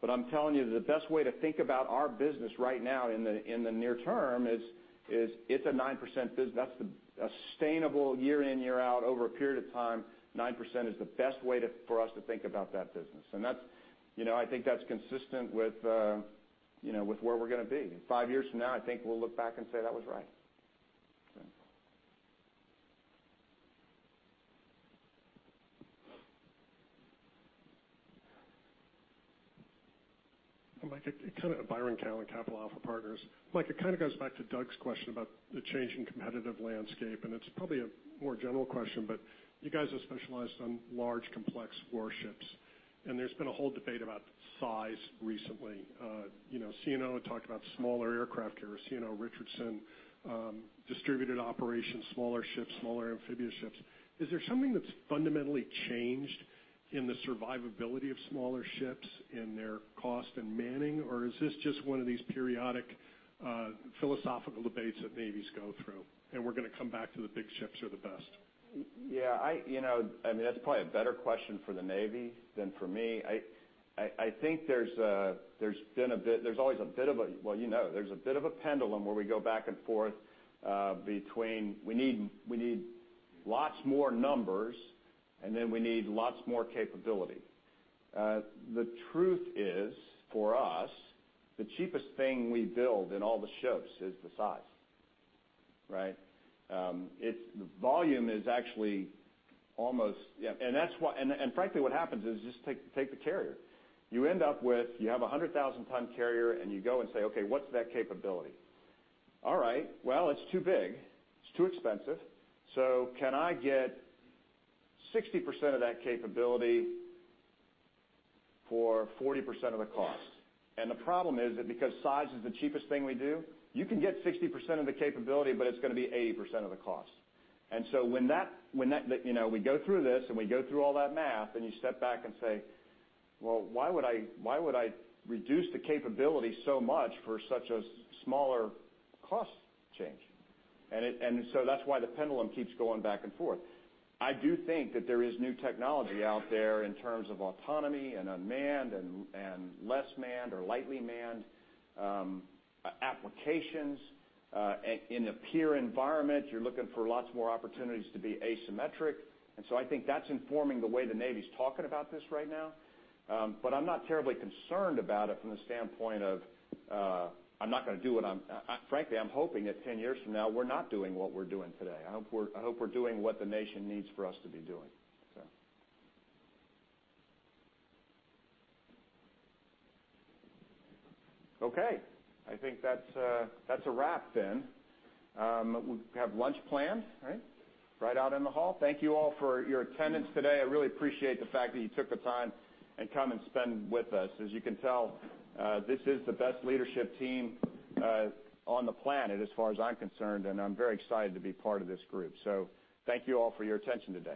B: But I'm telling you that the best way to think about our business right now in the near term is it's a 9%; that's the sustainable year in, year out, over a period of time, 9% is the best way for us to think about that business. That's you know, I think that's consistent with, you know, with where we're going to be. Five years from now, I think we'll look back and say, "That was right.
H: Byron Callan, Capital Alpha Partners. Mike, it kind of goes back to Doug's question about the changing competitive landscape. It's probably a more general question, but you guys are specialized on large complex warships. There's been a whole debate about size recently. You know, CNO had talked about smaller aircraft carriers, CNO Richardson, distributed operations, smaller ships, smaller amphibious ships. Is there something that's fundamentally changed in the survivability of smaller ships in their cost and manning? Or is this just one of these periodic, philosophical debates that navies go through, and we're going to come back to the big ships are the best?
B: Yeah. You know, I mean, that's probably a better question for the Navy than for me. I think there's always been a bit of a, well, you know, pendulum where we go back and forth between we need lots more numbers, and then we need lots more capability. The truth is, for us, the cheapest thing we build in all the ships is the size. Right? It's the volume is actually almost yeah. And that's why and frankly, what happens is just take the carrier. You end up with you have a 100,000-ton carrier, and you go and say, "Okay. What's that capability?" All right. Well, it's too big. It's too expensive. So can I get 60% of that capability for 40% of the cost? And the problem is that because size is the cheapest thing we do, you can get 60% of the capability, but it's going to be 80% of the cost. And so when that you know, we go through this, and we go through all that math, and you step back and say, "Well, why would I reduce the capability so much for such a smaller cost change?" And so that's why the pendulum keeps going back and forth. I do think that there is new technology out there in terms of autonomy and unmanned and less manned or lightly manned applications. And in the peer environment, you're looking for lots more opportunities to be asymmetric. And so I think that's informing the way the Navy's talking about this right now. But I'm not terribly concerned about it from the standpoint of. I'm not going to do what I'm frankly. I'm hoping that 10 years from now, we're not doing what we're doing today. I hope we're doing what the nation needs for us to be doing, so. Okay. I think that's a wrap then. We have lunch planned. All right? Right out in the hall. Thank you all for your attendance today. I really appreciate the fact that you took the time and come and spend with us. As you can tell, this is the best leadership team on the planet, as far as I'm concerned. And I'm very excited to be part of this group. So thank you all for your attention today.